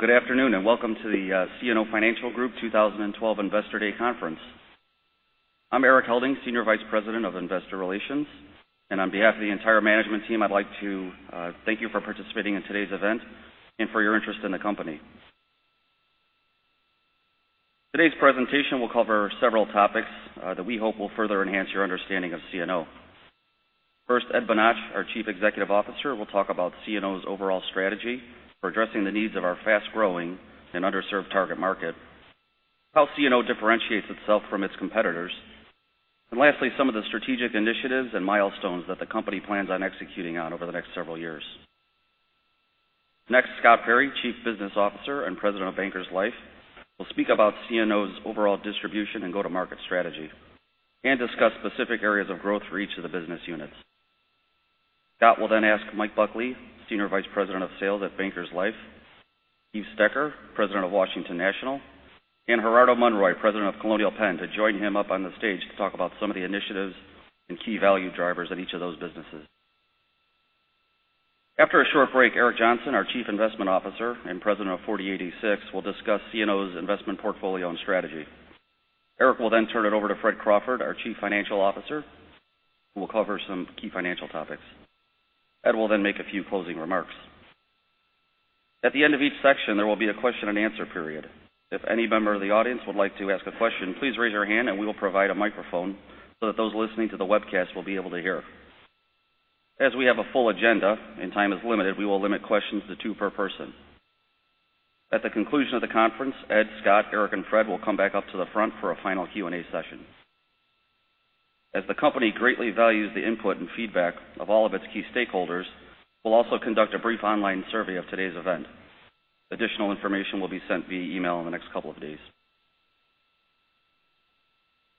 Well, good afternoon. Welcome to the CNO Financial Group 2012 Investor Day Conference. I'm Erik Helding, Senior Vice President of Investor Relations. On behalf of the entire management team, I'd like to thank you for participating in today's event and for your interest in the company. Today's presentation will cover several topics that we hope will further enhance your understanding of CNO. First, Edward J. Bonach, our Chief Executive Officer, will talk about CNO's overall strategy for addressing the needs of our fast-growing and underserved target market, how CNO differentiates itself from its competitors, and lastly, some of the strategic initiatives and milestones that the company plans on executing on over the next several years. Next, Scott Perry, Chief Business Officer and President of Bankers Life, will speak about CNO's overall distribution and go-to-market strategy and discuss specific areas of growth for each of the business units. Scott will ask Michael Buckley, Senior Vice President of Sales at Bankers Life, Steve Stecker, President of Washington National, and Gerardo Monroy, President of Colonial Penn, to join him up on the stage to talk about some of the initiatives and key value drivers of each of those businesses. After a short break, Eric R. Johnson, our Chief Investment Officer and President of 40|86 Advisors, will discuss CNO's investment portfolio and strategy. Eric will turn it over to Frederick J. Crawford, our Chief Financial Officer, who will cover some key financial topics. Ed will make a few closing remarks. At the end of each section, there will be a question and answer period. If any member of the audience would like to ask a question, please raise your hand and we will provide a microphone so that those listening to the webcast will be able to hear. We have a full agenda. Time is limited, we will limit questions to two per person. At the conclusion of the conference, Ed, Scott, Eric, and Fred will come back up to the front for a final Q&A session. The company greatly values the input and feedback of all of its key stakeholders, we'll also conduct a brief online survey of today's event. Additional information will be sent via email in the next couple of days.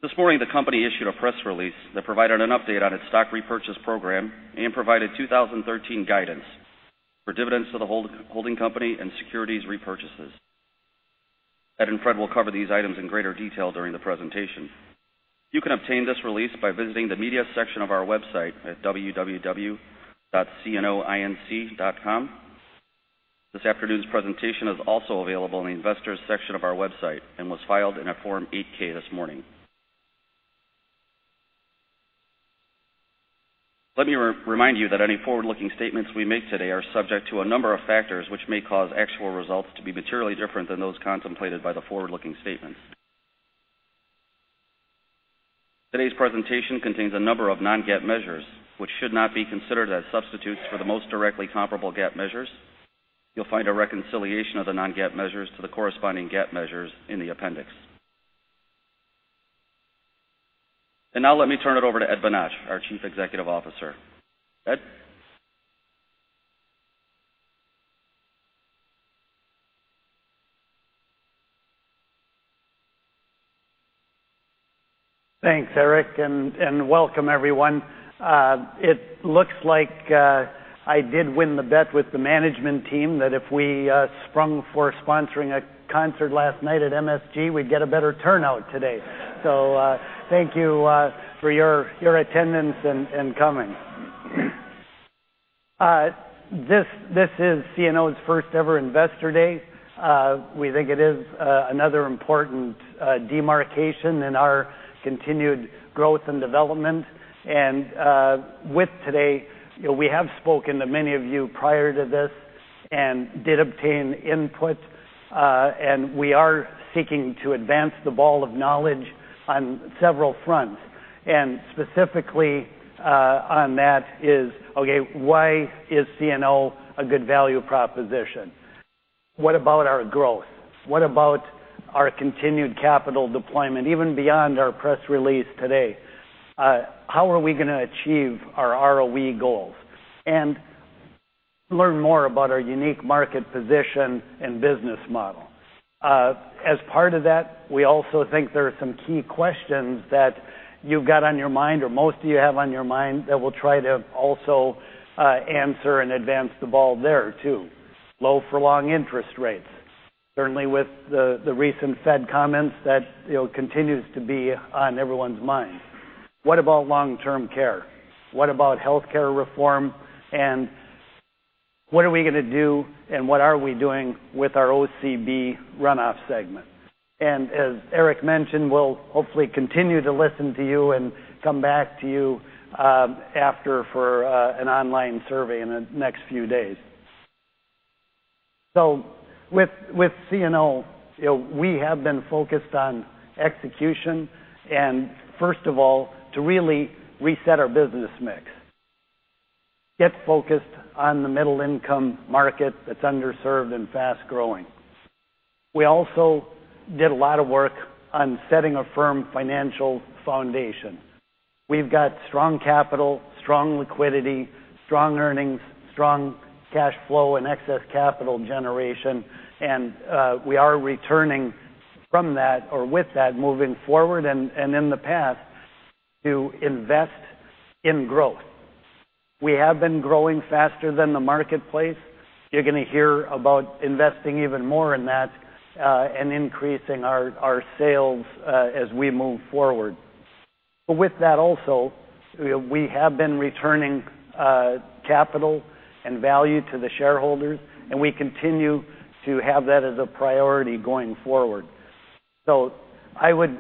This morning, the company issued a press release that provided an update on its stock repurchase program and provided 2013 guidance for dividends to the holding company and securities repurchases. Ed and Fred will cover these items in greater detail during the presentation. You can obtain this release by visiting the media section of our website at www.cnoinc.com. This afternoon's presentation is also available in the investors section of our website and was filed in a Form 8-K this morning. Let me remind you that any forward-looking statements we make today are subject to a number of factors which may cause actual results to be materially different than those contemplated by the forward-looking statements. Today's presentation contains a number of non-GAAP measures, which should not be considered as substitutes for the most directly comparable GAAP measures. You'll find a reconciliation of the non-GAAP measures to the corresponding GAAP measures in the appendix. Now let me turn it over to Edward J. Bonach, our Chief Executive Officer. Ed? Thanks, Eric, and welcome everyone. It looks like I did win the bet with the management team that if we sprung for sponsoring a concert last night at MSG, we'd get a better turnout today. Thank you for your attendance and coming. This is CNO's first ever investor day. We think it is another important demarcation in our continued growth and development. With today, we have spoken to many of you prior to this and did obtain input. We are seeking to advance the ball of knowledge on several fronts. Specifically on that is, okay, why is CNO a good value proposition? What about our growth? What about our continued capital deployment, even beyond our press release today? How are we going to achieve our ROE goals and learn more about our unique market position and business model? As part of that, we also think there are some key questions that you've got on your mind or most of you have on your mind that we'll try to also answer and advance the ball there, too. Low for long interest rates. Certainly with the recent Fed comments that continues to be on everyone's mind. What about long-term care? What about healthcare reform? What are we going to do and what are we doing with our OCB runoff segment? As Eric mentioned, we'll hopefully continue to listen to you and come back to you after for an online survey in the next few days. With CNO, we have been focused on execution and first of all, to really reset our business mix. Get focused on the middle income market that's underserved and fast-growing. We also did a lot of work on setting a firm financial foundation. We've got strong capital, strong liquidity, strong earnings, strong cash flow and excess capital generation. We are returning from that or with that moving forward and in the past to invest in growth. We have been growing faster than the marketplace. You're going to hear about investing even more in that and increasing our sales as we move forward. With that also, we have been returning capital and value to the shareholders. We continue to have that as a priority going forward. I would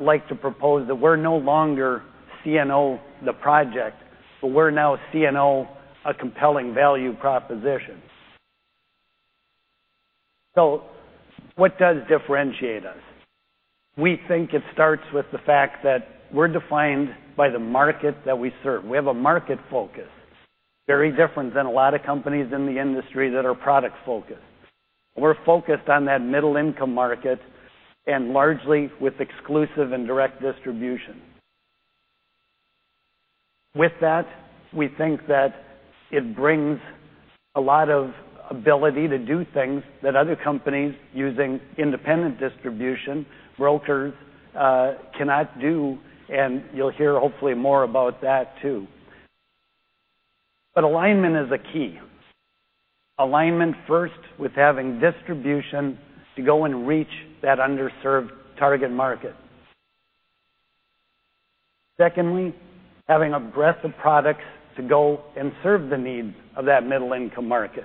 like to propose that we're no longer CNO the project, but we're now CNO a compelling value proposition. What does differentiate us? We think it starts with the fact that we're defined by the market that we serve. We have a market focus. Very different than a lot of companies in the industry that are product focused. We're focused on that middle income market and largely with exclusive and direct distribution. With that, we think that it brings a lot of ability to do things that other companies using independent distribution, brokers, cannot do, and you'll hear hopefully more about that too. Alignment is a key. Alignment first with having distribution to go and reach that underserved target market. Secondly, having a breadth of products to go and serve the needs of that middle income market.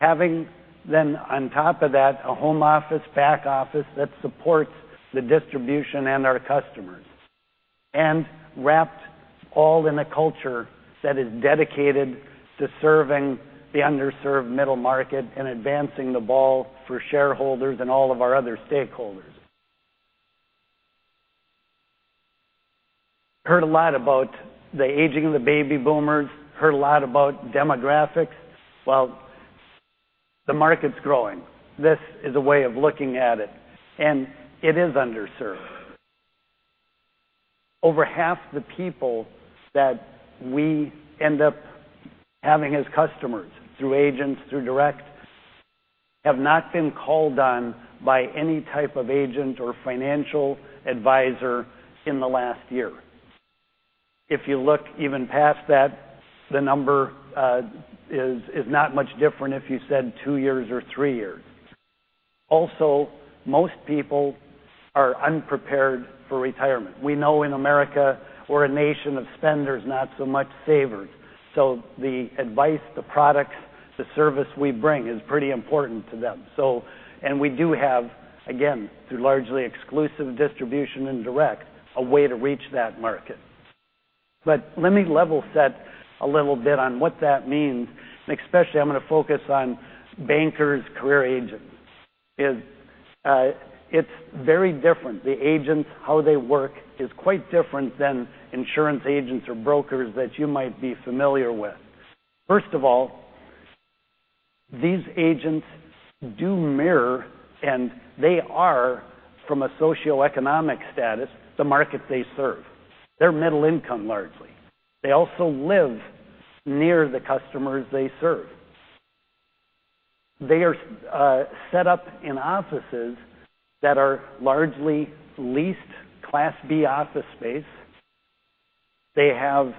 Having then on top of that, a home office, back office that supports the distribution and our customers, and wrapped all in a culture that is dedicated to serving the underserved middle market and advancing the ball for shareholders and all of our other stakeholders. Heard a lot about the aging of the baby boomers. Heard a lot about demographics. Well, the market's growing. It is underserved. Over half the people that we end up having as customers through agents, through direct, have not been called on by any type of agent or financial advisor in the last year. If you look even past that, the number is not much different if you said two years or three years. Most people are unprepared for retirement. We know in America we are a nation of spenders, not so much savers. The advice, the products, the service we bring is pretty important to them. We do have, again, through largely exclusive distribution and direct, a way to reach that market. Let me level set a little bit on what that means, and especially I am going to focus on Bankers Life career agents. It is very different. The agents, how they work is quite different than insurance agents or brokers that you might be familiar with. First of all, these agents do mirror, and they are from a socioeconomic status, the market they serve. They're middle income, largely. They also live near the customers they serve. They are set up in offices that are largely leased Class B office space. They have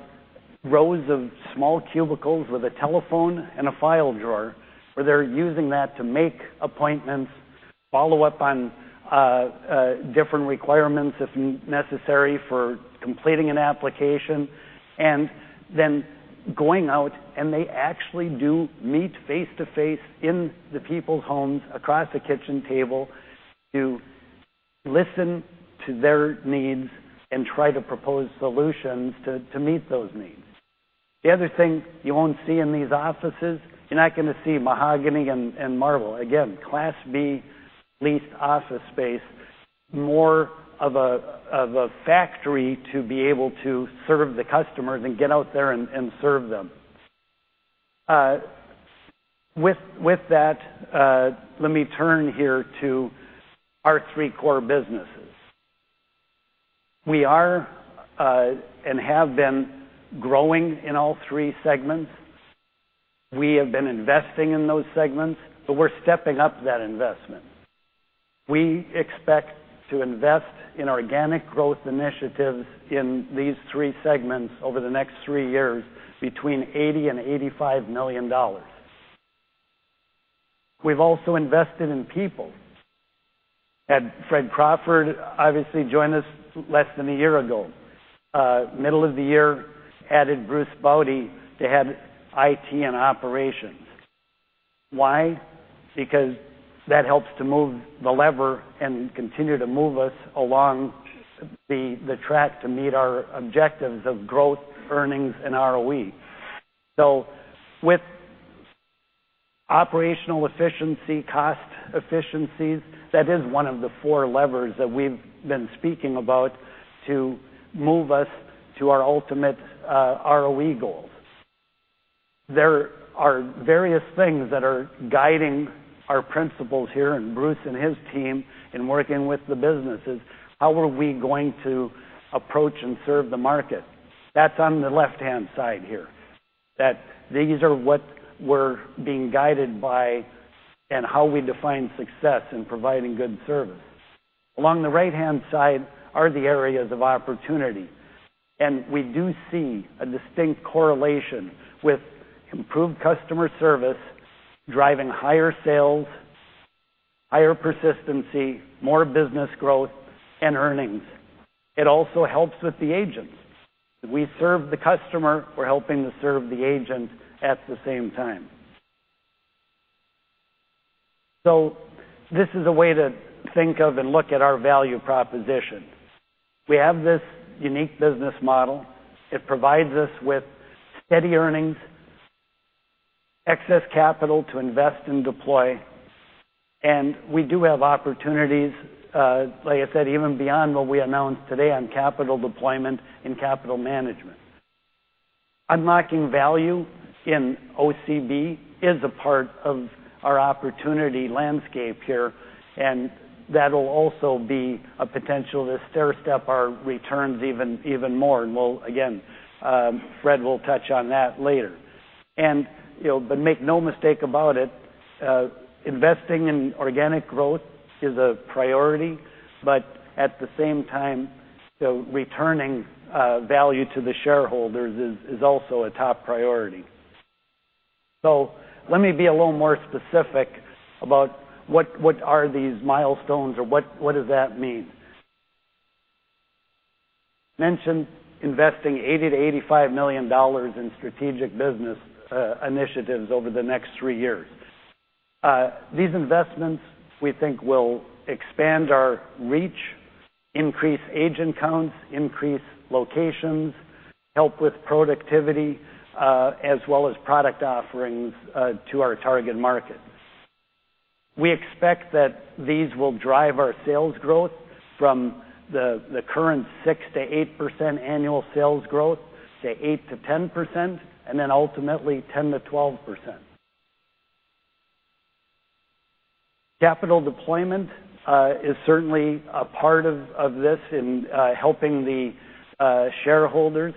rows of small cubicles with a telephone and a file drawer where they're using that to make appointments, follow up on different requirements if necessary for completing an application, and then going out, and they actually do meet face-to-face in the people's homes across the kitchen table to listen to their needs and try to propose solutions to meet those needs. The other thing you won't see in these offices, you're not going to see mahogany and marble. Again, Class B leased office space, more of a factory to be able to serve the customers and get out there and serve them. With that, let me turn here to our three core businesses. We are, and have been growing in all three segments. We have been investing in those segments, but we're stepping up that investment. We expect to invest in organic growth initiatives in these three segments over the next three years, between $80 million-$85 million. We've also invested in people. Had Fred Crawford obviously join us less than a year ago. Middle of the year, added Bruce Baude to head IT and operations. Why? Because that helps to move the lever and continue to move us along the track to meet our objectives of growth, earnings, and ROE. With operational efficiency, cost efficiencies, that is one of the four levers that we've been speaking about to move us to our ultimate ROE goals. There are various things that are guiding our principles here and Bruce and his team in working with the businesses. How are we going to approach and serve the market? That's on the left-hand side here. These are what we're being guided by and how we define success in providing good service. Along the right-hand side are the areas of opportunity. We do see a distinct correlation with improved customer service, driving higher sales, higher persistency, more business growth, and earnings. It also helps with the agents. If we serve the customer, we're helping to serve the agent at the same time. This is a way to think of and look at our value proposition. We have this unique business model. It provides us with steady earnings, excess capital to invest and deploy, and we do have opportunities, like I said, even beyond what we announced today on capital deployment and capital management. Unlocking value in OCB is a part of our opportunity landscape here, and that'll also be a potential to stairstep our returns even more. Again, Fred will touch on that later. Make no mistake about it, investing in organic growth is a priority. At the same time, returning value to the shareholders is also a top priority. Let me be a little more specific about what are these milestones or what does that mean. Mentioned investing $80 million to $85 million in strategic business initiatives over the next three years. These investments, we think, will expand our reach, increase agent counts, increase locations, help with productivity, as well as product offerings to our target market. We expect that these will drive our sales growth from the current 6%-8% annual sales growth to 8%-10%, and then ultimately 10%-12%. Capital deployment is certainly a part of this in helping the shareholders,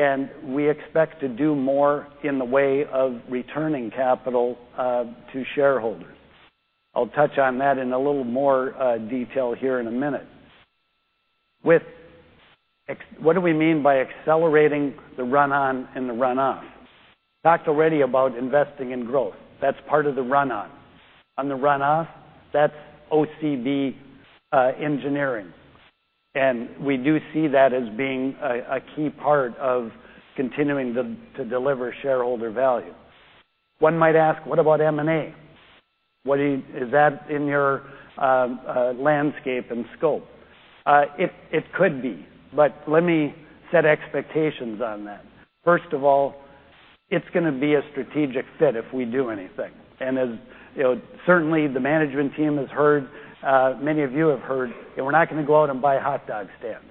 and we expect to do more in the way of returning capital to shareholders. I'll touch on that in a little more detail here in a minute. What do we mean by accelerating the run on and the run off? Talked already about investing in growth. That's part of the run on. On the run off, that's OCB engineering, and we do see that as being a key part of continuing to deliver shareholder value. One might ask, what about M&A? Is that in your landscape and scope? It could be, but let me set expectations on that. First of all, it's going to be a strategic fit if we do anything. Certainly the management team has heard, many of you have heard, we're not going to go out and buy hot dog stands.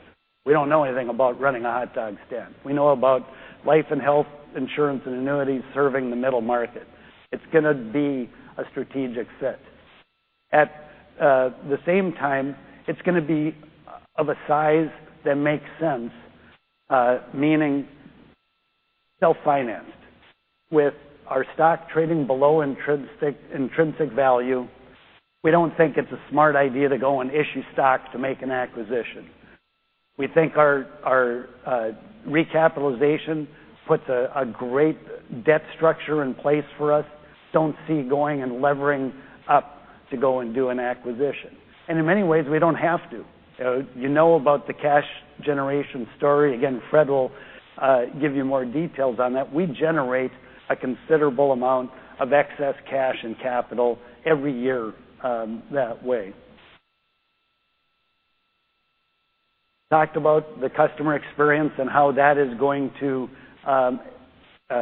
We don't know anything about running a hot dog stand. We know about life and health insurance and annuities serving the middle market. It's going to be a strategic fit. At the same time, it's going to be of a size that makes sense, meaning self-financed. With our stock trading below intrinsic value, we don't think it's a smart idea to go and issue stock to make an acquisition. We think our recapitalization puts a great debt structure in place for us. Don't see going and levering up to go and do an acquisition. In many ways, we don't have to. You know about the cash generation story. Again, Fred will give you more details on that. We generate a considerable amount of excess cash and capital every year that way. Talked about the customer experience and how that is going to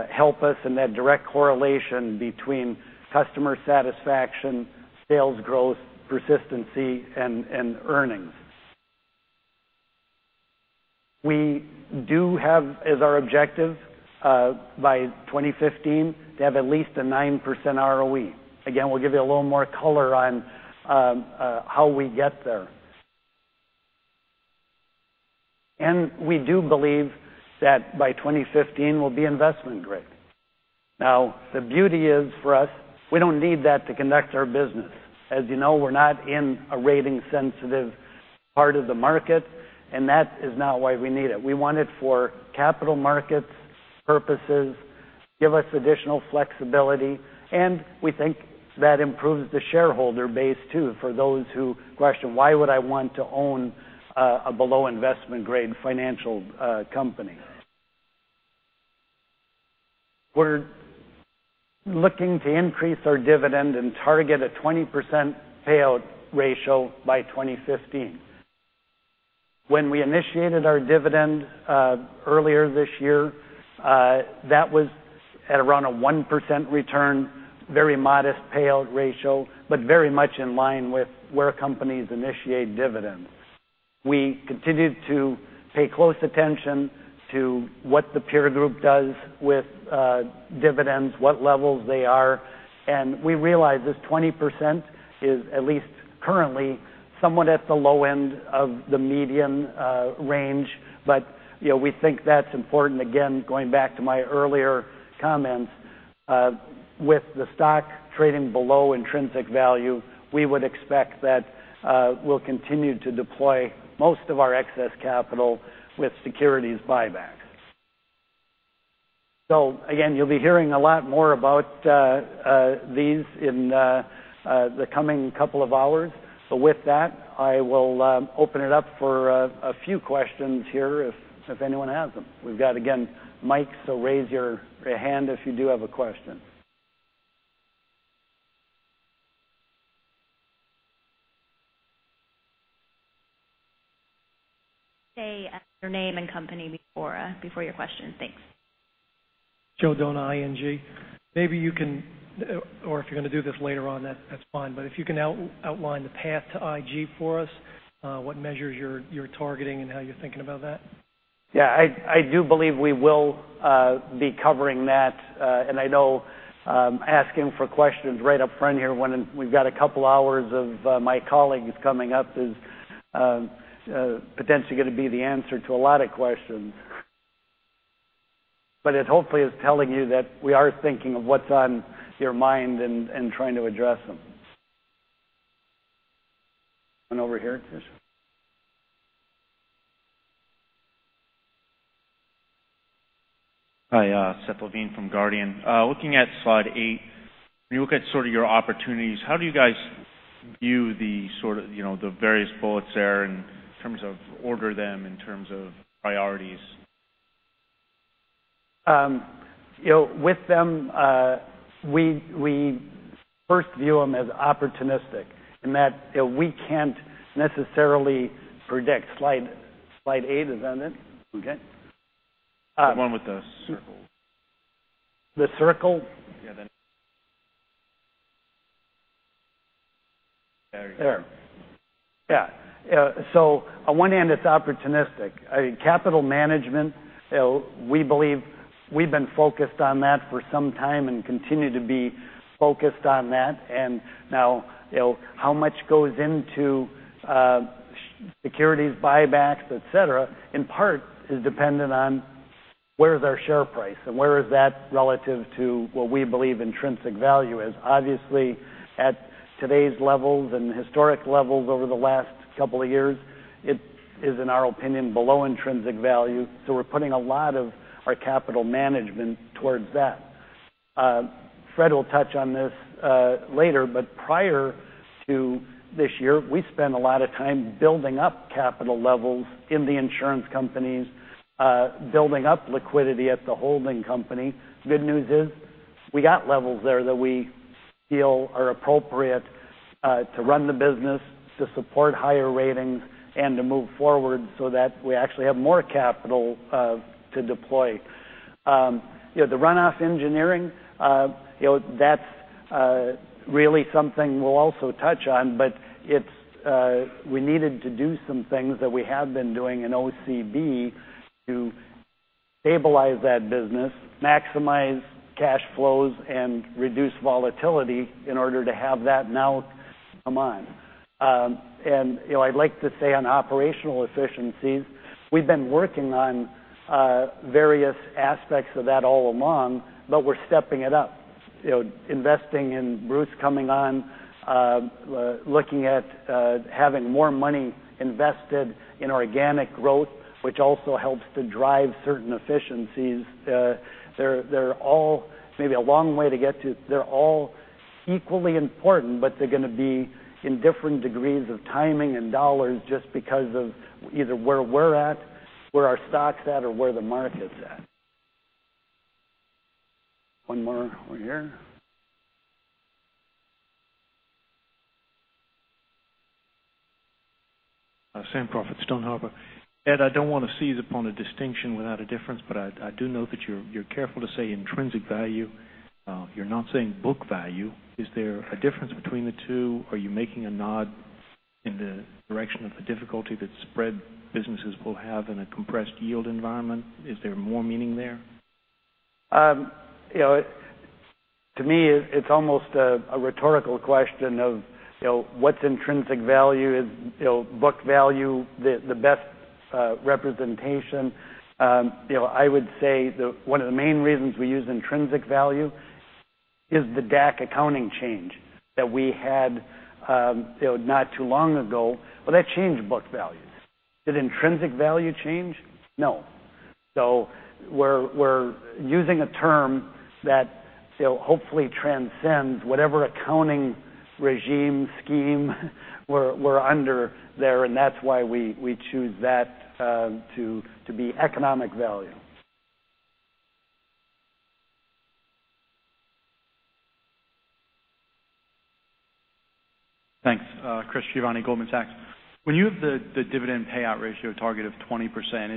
help us, and that direct correlation between customer satisfaction, sales growth, persistency, and earnings. We do have as our objective by 2015 to have at least a 9% ROE. Again, we'll give you a little more color on how we get there. We do believe that by 2015 we'll be investment grade. Now, the beauty is for us, we don't need that to conduct our business. As you know, we're not in a rating sensitive part of the market, and that is not why we need it. We want it for capital markets purposes, give us additional flexibility. We think that improves the shareholder base too, for those who question, why would I want to own a below investment grade financial company? We're looking to increase our dividend and target a 20% payout ratio by 2015. When we initiated our dividend earlier this year, that was at around a 1% return, very modest payout ratio, but very much in line with where companies initiate dividends. We continued to pay close attention to what the peer group does with dividends, what levels they are, and we realize this 20% is at least currently somewhat at the low end of the medium range. We think that's important. Again, going back to my earlier comments, with the stock trading below intrinsic value, we would expect that we'll continue to deploy most of our excess capital with securities buyback. Again, you'll be hearing a lot more about these in the coming couple of hours. With that, I will open it up for a few questions here if anyone has them. We've got, again, mics, so raise your hand if you do have a question. Say your name and company before your question. Thanks. Joe Dona, ING. Maybe you can, or if you're going to do this later on, that's fine, but if you can outline the path to IG for us, what measures you're targeting, and how you're thinking about that. Yeah, I do believe we will be covering that. I know asking for questions right up front here when we've got a couple of hours of my colleagues coming up is potentially going to be the answer to a lot of questions. It hopefully is telling you that we are thinking of what's on your mind and trying to address them. One over here. Hi, Seth Levine from Guardian. Looking at slide eight, when you look at sort of your opportunities, how do you guys view the various bullets there in terms of order them, in terms of priorities? With them, we first view them as opportunistic in that we can't necessarily predict. Slide eight, is that it? Okay. The one with the circle. The circle? Yeah, that. There you go. There. Yeah. On one hand, it's opportunistic. Capital management, we believe we've been focused on that for some time and continue to be focused on that. Now, how much goes into securities buybacks, et cetera, in part is dependent on where is our share price and where is that relative to what we believe intrinsic value is. Obviously, at today's levels and historic levels over the last couple of years, it is, in our opinion, below intrinsic value. We're putting a lot of our capital management towards that. Fred will touch on this later, but prior to this year, we spent a lot of time building up capital levels in the insurance companies, building up liquidity at the holding company. Good news is we got levels there that we feel are appropriate to run the business, to support higher ratings, and to move forward so that we actually have more capital to deploy. The runoff engineering, that's really something we'll also touch on, but we needed to do some things that we have been doing in OCB to stabilize that business, maximize cash flows, and reduce volatility in order to have that now come on. I'd like to say on operational efficiencies, we've been working on various aspects of that all along, but we're stepping it up. Investing in Bruce coming on, looking at having more money invested in organic growth, which also helps to drive certain efficiencies. They're all maybe a long way to get to. They're all equally important, but they're going to be in different degrees of timing and dollars just because of either where we're at, where our stock's at, or where the market's at. One more over here. Sam Profit, Stone Harbor. Ed, I don't want to seize upon a distinction without a difference, but I do note that you're careful to say intrinsic value. You're not saying book value. Is there a difference between the two? Are you making a nod in the direction of the difficulty that spread businesses will have in a compressed yield environment? Is there more meaning there? To me, it's almost a rhetorical question of what's intrinsic value? Is book value the best representation? I would say that one of the main reasons we use intrinsic value is the DAC accounting change that we had not too long ago. Well, that changed book values. Did intrinsic value change? No. We're using a term that hopefully transcends whatever accounting regime scheme we're under there, and that's why we choose that to be economic value. Thanks. Chris Giovanni, Goldman Sachs. When you have the dividend payout ratio target of 20%,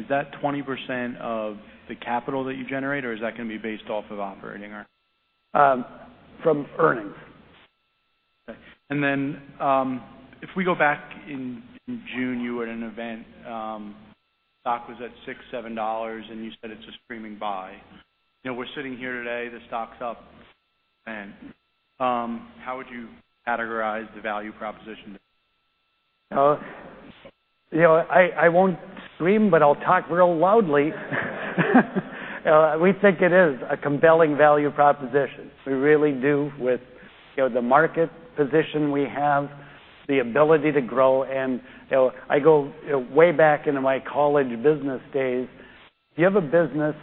is that 20% of the capital that you generate, or is that going to be based off of operating earnings? From earnings. Okay. If we go back in June, you were at an event, stock was at $6, $7, you said it's a screaming buy. We're sitting here today, the stock's up, how would you categorize the value proposition? I won't scream, but I'll talk real loudly. We think it is a compelling value proposition. We really do with the market position we have. The ability to grow. I go way back into my college business days. If you have a business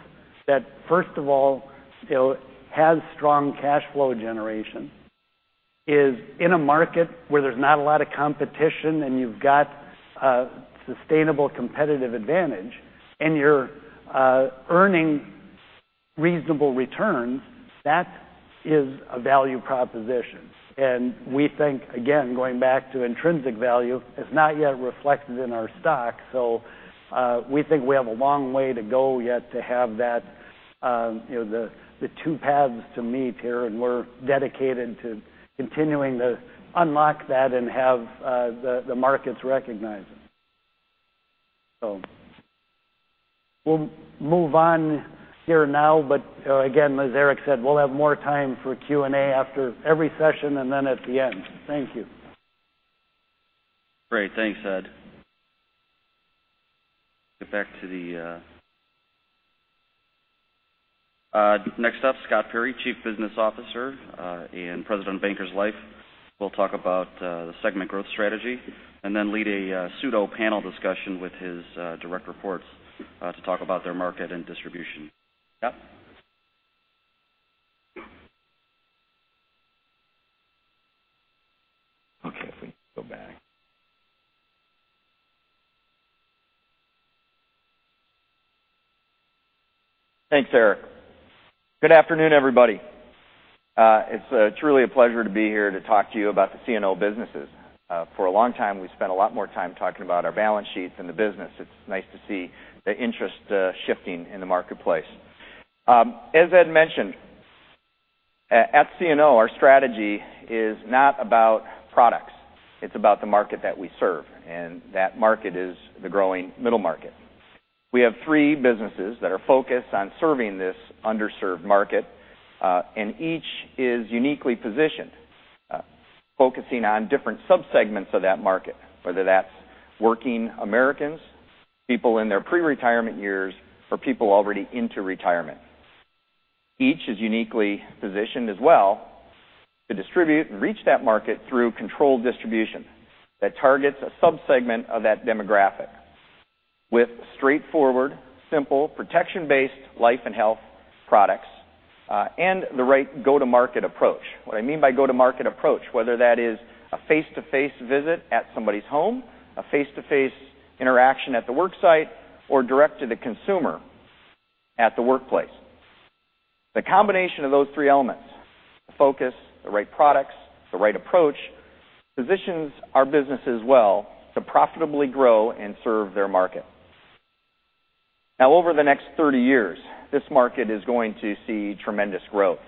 that, first of all, still has strong cash flow generation, is in a market where there's not a lot of competition you've got a sustainable competitive advantage, you're earning reasonable returns, that is a value proposition. We think, again, going back to intrinsic value, is not yet reflected in our stock. We think we have a long way to go yet to have the two paths to meet here, we're dedicated to continuing to unlock that have the markets recognize it. We'll move on here now, but again, as Erik said, we'll have more time for Q&A after every session then at the end. Thank you. Great. Thanks, Ed. Next up, Scott Perry, Chief Business Officer and President of Bankers Life, will talk about the segment growth strategy and then lead a pseudo panel discussion with his direct reports to talk about their market and distribution. Scott? If we can go back. Thanks, Erik. Good afternoon, everybody. It's truly a pleasure to be here to talk to you about the CNO businesses. For a long time, we spent a lot more time talking about our balance sheets than the business. It's nice to see the interest shifting in the marketplace. As Ed mentioned, at CNO, our strategy is not about products. It's about the market that we serve, and that market is the growing middle market. We have three businesses that are focused on serving this underserved market. Each is uniquely positioned, focusing on different sub-segments of that market, whether that's working Americans, people in their pre-retirement years, or people already into retirement. Each is uniquely positioned as well to distribute and reach that market through controlled distribution that targets a sub-segment of that demographic with straightforward, simple, protection-based life and health products, and the right go-to-market approach. What I mean by go-to-market approach, whether that is a face-to-face visit at somebody's home, a face-to-face interaction at the work site, or direct to the consumer at the workplace. The combination of those three elements, the focus, the right products, the right approach, positions our businesses well to profitably grow and serve their market. Now, over the next 30 years, this market is going to see tremendous growth,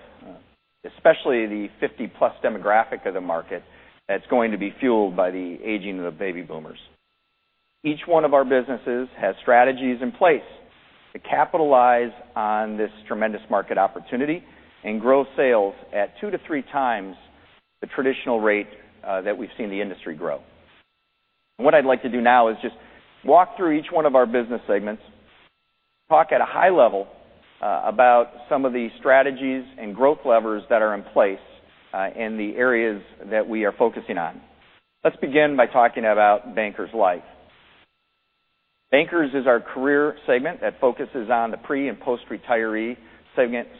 especially the 50-plus demographic of the market that's going to be fueled by the aging of the baby boomers. Each one of our businesses has strategies in place to capitalize on this tremendous market opportunity and grow sales at two to three times the traditional rate that we've seen the industry grow. What I'd like to do now is just walk through each one of our business segments, talk at a high level about some of the strategies and growth levers that are in place, and the areas that we are focusing on. Let's begin by talking about Bankers Life. Bankers is our career segment that focuses on the pre and post-retiree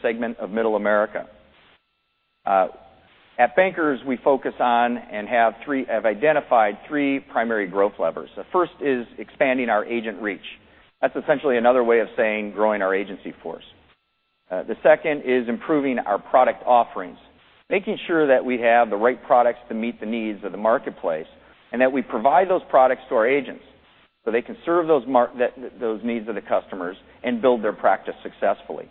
segment of Middle America. At Bankers, we focus on and have identified three primary growth levers. The first is expanding our agent reach. That's essentially another way of saying growing our agency force. The second is improving our product offerings, making sure that we have the right products to meet the needs of the marketplace, and that we provide those products to our agents, so they can serve those needs of the customers and build their practice successfully.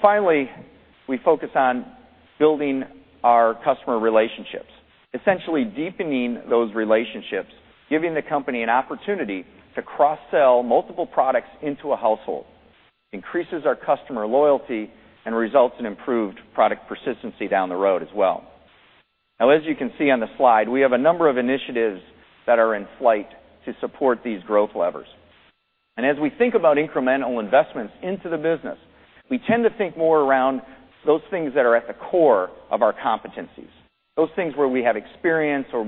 Finally, we focus on building our customer relationships, essentially deepening those relationships, giving the company an opportunity to cross-sell multiple products into a household. Increases our customer loyalty and results in improved product persistency down the road as well. As you can see on the slide, we have a number of initiatives that are in flight to support these growth levers. As we think about incremental investments into the business, we tend to think more around those things that are at the core of our competencies, those things where we have experience or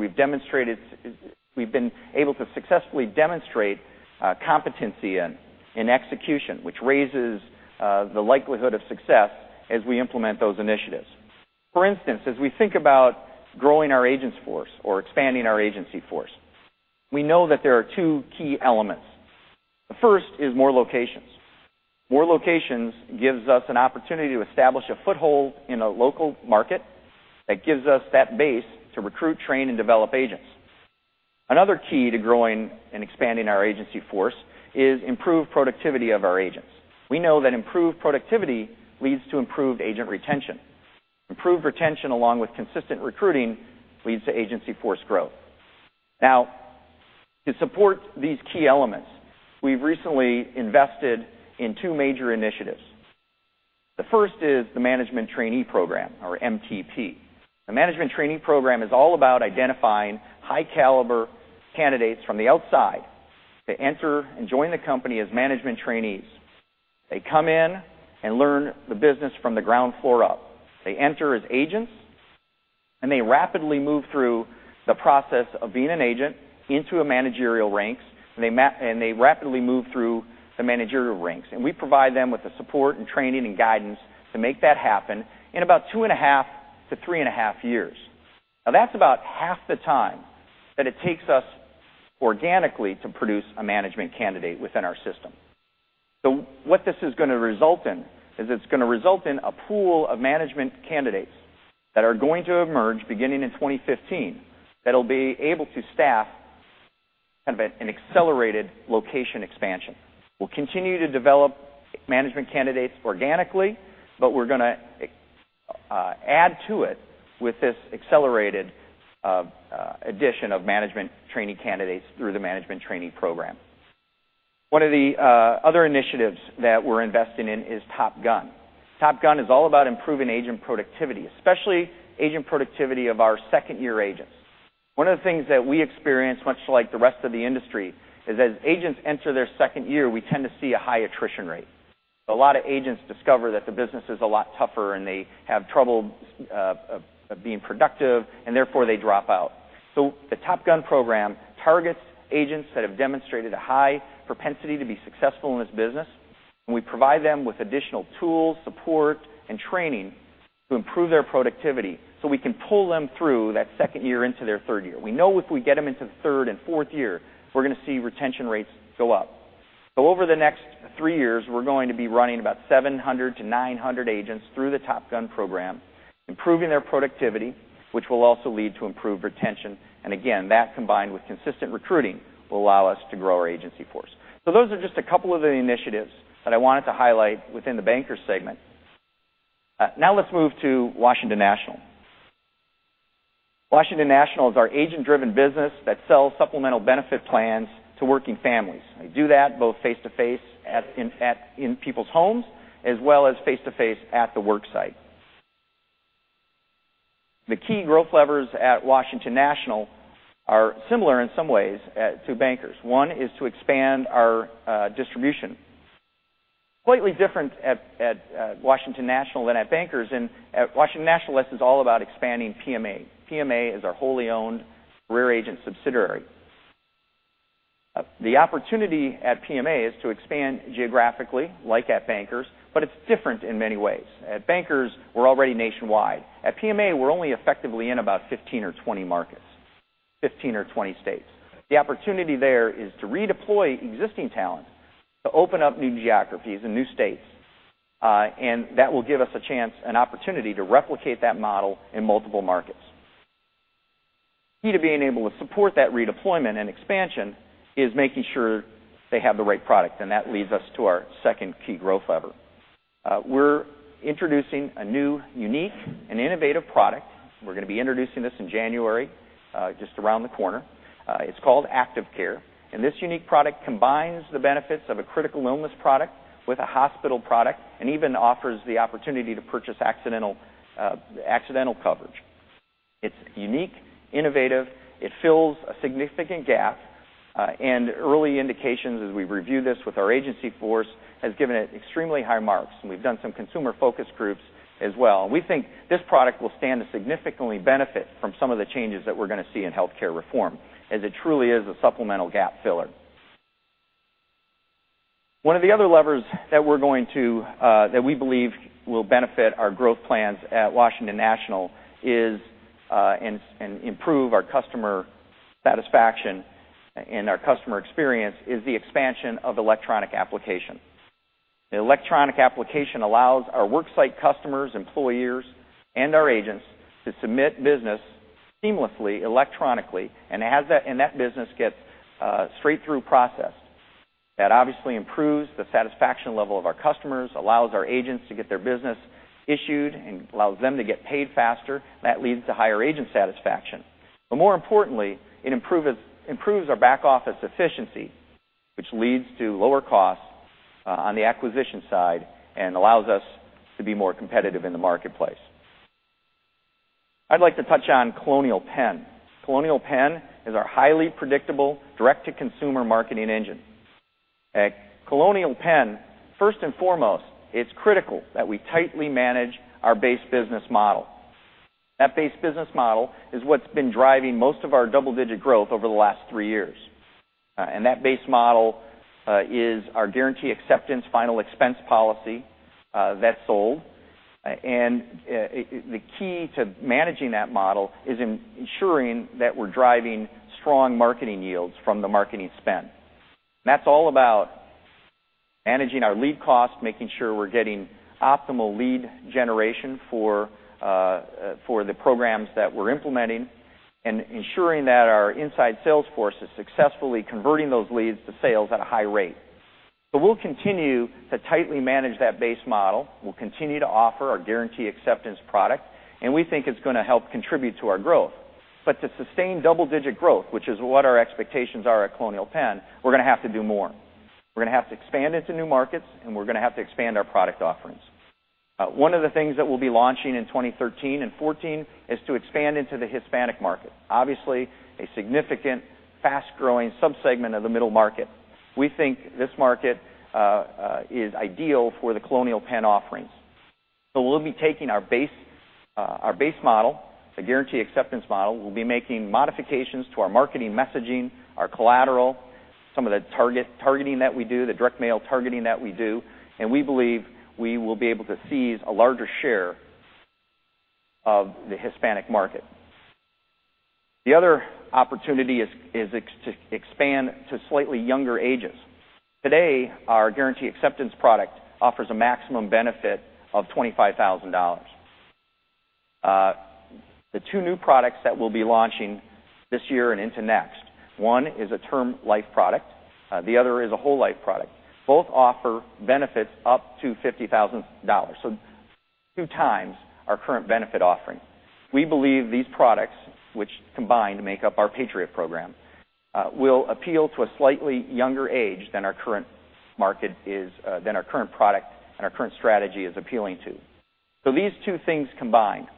we've been able to successfully demonstrate competency in execution, which raises the likelihood of success as we implement those initiatives. For instance, as we think about growing our agents force or expanding our agency force, we know that there are two key elements. The first is more locations. More locations gives us an opportunity to establish a foothold in a local market that gives us that base to recruit, train, and develop agents. Another key to growing and expanding our agency force is improved productivity of our agents. We know that improved productivity leads to improved agent retention. Improved retention, along with consistent recruiting, leads to agency force growth. To support these key elements, we've recently invested in two major initiatives. The first is the Management Trainee Program, or MTP. The Management Trainee Program is all about identifying high-caliber candidates from the outside to enter and join the company as management trainees. They come in and learn the business from the ground floor up. They enter as agents, and they rapidly move through the process of being an agent into a managerial ranks, and they rapidly move through the managerial ranks. We provide them with the support and training and guidance to make that happen in about two and a half to three and a half years. That's about half the time that it takes us organically to produce a management candidate within our system. What this is going to result in is it's going to result in a pool of management candidates that are going to emerge beginning in 2015 that'll be able to staff kind of an accelerated location expansion. We'll continue to develop management candidates organically, but we're going to add to it with this accelerated addition of management trainee candidates through the Management Trainee Program. One of the other initiatives that we're investing in is Top Gun. Top Gun is all about improving agent productivity, especially agent productivity of our second-year agents. One of the things that we experience, much like the rest of the industry, is as agents enter their second year, we tend to see a high attrition rate. A lot of agents discover that the business is a lot tougher, and they have trouble of being productive, and therefore they drop out. The Top Gun program targets agents that have demonstrated a high propensity to be successful in this business, and we provide them with additional tools, support, and training to improve their productivity so we can pull them through that second year into their third year. We know if we get them into the third and fourth year, we're going to see retention rates go up. Over the next three years, we're going to be running about 700 to 900 agents through the Top Gun program, improving their productivity, which will also lead to improved retention. Again, that combined with consistent recruiting will allow us to grow our agency force. Those are just a couple of the initiatives that I wanted to highlight within the Bankers segment. Let's move to Washington National. Washington National is our agent-driven business that sells supplemental benefit plans to working families. They do that both face-to-face in people's homes as well as face-to-face at the worksite. The key growth levers at Washington National are similar in some ways to Bankers. One is to expand our distribution. Slightly different at Washington National than at Bankers, at Washington National, this is all about expanding PMA. PMA is our wholly owned career agent subsidiary. The opportunity at PMA is to expand geographically, like at Bankers, but it's different in many ways. At Bankers, we're already nationwide. At PMA, we're only effectively in about 15 or 20 markets, 15 or 20 states. The opportunity there is to redeploy existing talent to open up new geographies and new states, that will give us a chance and opportunity to replicate that model in multiple markets. Key to being able to support that redeployment and expansion is making sure they have the right product, that leads us to our second key growth lever. We're introducing a new, unique, and innovative product. We're going to be introducing this in January, just around the corner. It's called Active Care, and this unique product combines the benefits of a critical illness product with a hospital product and even offers the opportunity to purchase accidental coverage. It's unique, innovative, it fills a significant gap, and early indications as we review this with our agency force has given it extremely high marks, and we've done some consumer focus groups as well. We think this product will stand to significantly benefit from some of the changes that we're going to see in health care reform as it truly is a supplemental gap filler. One of the other levers that we believe will benefit our growth plans at Washington National and improve our customer satisfaction and our customer experience is the expansion of electronic application. The electronic application allows our worksite customers, employers, and our agents to submit business seamlessly, electronically, and that business gets straight through processed. That obviously improves the satisfaction level of our customers, allows our agents to get their business issued, and allows them to get paid faster. That leads to higher agent satisfaction. More importantly, it improves our back office efficiency, which leads to lower costs on the acquisition side and allows us to be more competitive in the marketplace. I'd like to touch on Colonial Penn. Colonial Penn is our highly predictable direct-to-consumer marketing engine. At Colonial Penn, first and foremost, it's critical that we tightly manage our base business model. That base business model is what's been driving most of our double-digit growth over the last three years. That base model is our guarantee acceptance final expense policy that's sold. The key to managing that model is ensuring that we're driving strong marketing yields from the marketing spend. That's all about managing our lead costs, making sure we're getting optimal lead generation for the programs that we're implementing, and ensuring that our inside sales force is successfully converting those leads to sales at a high rate. We'll continue to tightly manage that base model. We'll continue to offer our guarantee acceptance product, and we think it's going to help contribute to our growth. To sustain double-digit growth, which is what our expectations are at Colonial Penn, we're going to have to do more. We're going to have to expand into new markets, and we're going to have to expand our product offerings. One of the things that we'll be launching in 2013 and 2014 is to expand into the Hispanic market. Obviously, a significant, fast-growing subsegment of the middle market. We think this market is ideal for the Colonial Penn offerings. We'll be taking our base model, the guarantee acceptance model. We'll be making modifications to our marketing messaging, our collateral, some of the targeting that we do, the direct mail targeting that we do, and we believe we will be able to seize a larger share of the Hispanic market. The other opportunity is to expand to slightly younger ages. Today, our guarantee acceptance product offers a maximum benefit of $25,000. The two new products that we'll be launching this year and into next, one is a term life product, the other is a whole life product. Both offer benefits up to $50,000, so two times our current benefit offering. We believe these products, which combined make up our Patriot Program, will appeal to a slightly younger age than our current product and our current strategy is appealing to. These two things combined,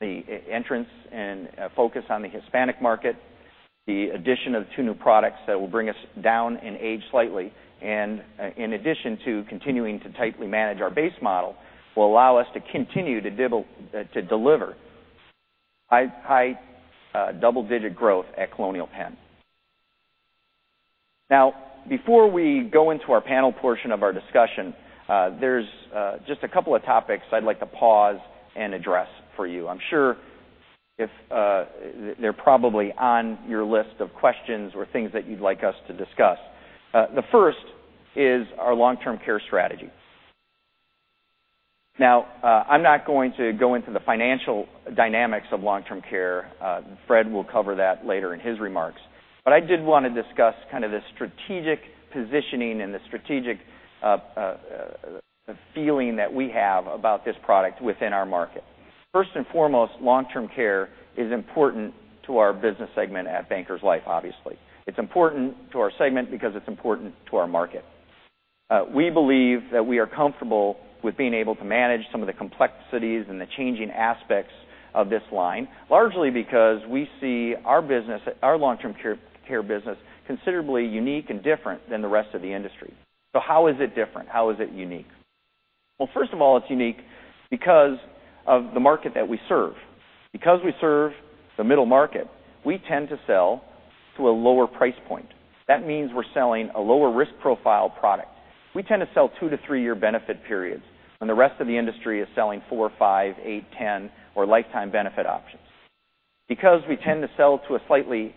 the entrance and focus on the Hispanic market, the addition of two new products that will bring us down in age slightly, and in addition to continuing to tightly manage our base model, will allow us to continue to deliver high double-digit growth at Colonial Penn. Before we go into our panel portion of our discussion, there's just a couple of topics I'd like to pause and address for you. I'm sure they're probably on your list of questions or things that you'd like us to discuss. The first is our long-term care strategy. I'm not going to go into the financial dynamics of long-term care. Fred will cover that later in his remarks, but I did want to discuss kind of the strategic positioning and the strategic feeling that we have about this product within our market. First and foremost, long-term care is important to our business segment at Bankers Life, obviously. It's important to our segment because it's important to our market. We believe that we are comfortable with being able to manage some of the complexities and the changing aspects of this line, largely because we see our long-term care business considerably unique and different than the rest of the industry. How is it different? How is it unique? First of all, it's unique because of the market that we serve. Because we serve the middle market, we tend to sell to a lower price point. That means we're selling a lower risk profile product. We tend to sell two to three-year benefit periods when the rest of the industry is selling four, five, eight, 10, or lifetime benefit options. Because we tend to sell to a slightly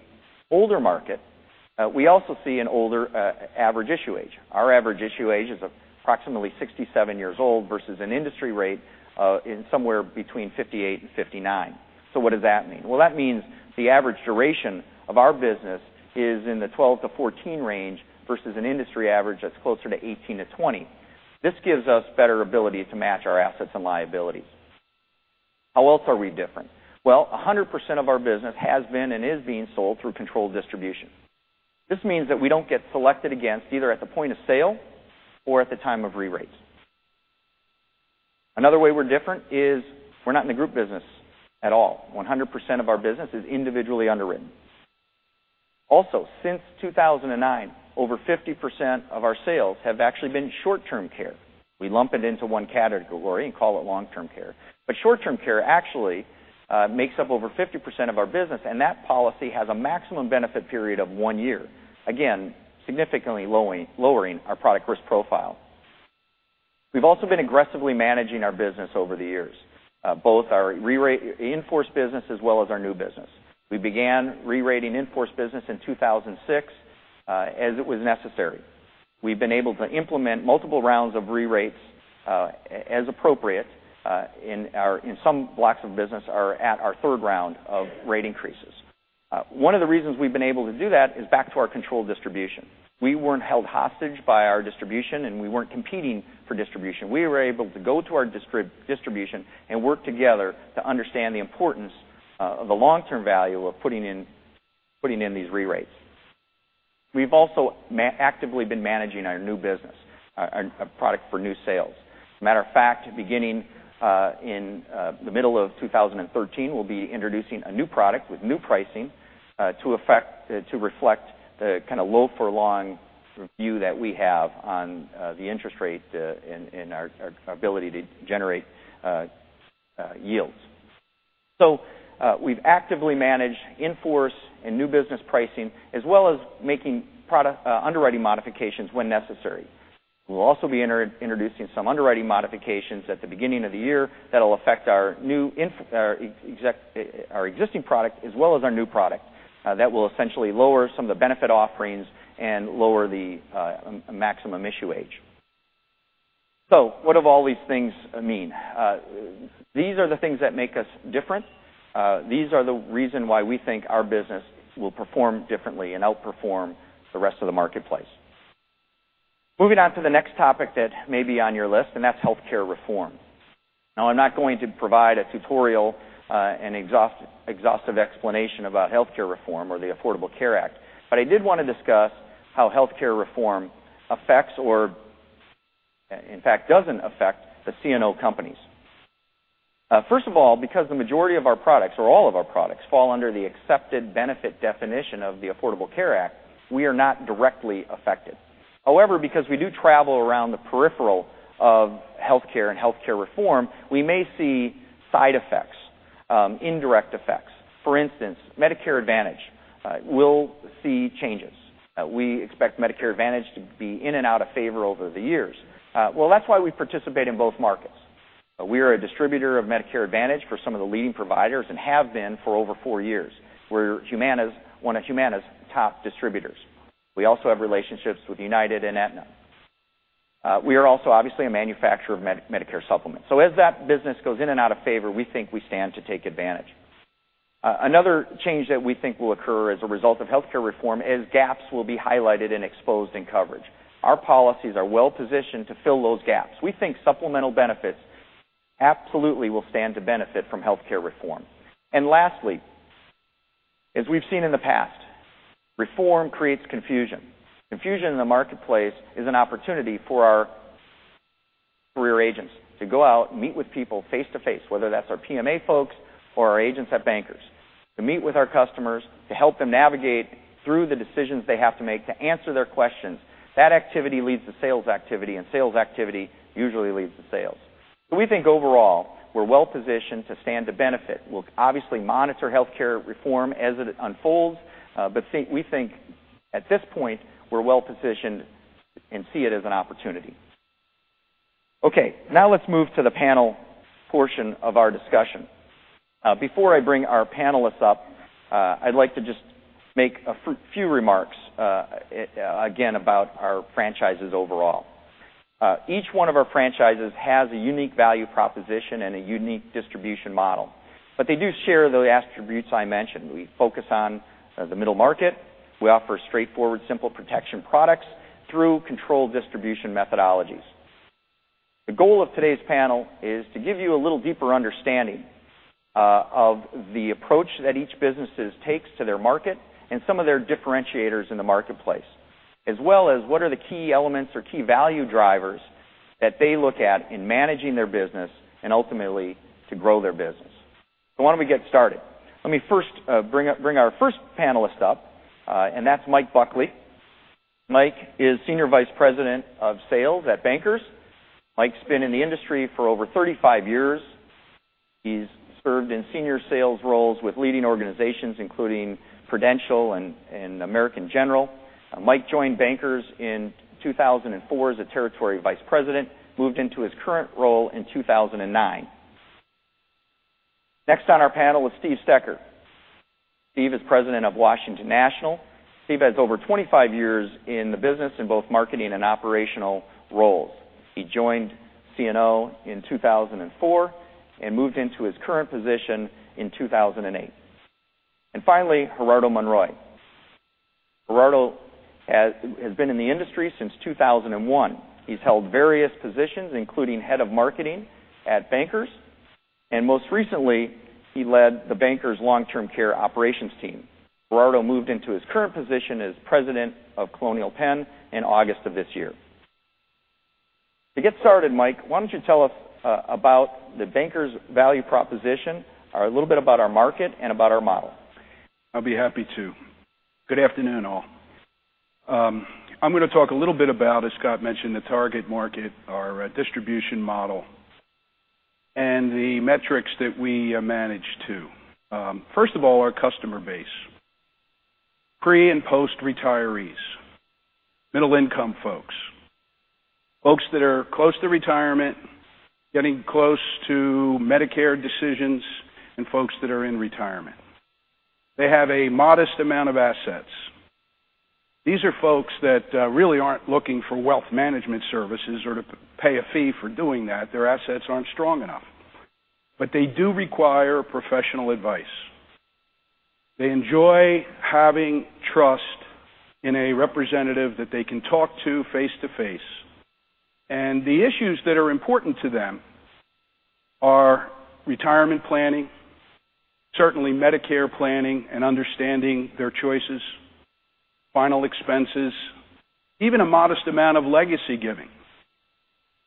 older market, we also see an older average issue age. Our average issue age is approximately 67 years old versus an industry rate in somewhere between 58 and 59. What does that mean? Well, that means the average duration of our business is in the 12-14 range versus an industry average that's closer to 18-20. This gives us better ability to match our assets and liabilities. How else are we different? Well, 100% of our business has been and is being sold through controlled distribution. This means that we don't get selected against either at the point of sale or at the time of re-rates. Another way we're different is we're not in the group business at all. 100% of our business is individually underwritten. Also, since 2009, over 50% of our sales have actually been short-term care. We lump it into one category and call it long-term care. Short-term care actually makes up over 50% of our business, and that policy has a maximum benefit period of one year, again, significantly lowering our product risk profile. We've also been aggressively managing our business over the years, both our in-force business as well as our new business. We began re-rating in-force business in 2006 as it was necessary. We've been able to implement multiple rounds of re-rates as appropriate in some blocks of business are at our third round of rate increases. One of the reasons we've been able to do that is back to our controlled distribution. We weren't held hostage by our distribution, and we weren't competing for distribution. We were able to go to our distribution and work together to understand the importance of the long-term value of putting in these re-rates. We've also actively been managing our new business, our product for new sales. Matter of fact, beginning in the middle of 2013, we'll be introducing a new product with new pricing to reflect the low for long view that we have on the interest rate and our ability to generate yields. We've actively managed in-force and new business pricing as well as making underwriting modifications when necessary. We'll also be introducing some underwriting modifications at the beginning of the year that'll affect our existing product as well as our new product. That will essentially lower some of the benefit offerings and lower the maximum issue age. What do all these things mean? These are the things that make us different. These are the reason why we think our business will perform differently and outperform the rest of the marketplace. Moving on to the next topic that may be on your list, and that's healthcare reform. I'm not going to provide a tutorial, an exhaustive explanation about healthcare reform or the Affordable Care Act, but I did want to discuss how healthcare reform affects or, in fact, doesn't affect the CNO companies. First of all, because the majority of our products, or all of our products, fall under the accepted benefit definition of the Affordable Care Act, we are not directly affected. However, because we do travel around the peripheral of healthcare and healthcare reform, we may see side effects, indirect effects. For instance, Medicare Advantage will see changes. We expect Medicare Advantage to be in and out of favor over the years. Well, that's why we participate in both markets. We are a distributor of Medicare Advantage for some of the leading providers and have been for over 4 years. We're one of Humana's top distributors. We also have relationships with United and Aetna. We are also obviously a manufacturer of Medicare Supplements. As that business goes in and out of favor, we think we stand to take advantage. Another change that we think will occur as a result of healthcare reform is gaps will be highlighted and exposed in coverage. Our policies are well-positioned to fill those gaps. We think supplemental benefits absolutely will stand to benefit from healthcare reform. Lastly, as we've seen in the past, reform creates confusion. Confusion in the marketplace is an opportunity for our career agents to go out and meet with people face-to-face, whether that's our PMA folks or our agents at Bankers, to meet with our customers, to help them navigate through the decisions they have to make, to answer their questions. That activity leads to sales activity, and sales activity usually leads to sales. We think overall, we're well-positioned to stand to benefit. We'll obviously monitor healthcare reform as it unfolds. We think at this point, we're well-positioned and see it as an opportunity. Okay, now let's move to the panel portion of our discussion. Before I bring our panelists up, I'd like to just make a few remarks again about our franchises overall. Each one of our franchises has a unique value proposition and a unique distribution model, but they do share the attributes I mentioned. We focus on the middle market. We offer straightforward, simple protection products through controlled distribution methodologies. The goal of today's panel is to give you a little deeper understanding of the approach that each business takes to their market and some of their differentiators in the marketplace, as well as what are the key elements or key value drivers that they look at in managing their business and ultimately to grow their business. Why don't we get started? Let me first bring our first panelist up, and that's Mike Buckley. Mike is Senior Vice President of Sales at Bankers. Mike's been in the industry for over 35 years. He's served in senior sales roles with leading organizations including Prudential and American General. Mike joined Bankers in 2004 as a Territory Vice President, moved into his current role in 2009. Next on our panel is Steve Stecker. Steve is President of Washington National. Steve has over 25 years in the business in both marketing and operational roles. He joined CNO in 2004 and moved into his current position in 2008. Finally, Gerardo Monroy. Gerardo has been in the industry since 2001. He's held various positions, including Head of Marketing at Bankers, and most recently, he led the Bankers long-term care operations team. Gerardo moved into his current position as President of Colonial Penn in August of this year. To get started, Mike, why don't you tell us about the Bankers' value proposition, a little bit about our market, and about our model? I'll be happy to. Good afternoon, all. I'm going to talk a little bit about, as Scott mentioned, the target market, our distribution model, and the metrics that we manage to. First of all, our customer base. Pre- and post-retirees, middle-income folks that are close to retirement, getting close to Medicare decisions, and folks that are in retirement. They have a modest amount of assets. These are folks that really aren't looking for wealth management services or to pay a fee for doing that. Their assets aren't strong enough. They do require professional advice. They enjoy having trust in a representative that they can talk to face to face. The issues that are important to them are retirement planning, certainly Medicare planning and understanding their choices, final expenses, even a modest amount of legacy giving.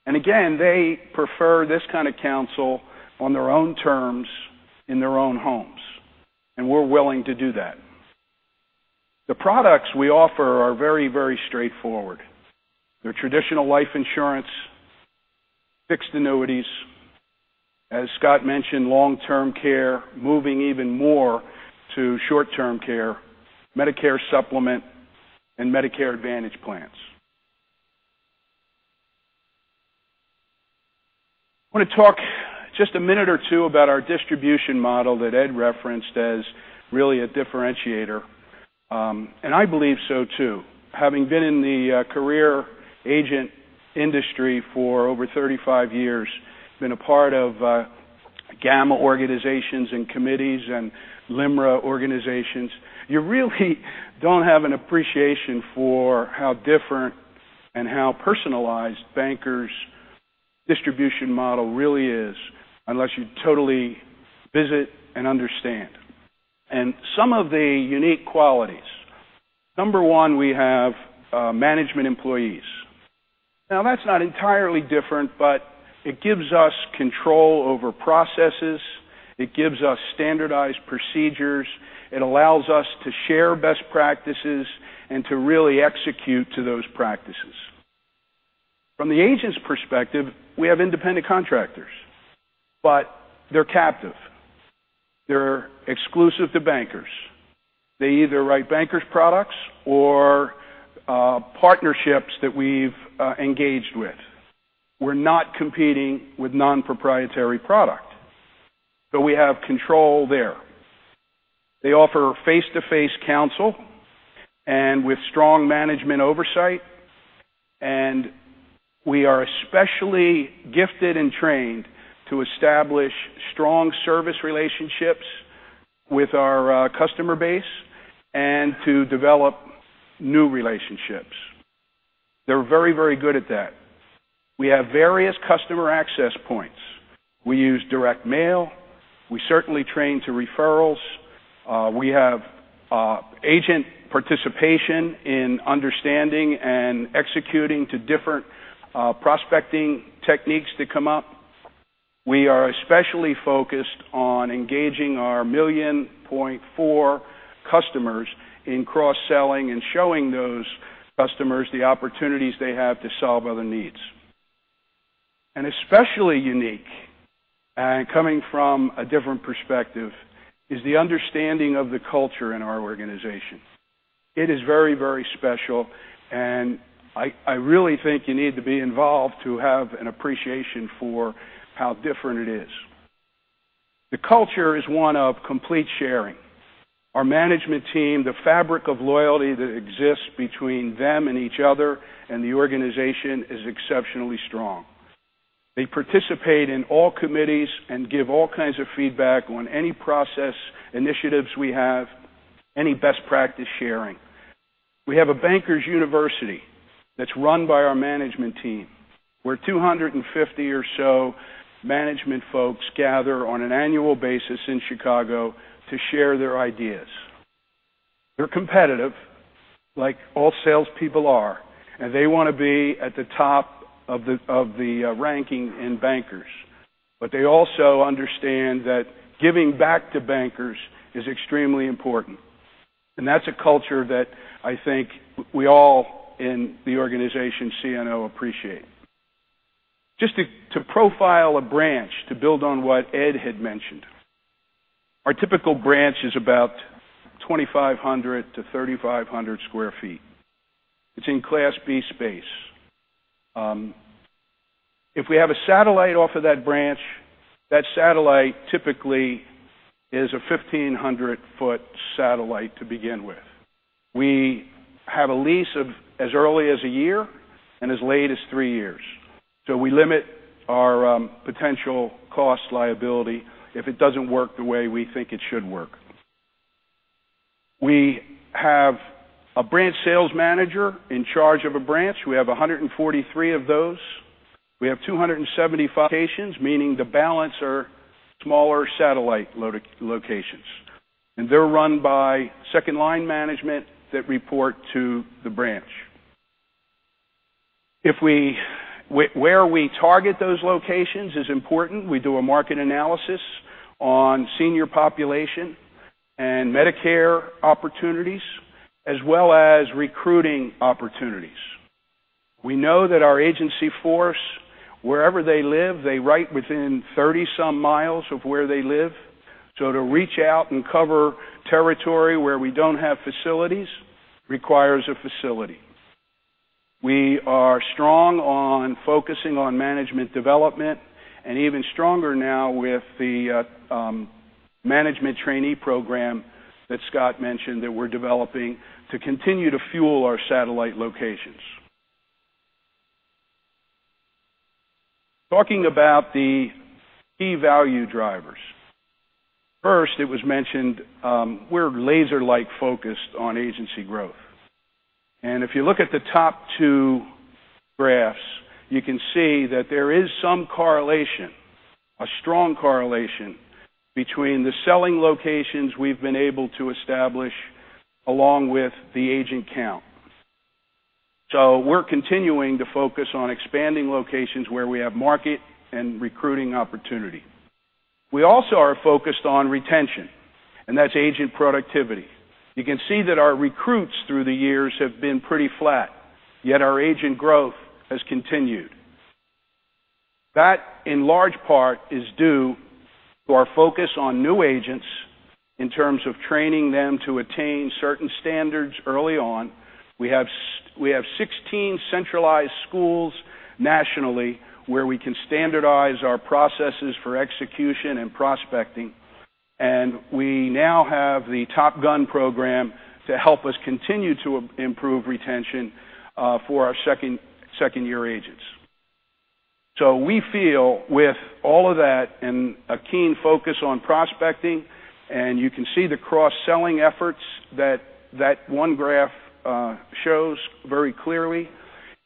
Again, they prefer this kind of counsel on their own terms in their own homes, and we're willing to do that. The products we offer are very straightforward. They're traditional life insurance, fixed annuities, as Scott mentioned, long-term care, moving even more to short-term care, Medicare Supplement, and Medicare Advantage plans. I want to talk just a minute or two about our distribution model that Ed referenced as really a differentiator, and I believe so, too. Having been in the career agent industry for over 35 years, been a part of GAMA International organizations and committees and LIMRA organizations, you really don't have an appreciation for how different and how personalized Bankers distribution model really is unless you totally visit and understand. Some of the unique qualities, number one, we have management employees. Now, that's not entirely different, but it gives us control over processes. It gives us standardized procedures. It allows us to share best practices and to really execute to those practices. From the agent's perspective, we have independent contractors, but they're captive. They're exclusive to Bankers. They either write Bankers products or partnerships that we've engaged with. We're not competing with non-proprietary product. We have control there. They offer face-to-face counsel and with strong management oversight, and we are especially gifted and trained to establish strong service relationships with our customer base and to develop new relationships. They're very good at that. We have various customer access points. We use direct mail. We certainly train to referrals. We have agent participation in understanding and executing to different prospecting techniques that come up. We are especially focused on engaging our 1.4 million customers in cross-selling and showing those customers the opportunities they have to solve other needs. Especially unique and coming from a different perspective is the understanding of the culture in our organization. It is very, very special, and I really think you need to be involved to have an appreciation for how different it is. The culture is one of complete sharing. Our management team, the fabric of loyalty that exists between them and each other and the organization is exceptionally strong. They participate in all committees and give all kinds of feedback on any process initiatives we have, any best practice sharing. We have a Bankers University that's run by our management team, where 250 or so management folks gather on an annual basis in Chicago to share their ideas. They're competitive, like all salespeople are, and they want to be at the top of the ranking in Bankers. They also understand that giving back to Bankers Life is extremely important, and that's a culture that I think we all in the organization CNO appreciate. To profile a branch to build on what Ed had mentioned. Our typical branch is about 2,500-3,500 sq ft. It's in Class B space. If we have a satellite off of that branch, that satellite typically is a 1,500-foot satellite to begin with. We have a lease of as early as a year and as late as three years. We limit our potential cost liability if it doesn't work the way we think it should work. We have a branch sales manager in charge of a branch. We have 143 of those. We have 275 locations, meaning the balance are smaller satellite locations, and they're run by second-line management that report to the branch. Where we target those locations is important. We do a market analysis on senior population and Medicare opportunities, as well as recruiting opportunities. We know that our agency force, wherever they live, they write within 30 some miles of where they live. To reach out and cover territory where we don't have facilities requires a facility. We are strong on focusing on management development and even stronger now with the Management Trainee Program that Scott mentioned that we're developing to continue to fuel our satellite locations. Talking about the key value drivers. First, it was mentioned, we're laser-like focused on agency growth. If you look at the top two graphs, you can see that there is some correlation, a strong correlation between the selling locations we've been able to establish along with the agent count. We're continuing to focus on expanding locations where we have market and recruiting opportunity. We also are focused on retention, and that's agent productivity. You can see that our recruits through the years have been pretty flat, yet our agent growth has continued. That, in large part, is due to our focus on new agents in terms of training them to attain certain standards early on. We have 16 centralized schools nationally where we can standardize our processes for execution and prospecting. We now have the Top Gun program to help us continue to improve retention for our second-year agents. We feel with all of that and a keen focus on prospecting, and you can see the cross-selling efforts that that one graph shows very clearly,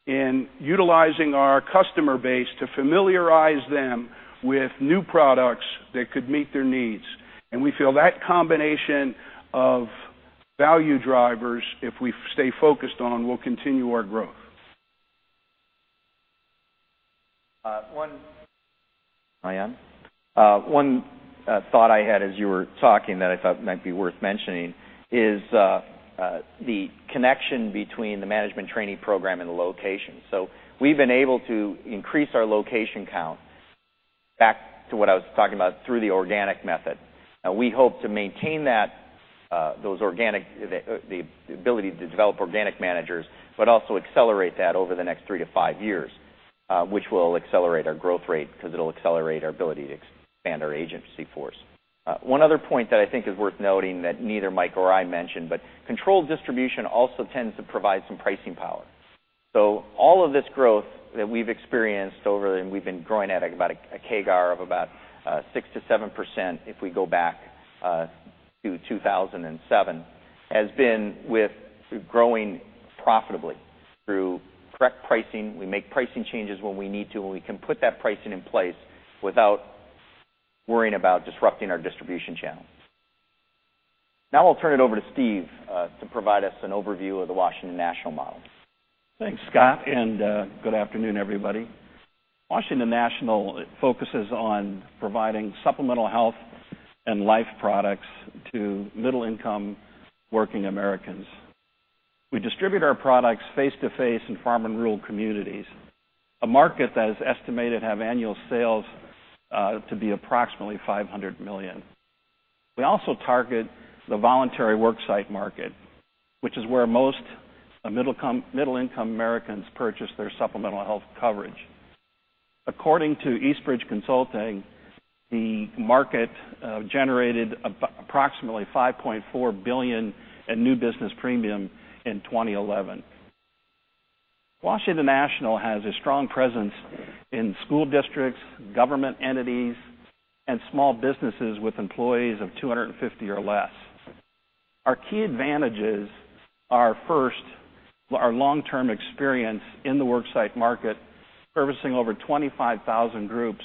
in utilizing our customer base to familiarize them with new products that could meet their needs. We feel that combination of value drivers, if we stay focused on, will continue our growth. Am I on? One thought I had as you were talking that I thought might be worth mentioning is the connection between the management training program and the location. We've been able to increase our location count, back to what I was talking about, through the organic method. We hope to maintain the ability to develop organic managers, also accelerate that over the next 3-5 years which will accelerate our growth rate because it will accelerate our ability to expand our agency force. One other point that I think is worth noting that neither Mike nor I mentioned, controlled distribution also tends to provide some pricing power. All of this growth that we've experienced over, we've been growing at a CAGR of about 6%-7% if we go back to 2007, has been with growing profitably through correct pricing. We make pricing changes when we need to, we can put that pricing in place without worrying about disrupting our distribution channel. Now I'll turn it over to Steve to provide us an overview of the Washington National model. Thanks, Scott, good afternoon, everybody. Washington National focuses on providing supplemental health and life products to middle-income working Americans. We distribute our products face-to-face in farm and rural communities, a market that is estimated to have annual sales to be approximately $500 million. We also target the voluntary worksite market, which is where most middle-income Americans purchase their supplemental health coverage. According to Eastbridge Consulting Group, the market generated approximately $5.4 billion in new business premium in 2011. Washington National has a strong presence in school districts, government entities, and small businesses with employees of 250 or less. Our key advantages are, first, our long-term experience in the worksite market, servicing over 25,000 groups,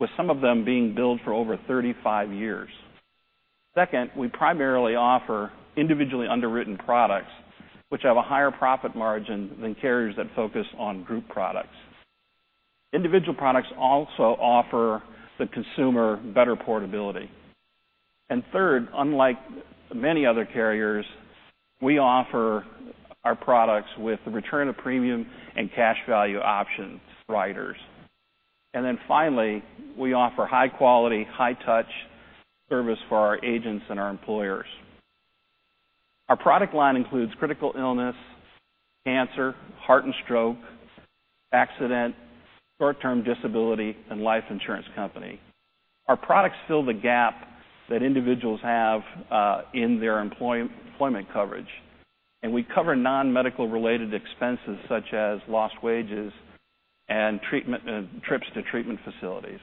with some of them being billed for over 35 years. Second, we primarily offer individually underwritten products, which have a higher profit margin than carriers that focus on group products. Individual products also offer the consumer better portability. Third, unlike many other carriers, we offer our products with return of premium and cash value options riders. Finally, we offer high quality, high touch service for our agents and our employers. Our product line includes critical illness, cancer, heart and stroke, accident, short-term disability, and life insurance. Our products fill the gap that individuals have in their employment coverage, we cover non-medical related expenses such as lost wages and trips to treatment facilities.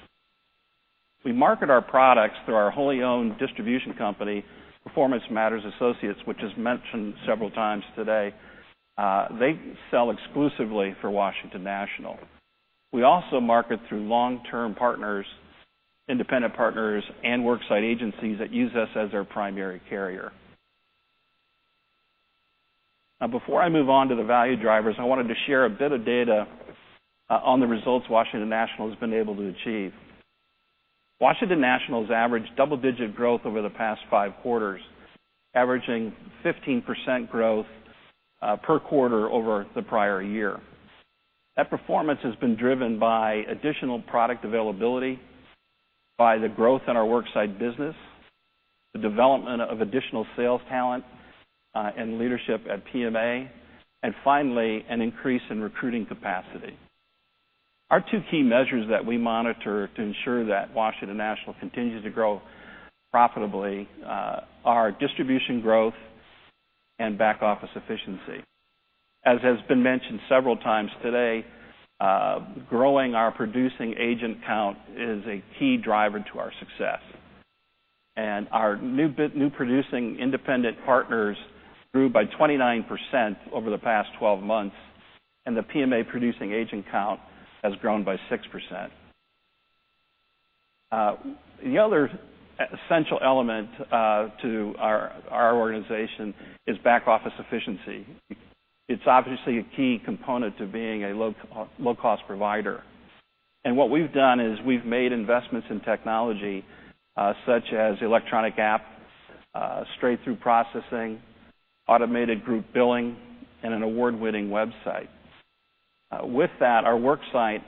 We market our products through our wholly owned distribution company, Performance Matters Associates, which is mentioned several times today. They sell exclusively for Washington National. We also market through long-term partners, independent partners, and worksite agencies that use us as their primary carrier. Before I move on to the value drivers, I wanted to share a bit of data on the results Washington National has been able to achieve. Washington National has averaged double-digit growth over the past five quarters, averaging 15% growth per quarter over the prior year. That performance has been driven by additional product availability, by the growth in our worksite business, the development of additional sales talent and leadership at PMA, and finally, an increase in recruiting capacity. Our two key measures that we monitor to ensure that Washington National continues to grow profitably are distribution growth and back office efficiency. As has been mentioned several times today, growing our producing agent count is a key driver to our success. Our new producing independent partners grew by 29% over the past 12 months, and the PMA producing agent count has grown by 6%. The other essential element to our organization is back office efficiency. It's obviously a key component to being a low-cost provider. What we've done is we've made investments in technology such as electronic app, straight-through processing, automated group billing, and an award-winning website. With that, our worksite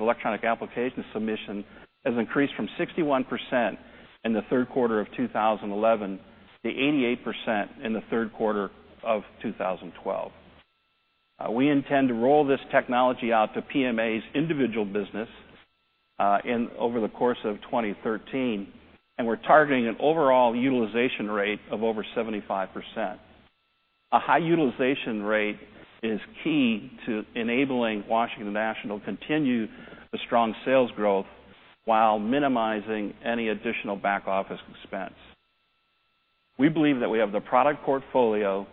electronic application submission has increased from 61% in the third quarter of 2011 to 88% in the third quarter of 2012. We intend to roll this technology out to PMA's individual business over the course of 2013, and we're targeting an overall utilization rate of over 75%. A high utilization rate is key to enabling Washington National continue the strong sales growth while minimizing any additional back-office expense. We believe that we have the product portfolio,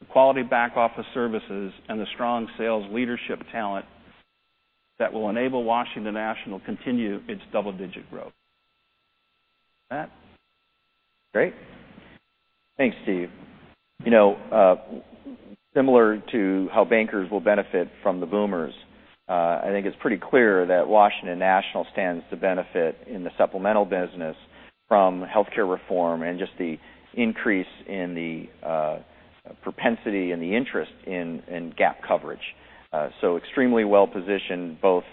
the quality back-office services, and the strong sales leadership talent that will enable Washington National continue its double-digit growth. Scott? Great. Thanks, Steve. Similar to how Bankers will benefit from the boomers, I think it's pretty clear that Washington National stands to benefit in the supplemental business from healthcare reform and just the increase in the propensity and the interest in gap coverage. Extremely well-positioned both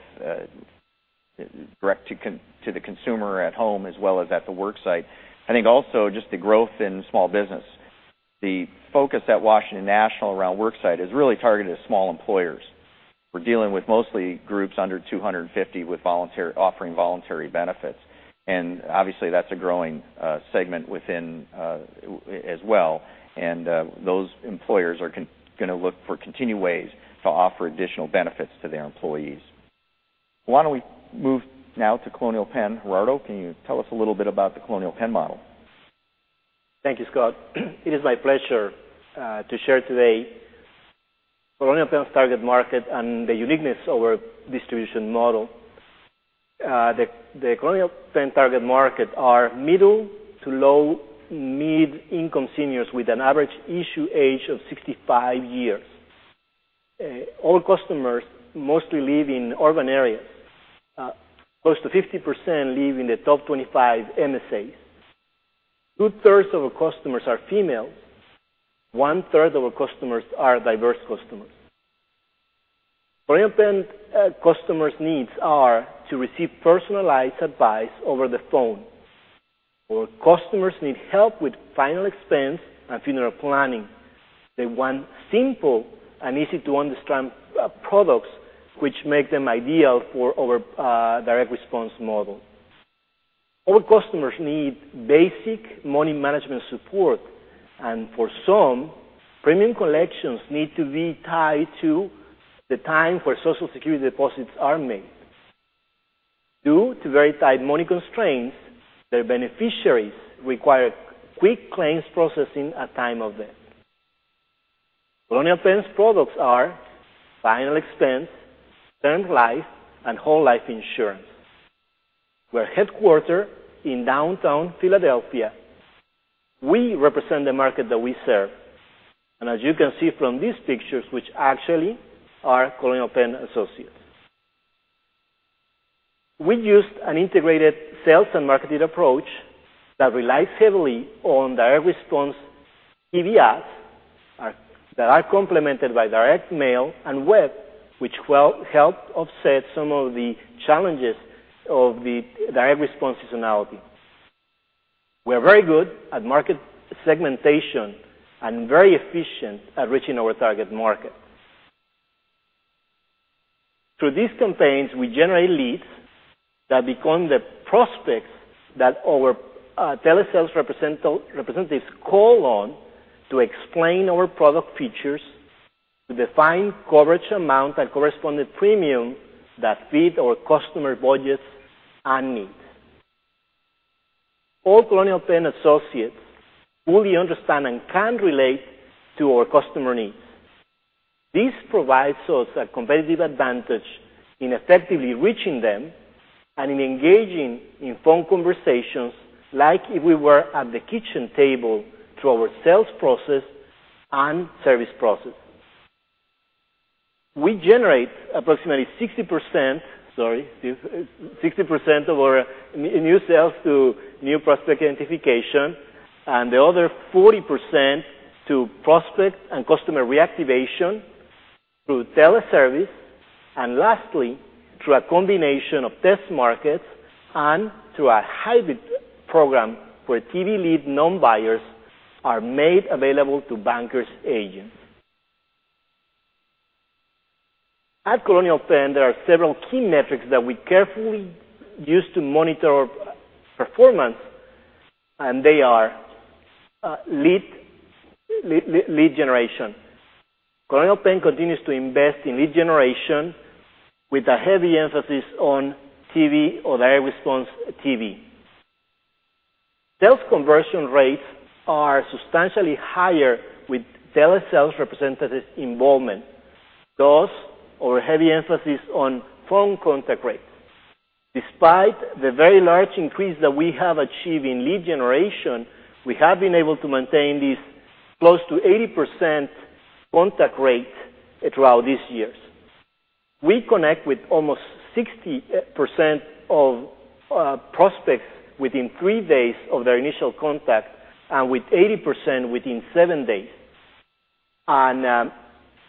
direct to the consumer at home as well as at the worksite. I think also just the growth in small business. The focus at Washington National around worksite is really targeted at small employers. We're dealing with mostly groups under 250 with offering voluntary benefits, and obviously, that's a growing segment within as well, and those employers are going to look for continued ways to offer additional benefits to their employees. Why don't we move now to Colonial Penn? Gerardo, can you tell us a little bit about the Colonial Penn model? Thank you, Scott. It is my pleasure to share today Colonial Penn's target market and the uniqueness of our distribution model. The Colonial Penn target market are middle to low, mid-income seniors with an average issue age of 65 years. All customers mostly live in urban areas. Close to 50% live in the top 25 MSAs. Two-thirds of our customers are female. One-third of our customers are diverse customers. Colonial Penn customers' needs are to receive personalized advice over the phone, or customers need help with final expense and funeral planning. They want simple and easy-to-understand products, which make them ideal for our direct response model. Our customers need basic money management support, and for some, premium collections need to be tied to the time where Social Security deposits are made. Due to very tight money constraints, their beneficiaries require quick claims processing at time of death. Colonial Penn's products are final expense, term life, and whole life insurance. We're headquartered in downtown Philadelphia. We represent the market that we serve, and as you can see from these pictures, which actually are Colonial Penn associates. We use an integrated sales and marketing approach that relies heavily on direct response TV ads that are complemented by direct mail and web, which help offset some of the challenges of the direct response seasonality. We're very good at market segmentation and very efficient at reaching our target market. Through these campaigns, we generate leads that become the prospects that our telesales representatives call on to explain our product features, to define coverage amount and correspondent premium that fit our customer budgets and needs. All Colonial Penn associates fully understand and can relate to our customer needs. This provides us a competitive advantage in effectively reaching them and in engaging in phone conversations like if we were at the kitchen table through our sales process and service process. We generate approximately 60% of our new sales through new prospect identification and the other 40% through prospect and customer reactivation, through teleservice, and lastly, through a combination of test markets and through a hybrid program where TV lead non-buyers are made available to Bankers' agents. At Colonial Penn, there are several key metrics that we carefully use to monitor our performance, and they are lead generation. Colonial Penn continues to invest in lead generation with a heavy emphasis on TV or direct response TV. Sales conversion rates are substantially higher with telesales representative involvement. Thus, our heavy emphasis on phone contact rates. Despite the very large increase that we have achieved in lead generation, we have been able to maintain this close to 80% contact rate throughout these years. We connect with almost 60% of prospects within three days of their initial contact and with 80% within seven days.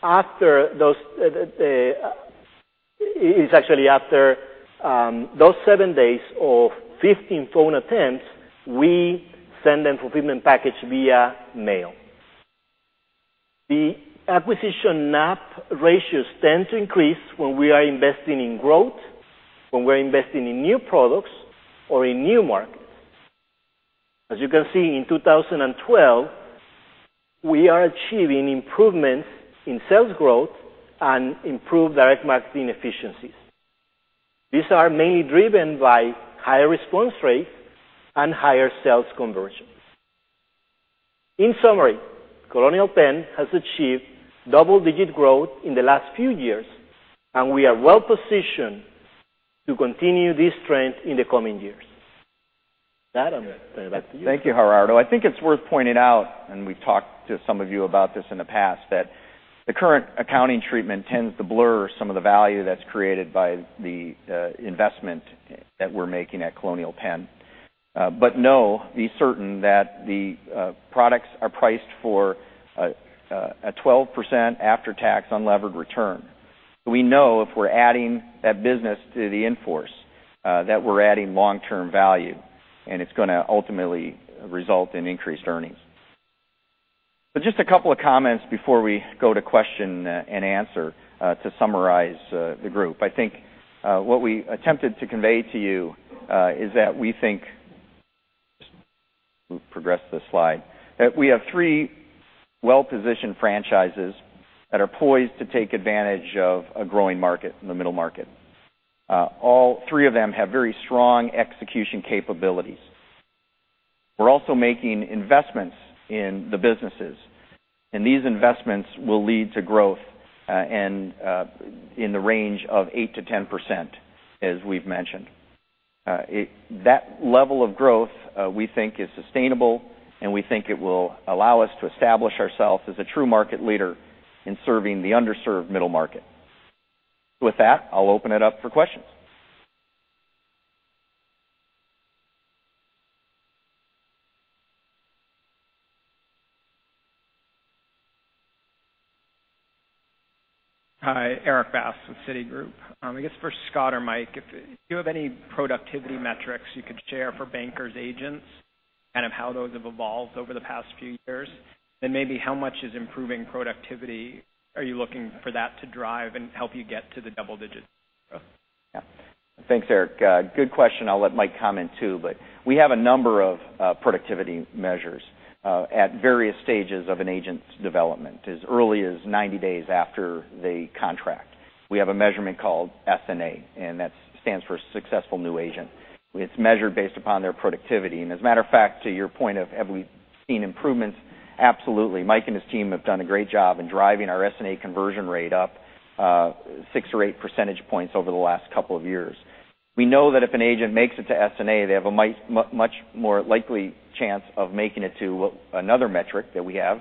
After those seven days of 15 phone attempts, we send them a fulfillment package via mail. The acquisition NAP ratio tends to increase when we are investing in growth, when we're investing in new products or in new markets. As you can see, in 2012, we are achieving improvements in sales growth and improved direct marketing efficiencies. These are mainly driven by higher response rates and higher sales conversions. In summary, Colonial Penn has achieved double-digit growth in the last few years, and we are well-positioned to continue this trend in the coming years. Scott, I'm going to turn it back to you. Thank you, Gerardo. I think it's worth pointing out, and we've talked to some of you about this in the past, that the current accounting treatment tends to blur some of the value that's created by the investment that we're making at Colonial Penn. Know, be certain that the products are priced for a 12% after-tax unlevered return. We know if we're adding that business to the enforce, that we're adding long-term value, and it's going to ultimately result in increased earnings. Just a couple of comments before we go to question and answer to summarize the group. I think what we attempted to convey to you is that we think, progress the slide, that we have three well-positioned franchises that are poised to take advantage of a growing market in the middle market. All three of them have very strong execution capabilities. We're also making investments in the businesses, and these investments will lead to growth in the range of 8%-10%, as we've mentioned. That level of growth we think is sustainable, and we think it will allow us to establish ourselves as a true market leader in serving the underserved middle market. With that, I'll open it up for questions. Hi, Erik Bass with Citigroup. I guess for Scott or Mike, if you have any productivity metrics you could share for Bankers agents, kind of how those have evolved over the past few years? Maybe how much is improving productivity, are you looking for that to drive and help you get to the double digits? Thanks, Erik. Good question. I'll let Mike comment, too. We have a number of productivity measures at various stages of an agent's development. As early as 90 days after they contract, we have a measurement called SNA, and that stands for Successful New Agent. It's measured based upon their productivity. As a matter of fact, to your point of have we seen improvements, absolutely. Mike and his team have done a great job in driving our SNA conversion rate up six or eight percentage points over the last couple of years. We know that if an agent makes it to SNA, they have a much more likely chance of making it to another metric that we have,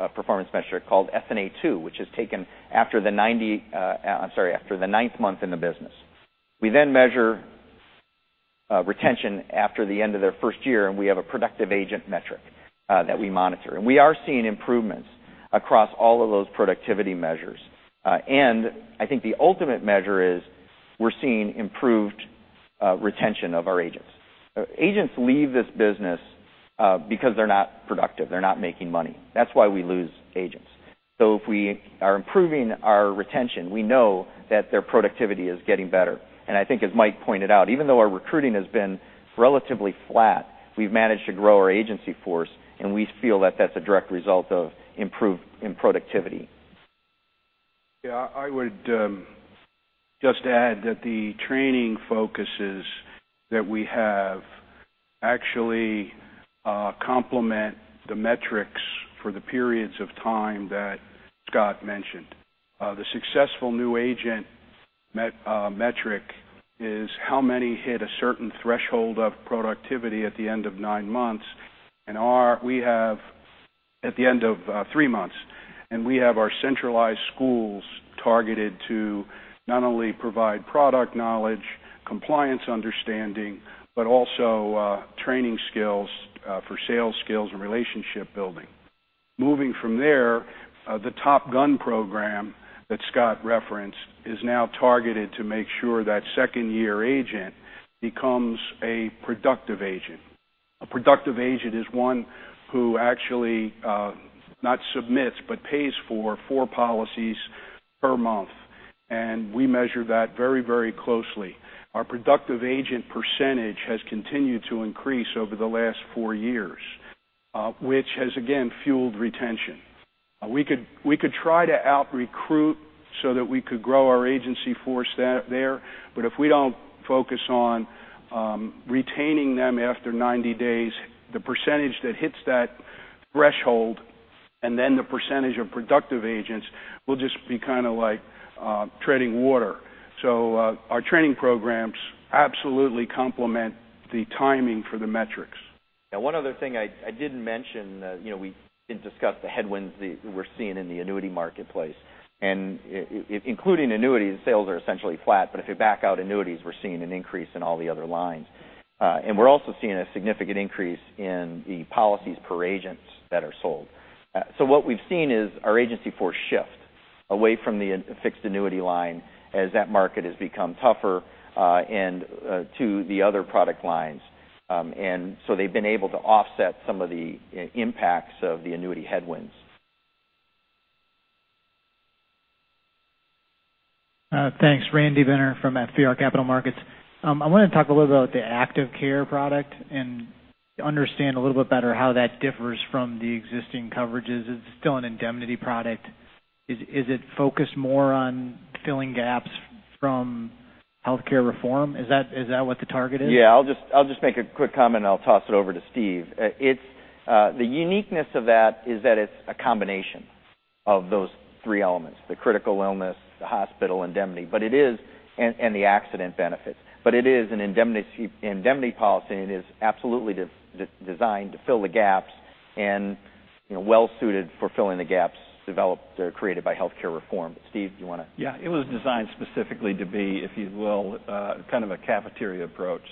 a performance metric called SNA 2, which is taken after the ninth month in the business. We then measure retention after the end of their first year, we have a productive agent metric that we monitor. We are seeing improvements across all of those productivity measures. I think the ultimate measure is we're seeing improved retention of our agents. Agents leave this business because they're not productive. They're not making money. That's why we lose agents. If we are improving our retention, we know that their productivity is getting better. I think as Mike pointed out, even though our recruiting has been relatively flat, we've managed to grow our agency force, and we feel that that's a direct result of improved productivity. I would just add that the training focuses that we have actually complement the metrics for the periods of time that Scott mentioned. The successful new agent metric is how many hit a certain threshold of productivity at the end of nine months. We have at the end of three months, we have our centralized schools targeted to not only provide product knowledge, compliance understanding, but also training skills for sales skills and relationship building. Moving from there, the Top Gun program that Scott referenced is now targeted to make sure that second-year agent becomes a productive agent. A productive agent is one who actually not submits but pays for four policies per month. We measure that very closely. Our productive agent percentage has continued to increase over the last four years, which has again fueled retention. We could try to out-recruit so that we could grow our agency force there. If we don't focus on retaining them after 90 days, the percentage that hits that threshold and then the percentage of productive agents will just be kind of treading water. Our training programs absolutely complement the timing for the metrics. One other thing I didn't mention, we did discuss the headwinds that we're seeing in the annuity marketplace. Including annuities, sales are essentially flat. If you back out annuities, we're seeing an increase in all the other lines. We're also seeing a significant increase in the policies per agents that are sold. What we've seen is our agency force shift away from the fixed annuity line as that market has become tougher and to the other product lines. They've been able to offset some of the impacts of the annuity headwinds. Thanks. Randy Binner from FBR Capital Markets. I want to talk a little about the Active Care product and understand a little bit better how that differs from the existing coverages. It's still an indemnity product. Is it focused more on filling gaps from healthcare reform? Is that what the target is? Yeah. I'll just make a quick comment, and I'll toss it over to Steve. The uniqueness of that is that it's a combination of those three elements, the critical illness, the hospital indemnity, and the accident benefits. It is an indemnity policy, and it is absolutely designed to fill the gaps and well-suited for filling the gaps developed or created by healthcare reform. Steve, do you want to? Yeah. It was designed specifically to be, if you will, kind of a cafeteria approach.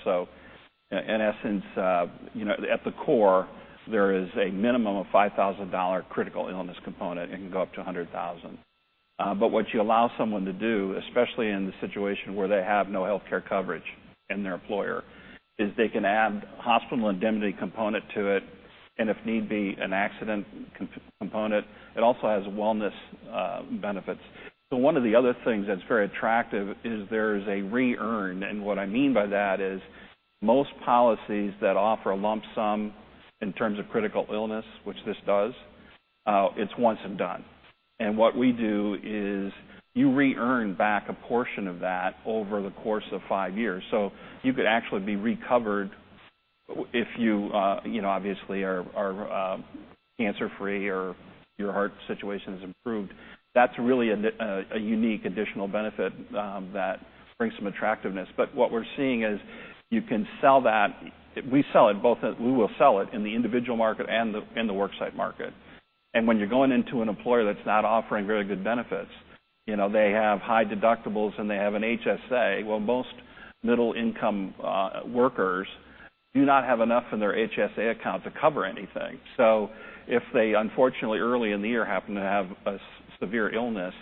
In essence, at the core, there is a minimum of $5,000 critical illness component, and it can go up to $100,000. What you allow someone to do, especially in the situation where they have no healthcare coverage in their employer, is they can add hospital indemnity component to it and if need be, an accident component. It also has wellness benefits. One of the other things that's very attractive is there is a re-earn, and what I mean by that is most policies that offer a lump sum in terms of critical illness, which this does, it's once and done. What we do is you re-earn back a portion of that over the course of five years. You could actually be recovered if you obviously are cancer-free or your heart situation has improved. That's really a unique additional benefit that brings some attractiveness. What we're seeing is we will sell it in the individual market and the worksite market. When you're going into an employer that's not offering very good benefits, they have high deductibles and they have an HSA. Well, most middle-income workers do not have enough in their HSA account to cover anything. If they unfortunately early in the year happen to have a severe illness,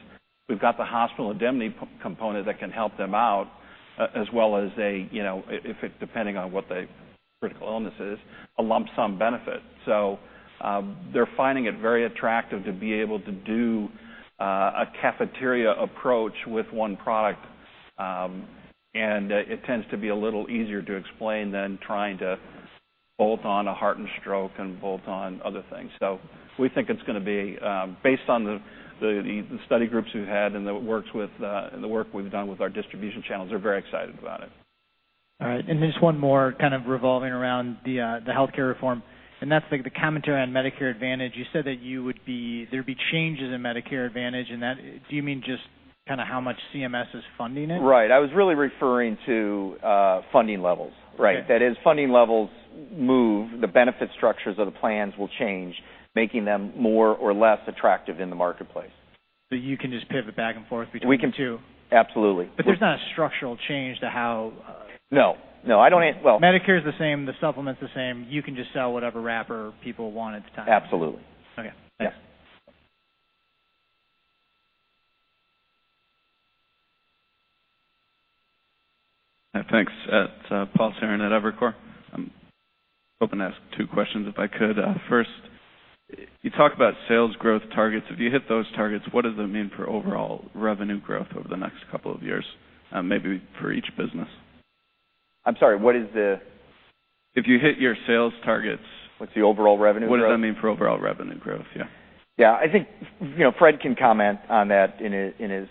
we've got the hospital indemnity component that can help them out as well as, depending on what the critical illness is, a lump sum benefit. They're finding it very attractive to be able to do a cafeteria approach with one product. It tends to be a little easier to explain than trying to bolt on a heart and stroke and bolt on other things. We think it's going to be based on the study groups we've had and the work we've done with our distribution channels, they're very excited about it. All right. Just one more kind of revolving around the healthcare reform, and that's the commentary on Medicare Advantage. You said that there'd be changes in Medicare Advantage. Do you mean just kind of how much CMS is funding it? Right. I was really referring to funding levels. Okay. That is funding levels move, the benefit structures of the plans will change, making them more or less attractive in the marketplace. You can just pivot back and forth between the two. Absolutely. There's not a structural change to how. No. I don't. Well. Medicare is the same, the supplement's the same. You can just sell whatever wrapper people want at the time. Absolutely. Okay. Thanks. Yeah. Thanks. Paul Ceran at Evercore. I'm hoping to ask two questions, if I could. First, you talk about sales growth targets. If you hit those targets, what does it mean for overall revenue growth over the next couple of years? Maybe for each business. I'm sorry, what is the? If you hit your sales targets- What's the overall revenue growth? What does that mean for overall revenue growth? Yeah. Yeah, I think Fred can comment on that in his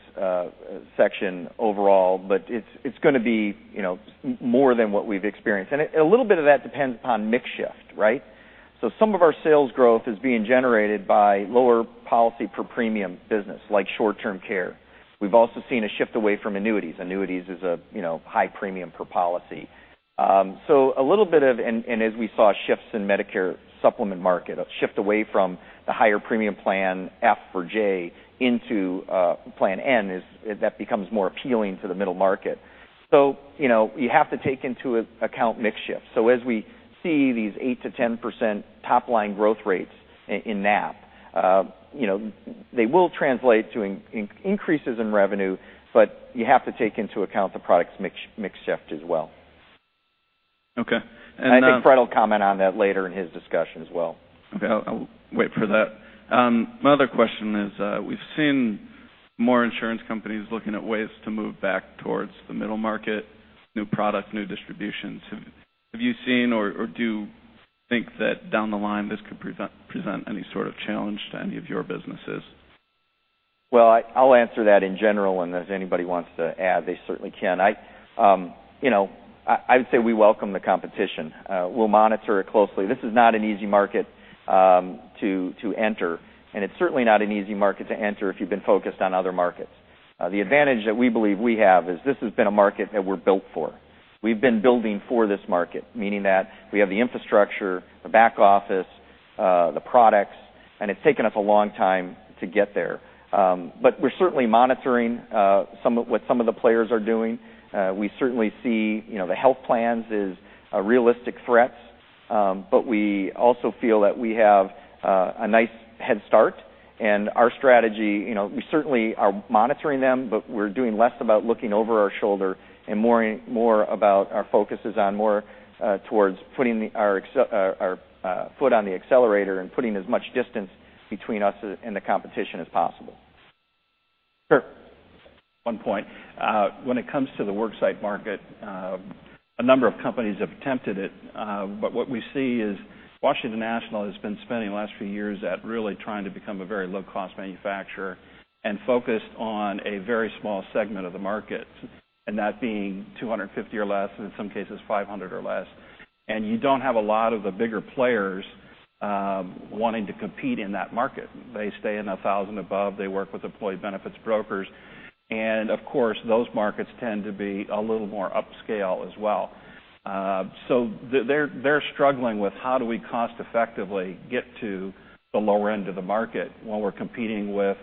section overall, but it's going to be more than what we've experienced. A little bit of that depends upon mix shift, right? Some of our sales growth is being generated by lower policy per premium business, like short-term care. We've also seen a shift away from annuities. Annuities is a high premium per policy. As we saw shifts in Medicare Supplement market, a shift away from the higher premium Plan F or J into Plan N, that becomes more appealing to the middle market. You have to take into account mix shift. As we see these 8%-10% top-line growth rates in NAP, they will translate to increases in revenue, but you have to take into account the product's mix shift as well. Okay. I think Fred will comment on that later in his discussion as well. Okay, I'll wait for that. My other question is, we've seen more insurance companies looking at ways to move back towards the middle market, new product, new distributions. Have you seen or do you think that down the line this could present any sort of challenge to any of your businesses? Well, I'll answer that in general, and if anybody wants to add, they certainly can. I would say we welcome the competition. We'll monitor it closely. This is not an easy market to enter, and it's certainly not an easy market to enter if you've been focused on other markets. The advantage that we believe we have is this has been a market that we're built for. We've been building for this market, meaning that we have the infrastructure, the back office, the products, and it's taken us a long time to get there. We're certainly monitoring what some of the players are doing. We certainly see the health plans as a realistic threat. We also feel that we have a nice head start and our strategy, we certainly are monitoring them, but we're doing less about looking over our shoulder and more about our focus is on more towards putting our foot on the accelerator and putting as much distance between us and the competition as possible. Sure. One point. What we see is Washington National has been spending the last few years at really trying to become a very low-cost manufacturer and focused on a very small segment of the market, and that being 250 or less, and in some cases, 500 or less. You don't have a lot of the bigger players wanting to compete in that market. They stay in 1,000 above. They work with employee benefits brokers, and of course, those markets tend to be a little more upscale as well. They're struggling with how do we cost effectively get to the lower end of the market when we're competing with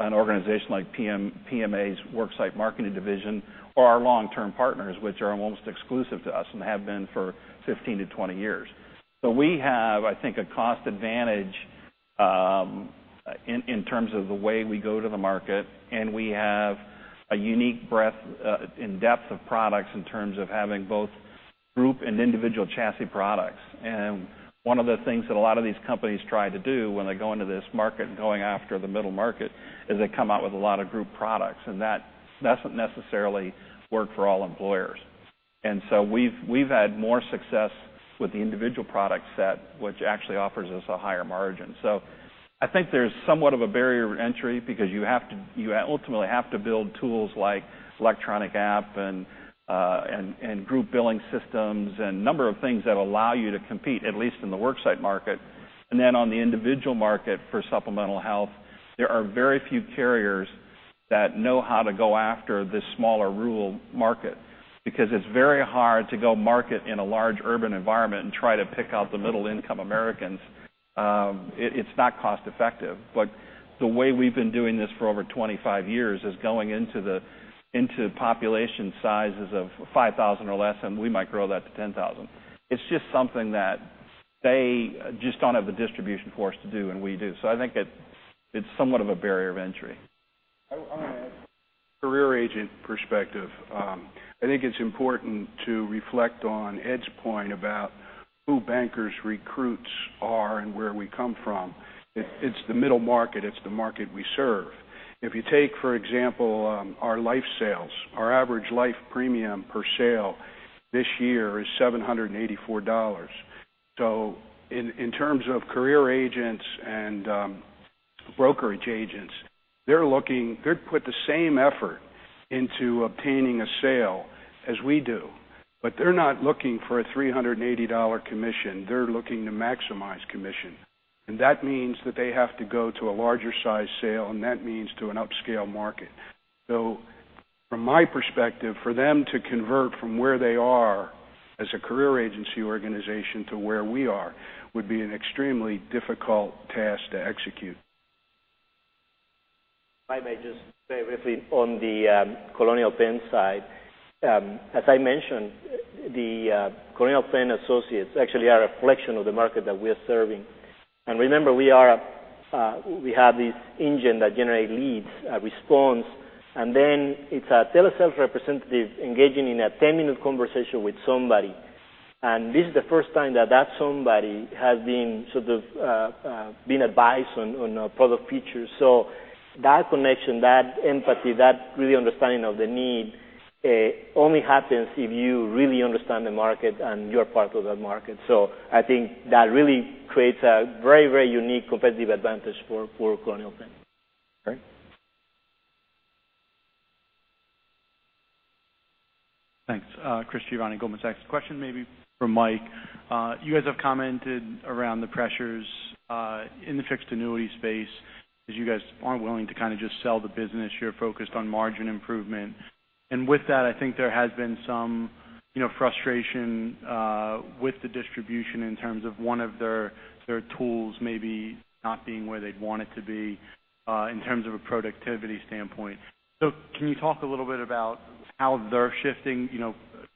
an organization like PMA's worksite marketing division or our long-term partners, which are almost exclusive to us and have been for 15 to 20 years. We have, I think, a cost advantage in terms of the way we go to the market, and we have a unique breadth and depth of products in terms of having both group and individual chassis products. One of the things that a lot of these companies try to do when they go into this market, going after the middle market, is they come out with a lot of group products, and that doesn't necessarily work for all employers. We've had more success with the individual product set, which actually offers us a higher margin. I think there's somewhat of a barrier to entry because you ultimately have to build tools like electronic app and group billing systems and a number of things that allow you to compete, at least in the worksite market. On the individual market for supplemental health, there are very few carriers that know how to go after this smaller rural market because it's very hard to go market in a large urban environment and try to pick out the middle-income Americans. It's not cost effective. The way we've been doing this for over 25 years is going into population sizes of 5,000 or less, and we might grow that to 10,000. It's just something that they just don't have the distribution force to do, and we do. I think it's somewhat of a barrier of entry. I want to add, career agent perspective, I think it's important to reflect on Ed's point about who Bankers recruits are and where we come from. It's the middle market. It's the market we serve. If you take, for example, our life sales, our average life premium per sale this year is $784. In terms of career agents and brokerage agents, they put the same effort into obtaining a sale as we do. They're not looking for a $380 commission. They're looking to maximize commission. That means that they have to go to a larger size sale, that means to an upscale market. From my perspective, for them to convert from where they are as a career agency organization to where we are, would be an extremely difficult task to execute. If I may just say briefly on the Colonial Penn side. As I mentioned, the Colonial Penn associates actually are a reflection of the market that we are serving. Remember, we have this engine that generates leads, a response, and then it's a telesales representative engaging in a 10-minute conversation with somebody. This is the first time that that somebody has been advised on product features. That connection, that empathy, that really understanding of the need, only happens if you really understand the market and you're part of that market. I think that really creates a very unique competitive advantage for Colonial Penn. Great. Thanks. Chris Giovanni, Goldman Sachs. A question maybe for Mike. You guys have commented around the pressures in the fixed annuity space because you guys aren't willing to just sell the business. You're focused on margin improvement. With that, I think there has been some frustration with the distribution in terms of one of their tools maybe not being where they'd want it to be in terms of a productivity standpoint. Can you talk a little bit about how they're shifting,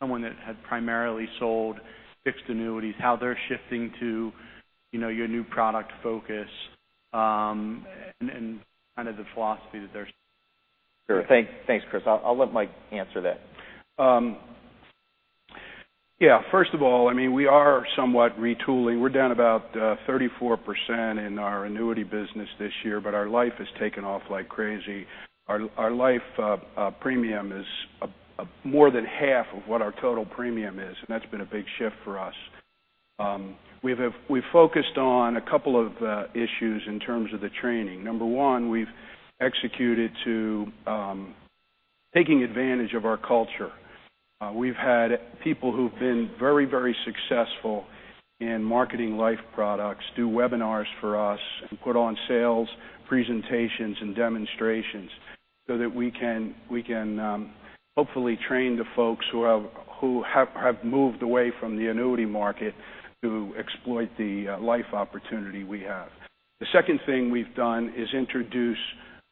someone that had primarily sold fixed annuities, how they're shifting to your new product focus? Sure. Thanks, Chris. I'll let Mike answer that. Yeah. First of all, we are somewhat retooling. We're down about 34% in our annuity business this year, but our life has taken off like crazy. Our life premium is more than half of what our total premium is. That's been a big shift for us. We focused on a couple of issues in terms of the training. Number 1, we've executed to taking advantage of our culture. We'vbe had people who've been very successful in marketing life products do webinars for us and put on sales presentations and demonstrations so that we can hopefully train the folks who have moved away from the annuity market to exploit the life opportunity we have. The second thing we've done is introduce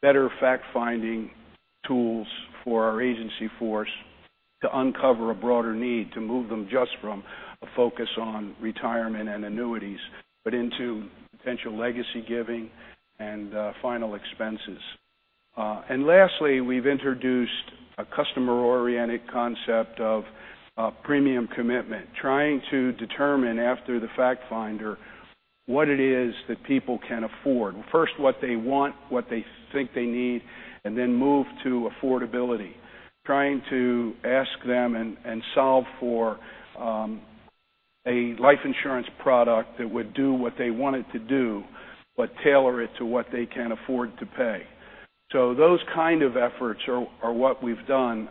better fact-finding tools for our agency force to uncover a broader need to move them just from a focus on retirement and annuities, but into potential legacy giving and final expenses. Lastly, we've introduced a customer-oriented concept of premium commitment, trying to determine after the fact finder what it is that people can afford. First, what they want, what they think they need, and then move to affordability. Trying to ask them and solve for a life insurance product that would do what they want it to do, but tailor it to what they can afford to pay. Those kind of efforts are what we've done.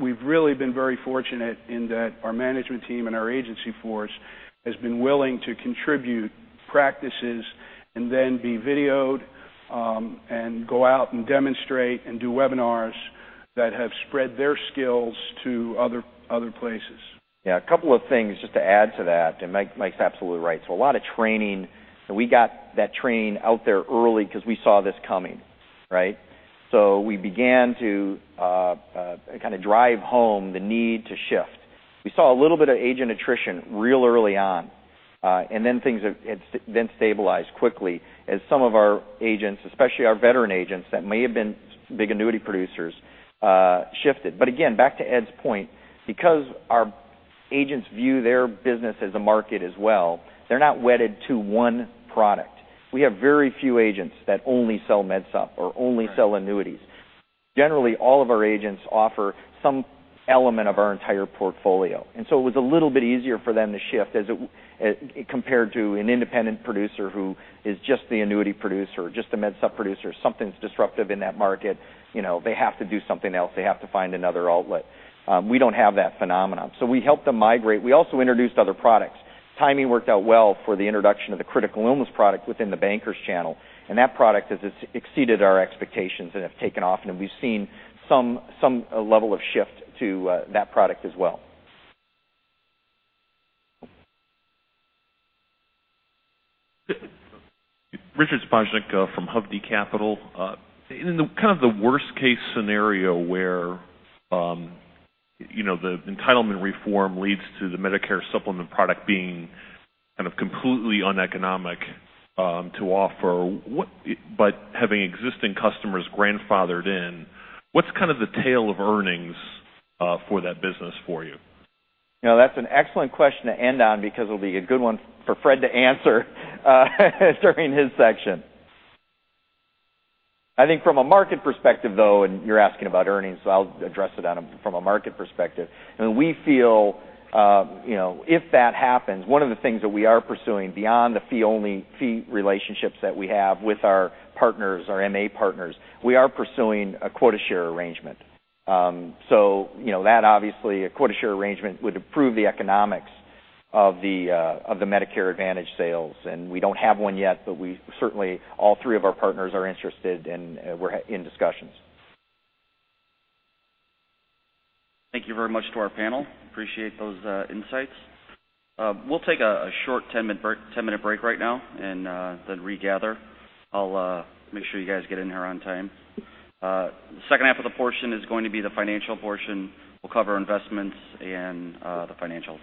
We've really been very fortunate in that our management team and our agency force has been willing to contribute practices and then be videoed, and go out and demonstrate and do webinars that have spread their skills to other places. Yeah, a couple of things just to add to that, and Mike's absolutely right. A lot of training, and we got that training out there early because we saw this coming. We began to kind of drive home the need to shift. We saw a little bit of agent attrition real early on. Then things have then stabilized quickly as some of our agents, especially our veteran agents that may have been big annuity producers, shifted. Again, back to Ed's point, because our agents view their business as a market as well, they're not wedded to one product. We have very few agents that only sell MedSup or only sell annuities. Generally, all of our agents offer some element of our entire portfolio. It was a little bit easier for them to shift compared to an independent producer who is just the annuity producer or just a MedSup producer. Something's disruptive in that market, they have to do something else. They have to find another outlet. We don't have that phenomenon. We help them migrate. We also introduced other products. Timing worked out well for the introduction of the critical illness product within the Bankers channel, and that product has exceeded our expectations and have taken off, and we've seen some level of shift to that product as well. Richard Szpachnik from Hovde Capital. In kind of the worst-case scenario where the entitlement reform leads to the Medicare Supplement product being kind of completely uneconomic to offer, but having existing customers grandfathered in, what's kind of the tail of earnings for that business for you? That's an excellent question to end on because it'll be a good one for Fred to answer during his section. I think from a market perspective, though, you're asking about earnings, so I'll address it from a market perspective. We feel if that happens, one of the things that we are pursuing beyond the fee-only fee relationships that we have with our partners, our MA partners, we are pursuing a quota share arrangement. That obviously, a quota share arrangement would improve the economics of the Medicare Advantage sales, and we don't have one yet, but certainly, all three of our partners are interested, and we're in discussions. Thank you very much to our panel. Appreciate those insights. We'll take a short 10-minute break right now and then regather. I'll make sure you guys get in here on time. Second half of the portion is going to be the financial portion. We'll cover investments and the financials.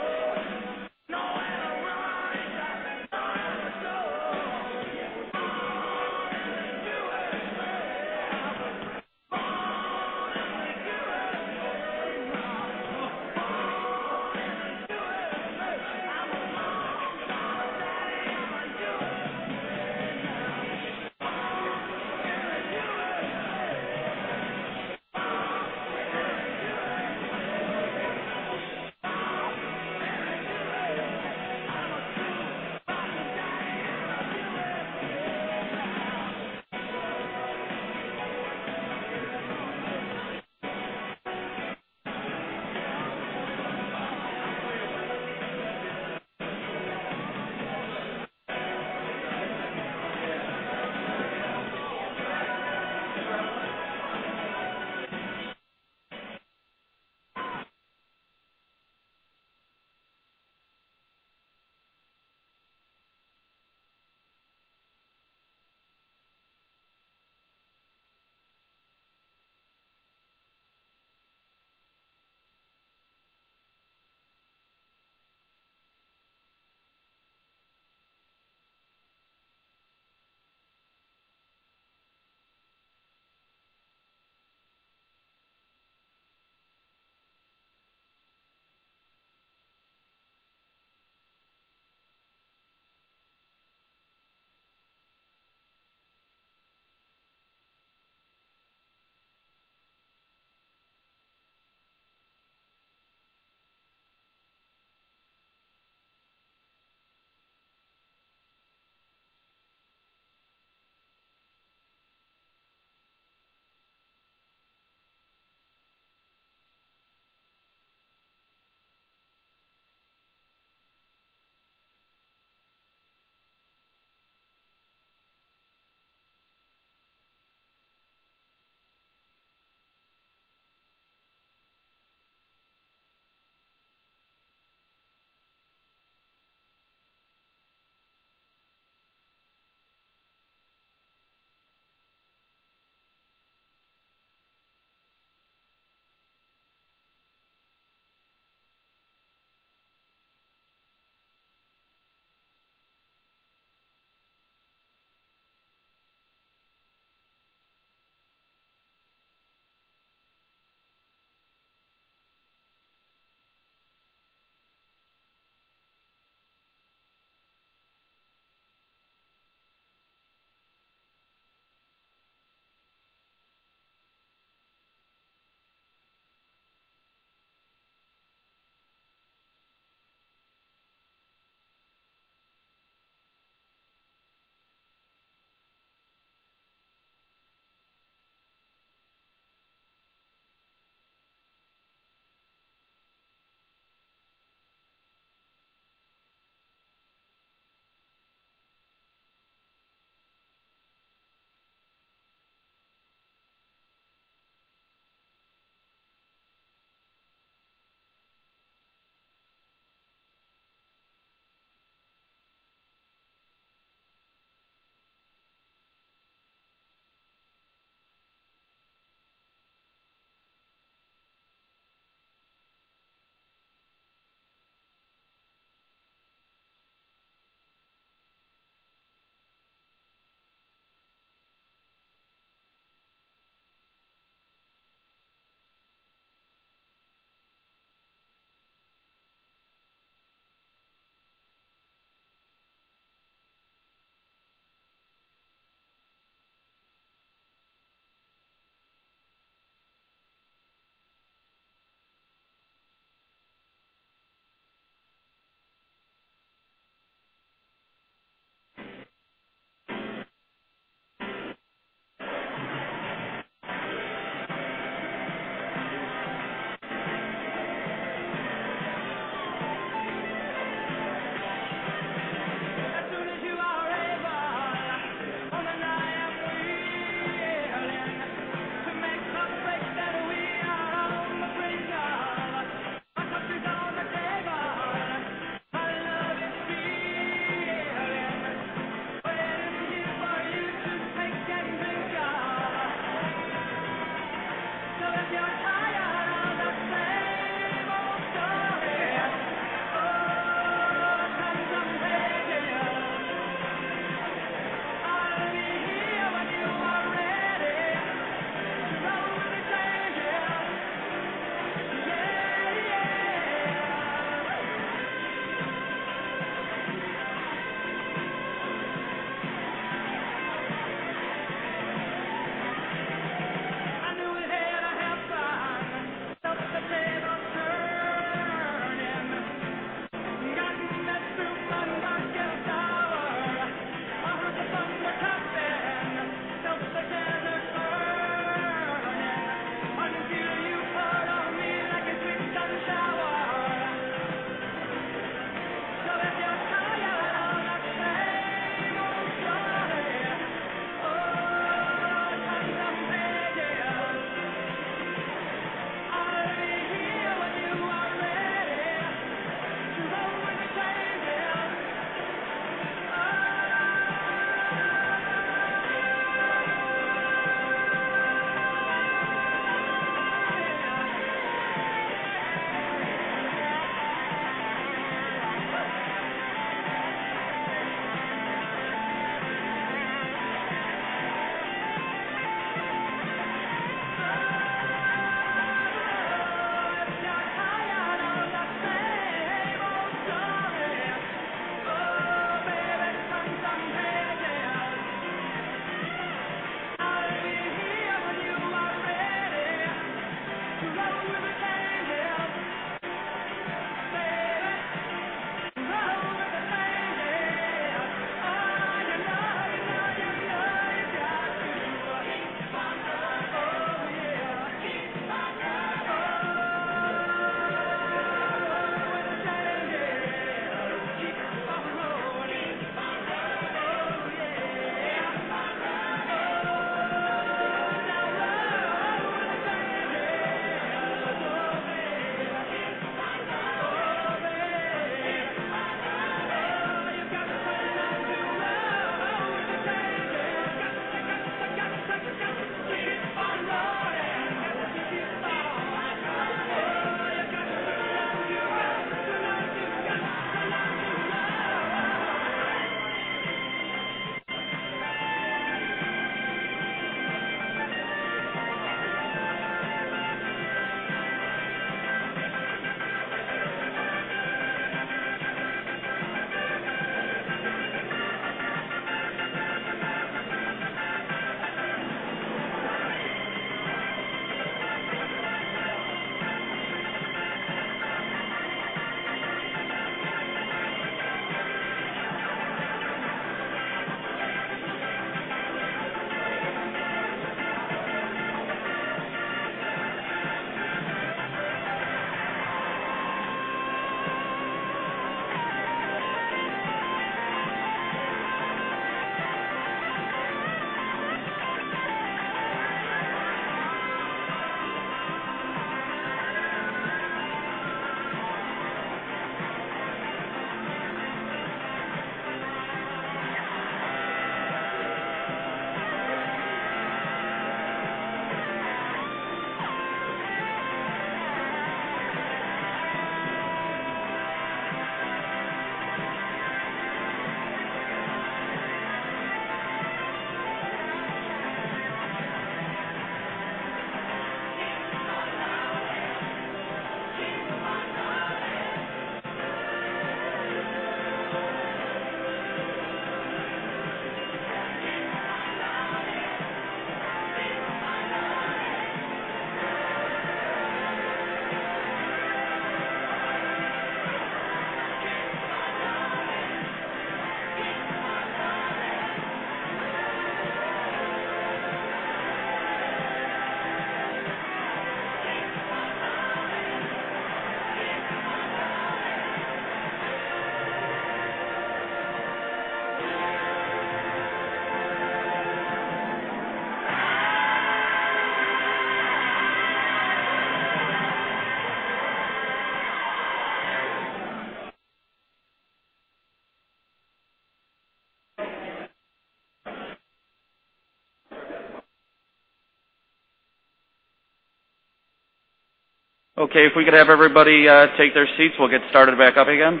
Okay, if we could have everybody take their seats, we'll get started back up again.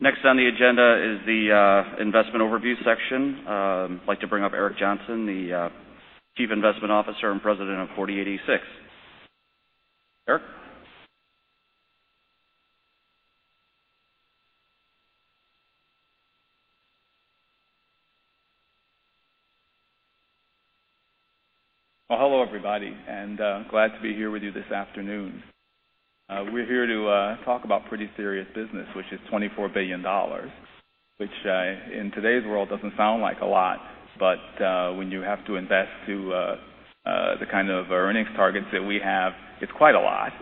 Next on the agenda is the investment overview section. I'd like to bring up Eric Johnson, the Chief Investment Officer and President of 40|86. Eric? Well, hello everybody, glad to be here with you this afternoon. We're here to talk about pretty serious business, which is $24 billion. Which in today's world doesn't sound like a lot, but when you have to invest to the kind of earnings targets that we have, it's quite a lot.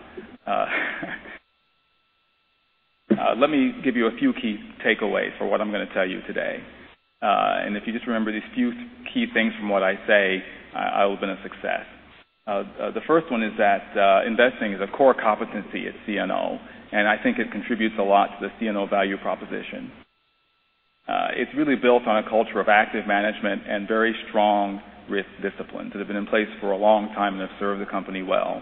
Let me give you a few key takeaways for what I'm going to tell you today. If you just remember these few key things from what I say, I will have been a success. The first one is that investing is a core competency at CNO, and I think it contributes a lot to the CNO value proposition. It's really built on a culture of active management and very strong risk disciplines that have been in place for a long time and have served the company well.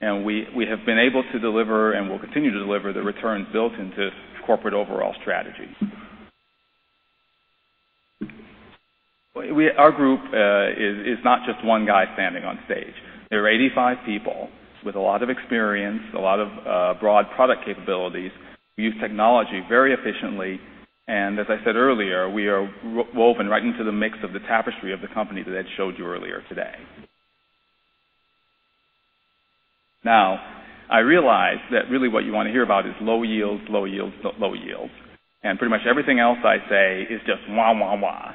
We have been able to deliver and will continue to deliver the returns built into corporate overall strategy. Our group is not just one guy standing on stage. There are 85 people with a lot of experience, a lot of broad product capabilities. We use technology very efficiently, and as I said earlier, we are woven right into the mix of the tapestry of the company that I showed you earlier today. Now, I realize that really what you want to hear about is low yields. Pretty much everything else I say is just wah, wah.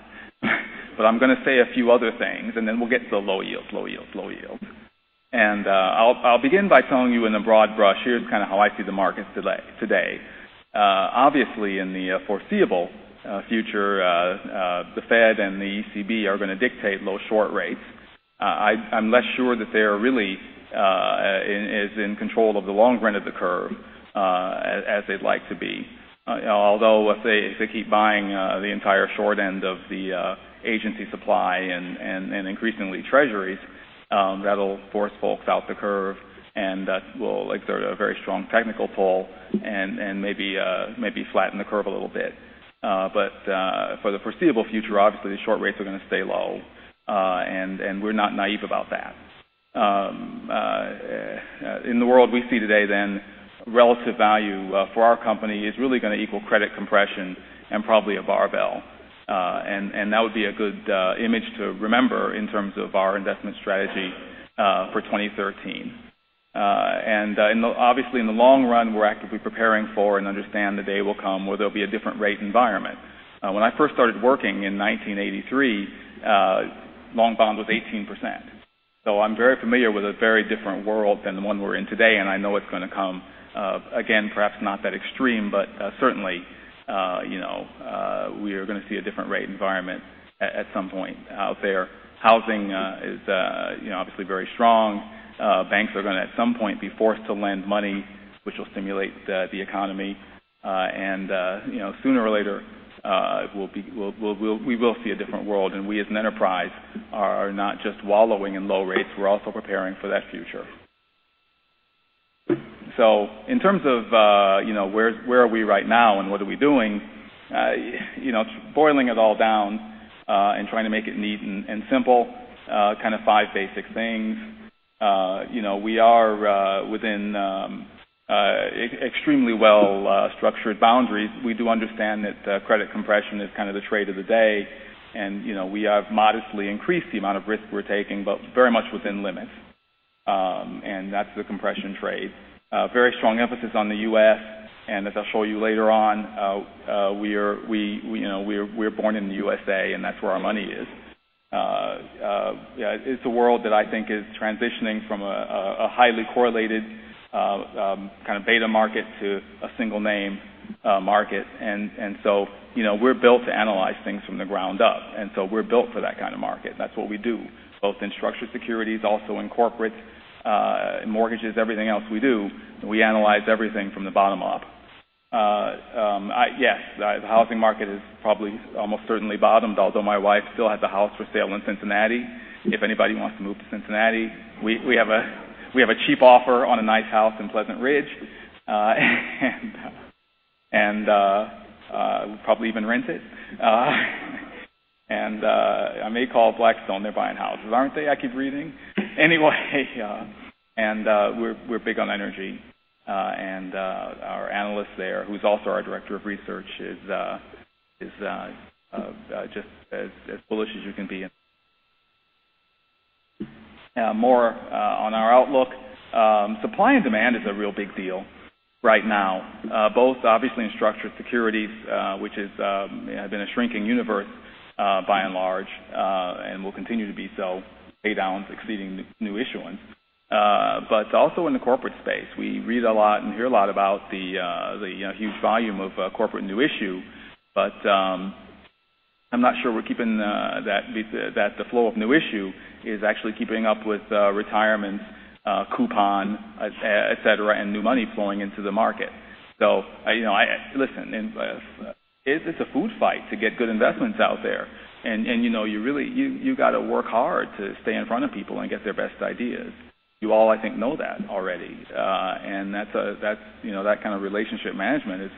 I'm going to say a few other things, and then we'll get to the low yields. I'll begin by telling you in a broad brush, here's how I see the markets today. Obviously, in the foreseeable future, the Fed and the ECB are going to dictate low short rates. I'm less sure that they are really as in control of the long run of the curve as they'd like to be. Although, let's say if they keep buying the entire short end of the agency supply and increasingly Treasuries, that'll force folks out the curve, and that will exert a very strong technical pull and maybe flatten the curve a little bit. For the foreseeable future, obviously, the short rates are going to stay low, and we're not naive about that. In the world we see today then, relative value for our company is really going to equal credit compression and probably a barbell. That would be a good image to remember in terms of our investment strategy for 2013. Obviously, in the long run, we're actively preparing for and understand the day will come where there'll be a different rate environment. When I first started working in 1983, long bond was 18%. I'm very familiar with a very different world than the one we're in today, and I know it's going to come. Again, perhaps not that extreme, but certainly we are going to see a different rate environment at some point out there. Housing is obviously very strong. Banks are going to, at some point, be forced to lend money, which will stimulate the economy. Sooner or later, we will see a different world. We as an enterprise are not just wallowing in low rates, we're also preparing for that future. In terms of where are we right now and what are we doing, boiling it all down and trying to make it neat and simple, kind of five basic things. We are within extremely well-structured boundaries. We do understand that credit compression is kind of the trade of the day, and we have modestly increased the amount of risk we're taking, but very much within limits. That's the compression trade. Very strong emphasis on the U.S., and as I'll show you later on, we're born in the U.S.A., and that's where our money is. It's a world that I think is transitioning from a highly correlated kind of beta market to a single name market. We're built to analyze things from the ground up. We're built for that kind of market. That's what we do, both in structured securities, also in corporate mortgages, everything else we do, we analyze everything from the bottom up. Yes, the housing market is probably almost certainly bottomed, although my wife still has a house for sale in Cincinnati. If anybody wants to move to Cincinnati, we have a cheap offer on a nice house in Pleasant Ridge. We'll probably even rent it. I may call Blackstone. They're buying houses, aren't they? I keep reading. Anyway. We're big on energy. Our analyst there, who's also our director of research is just as bullish as you can be. More on our outlook. Supply and demand is a real big deal right now both obviously in structured securities which have been a shrinking universe by and large and will continue to be so, pay downs exceeding new issuance. Also in the corporate space. We read a lot and hear a lot about the huge volume of corporate new issue. I'm not sure that the flow of new issue is actually keeping up with retirements, coupon, et cetera, and new money flowing into the market. Listen, it's a food fight to get good investments out there. You've got to work hard to stay in front of people and get their best ideas. You all, I think, know that already. That kind of relationship management is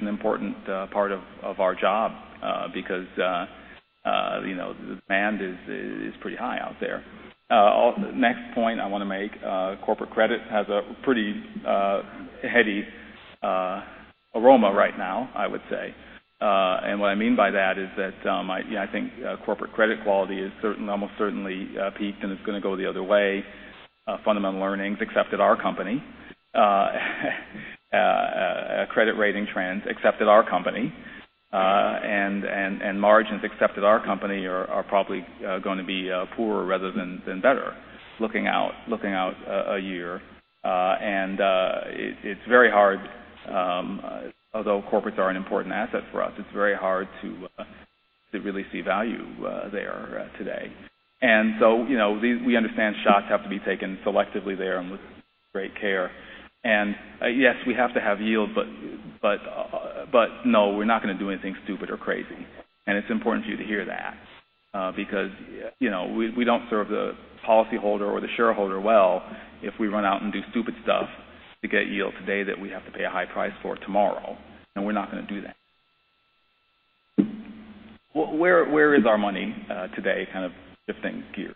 an important part of our job because demand is pretty high out there. Next point I want to make. Corporate credit has a pretty heady aroma right now, I would say. What I mean by that is that I think corporate credit quality is almost certainly peaked, and it's going to go the other way. Fundamental earnings, except at our company. Credit rating trends, except at our company. Margins except at our company are probably going to be poorer rather than better looking out a year. It's very hard although corporates are an important asset for us, it's very hard to really see value there today. We understand shots have to be taken selectively there and with great care. Yes, we have to have yield, but no, we're not going to do anything stupid or crazy. It's important for you to hear that because we don't serve the policyholder or the shareholder well if we run out and do stupid stuff to get yield today that we have to pay a high price for tomorrow. We're not going to do that. Where is our money today, kind of shifting gear.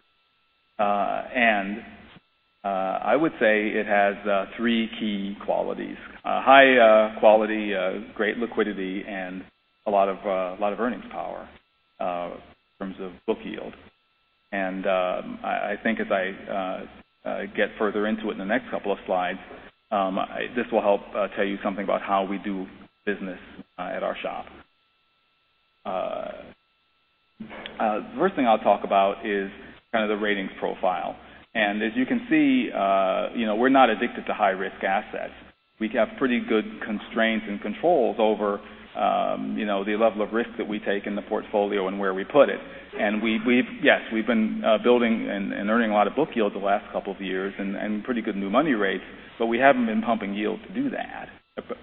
I would say it has three key qualities. High quality, great liquidity, and a lot of earnings power in terms of book yield. I think as I get further into it in the next couple of slides, this will help tell you something about how we do business at our shop. The first thing I'll talk about is kind of the ratings profile. As you can see we're not addicted to high-risk assets. We have pretty good constraints and controls over the level of risk that we take in the portfolio and where we put it. Yes, we've been building and earning a lot of book yield the last couple of years and pretty good new money rates, but we haven't been pumping yield to do that--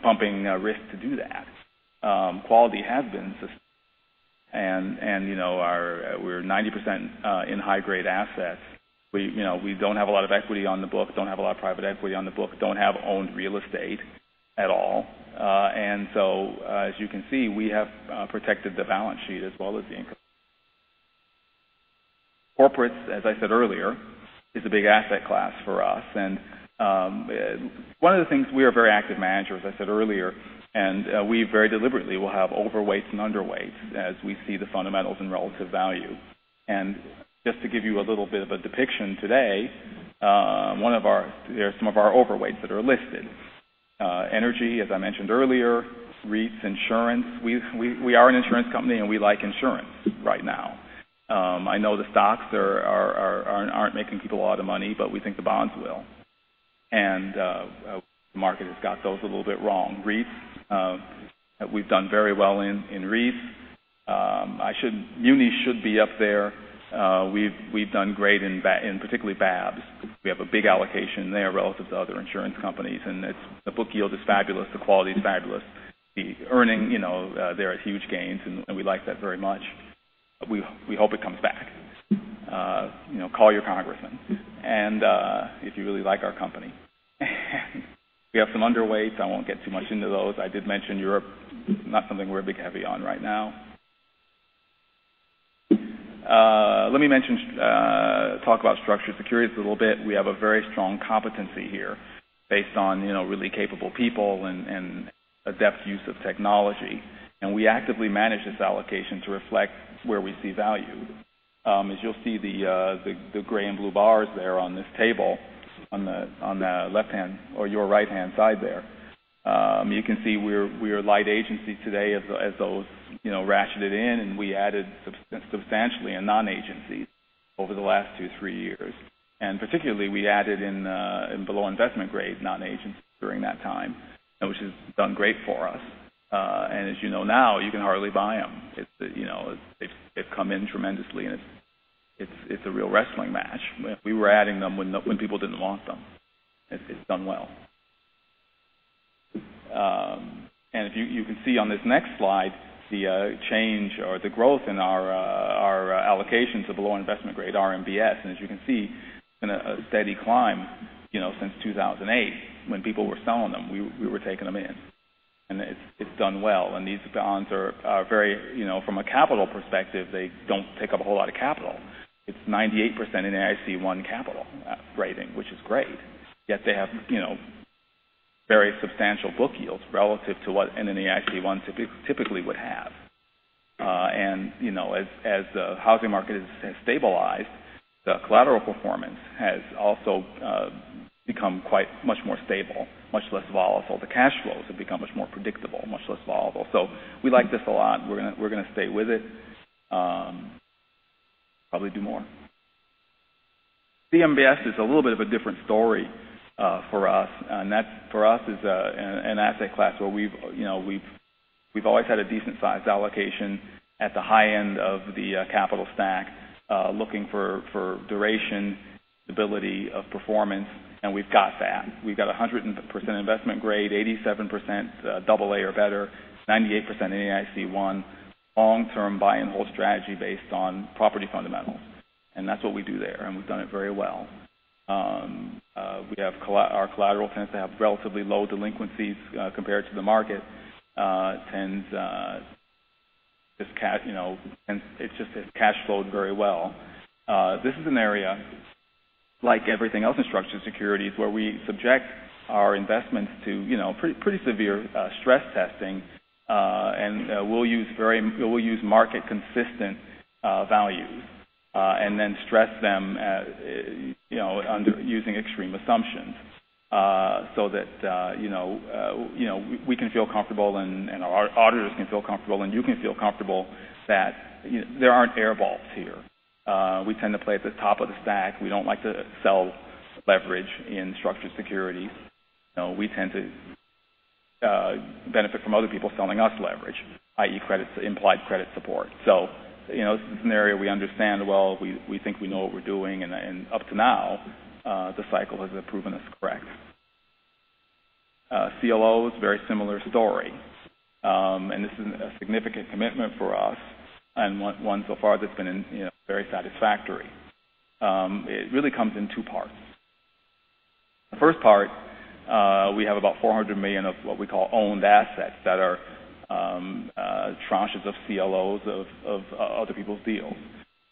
pumping risk to do that. Quality has been sustainable. We're 90% in high-grade assets. We don't have a lot of equity on the book, don't have a lot of private equity on the book, don't have owned real estate at all. As you can see, we have protected the balance sheet as well as the income. Corporates, as I said earlier, is a big asset class for us. One of the things, we are very active managers, as I said earlier, and we very deliberately will have overweights and underweights as we see the fundamentals and relative value. Just to give you a little bit of a depiction today, there are some of our overweights that are listed. Energy, as I mentioned earlier, REITs, insurance. We are an insurance company, and we like insurance right now. I know the stocks aren't making people a lot of money, but we think the bonds will. The market has got those a little bit wrong. REITs, we've done very well in REITs. Munis should be up there. We've done great in particularly BABs. We have a big allocation there relative to other insurance companies. The book yield is fabulous. The quality is fabulous. The earning there is huge gains. We like that very much. We hope it comes back. Call your congressman if you really like our company. We have some underweights. I won't get too much into those. I did mention Europe, not something we're big heavy on right now. Let me talk about structured securities a little bit. We have a very strong competency here based on really capable people and adept use of technology. We actively manage this allocation to reflect where we see value. As you'll see the gray and blue bars there on this table on the left-hand or your right-hand side there. You can see we are light agency today as those ratcheted in. We added substantially in non-agencies over the last two, three years. Particularly we added in below investment grade non-agency during that time, which has done great for us. As you know now, you can hardly buy them. They've come in tremendously, it's a real wrestling match. We were adding them when people didn't want them. It's done well. You can see on this next slide, the change or the growth in our allocations of below investment grade RMBS. As you can see, it's been a steady climb since 2008 when people were selling them. We were taking them in, it's done well. These bonds are very from a capital perspective, they don't take up a whole lot of capital. It's 98% in NAIC-1 capital rating, which is great. Yet they have very substantial book yields relative to what an NAIC-1 typically would have. As the housing market has stabilized, the collateral performance has also become quite much more stable, much less volatile. The cash flows have become much more predictable, much less volatile. We like this a lot. We're going to stay with it. Probably do more. CMBS is a little bit of a different story for us, that for us is an asset class where we've always had a decent sized allocation at the high end of the capital stack looking for duration stability of performance, we've got that. We've got 100% investment grade, 87% AA or better, 98% in NAIC-1, long-term buy and hold strategy based on property fundamentals. That's what we do there, we've done it very well. Our collateral tends to have relatively low delinquencies compared to the market. It cash flows very well. This is an area like everything else in structured securities where we subject our investments to pretty severe stress testing. We'll use market consistent values and then stress them using extreme assumptions so that we can feel comfortable and our auditors can feel comfortable and you can feel comfortable that there aren't air balls here. We tend to play at the top of the stack. We don't like to sell leverage in structured securities. We tend to benefit from other people selling us leverage, i.e. implied credit support. This is an area we understand well. We think we know what we're doing. Up to now, the cycle has proven us correct. CLO is a very similar story. This is a significant commitment for us and one so far that's been very satisfactory. It really comes in two parts. The first part we have about $400 million of what we call owned assets that are tranches of CLOs of other people's deals.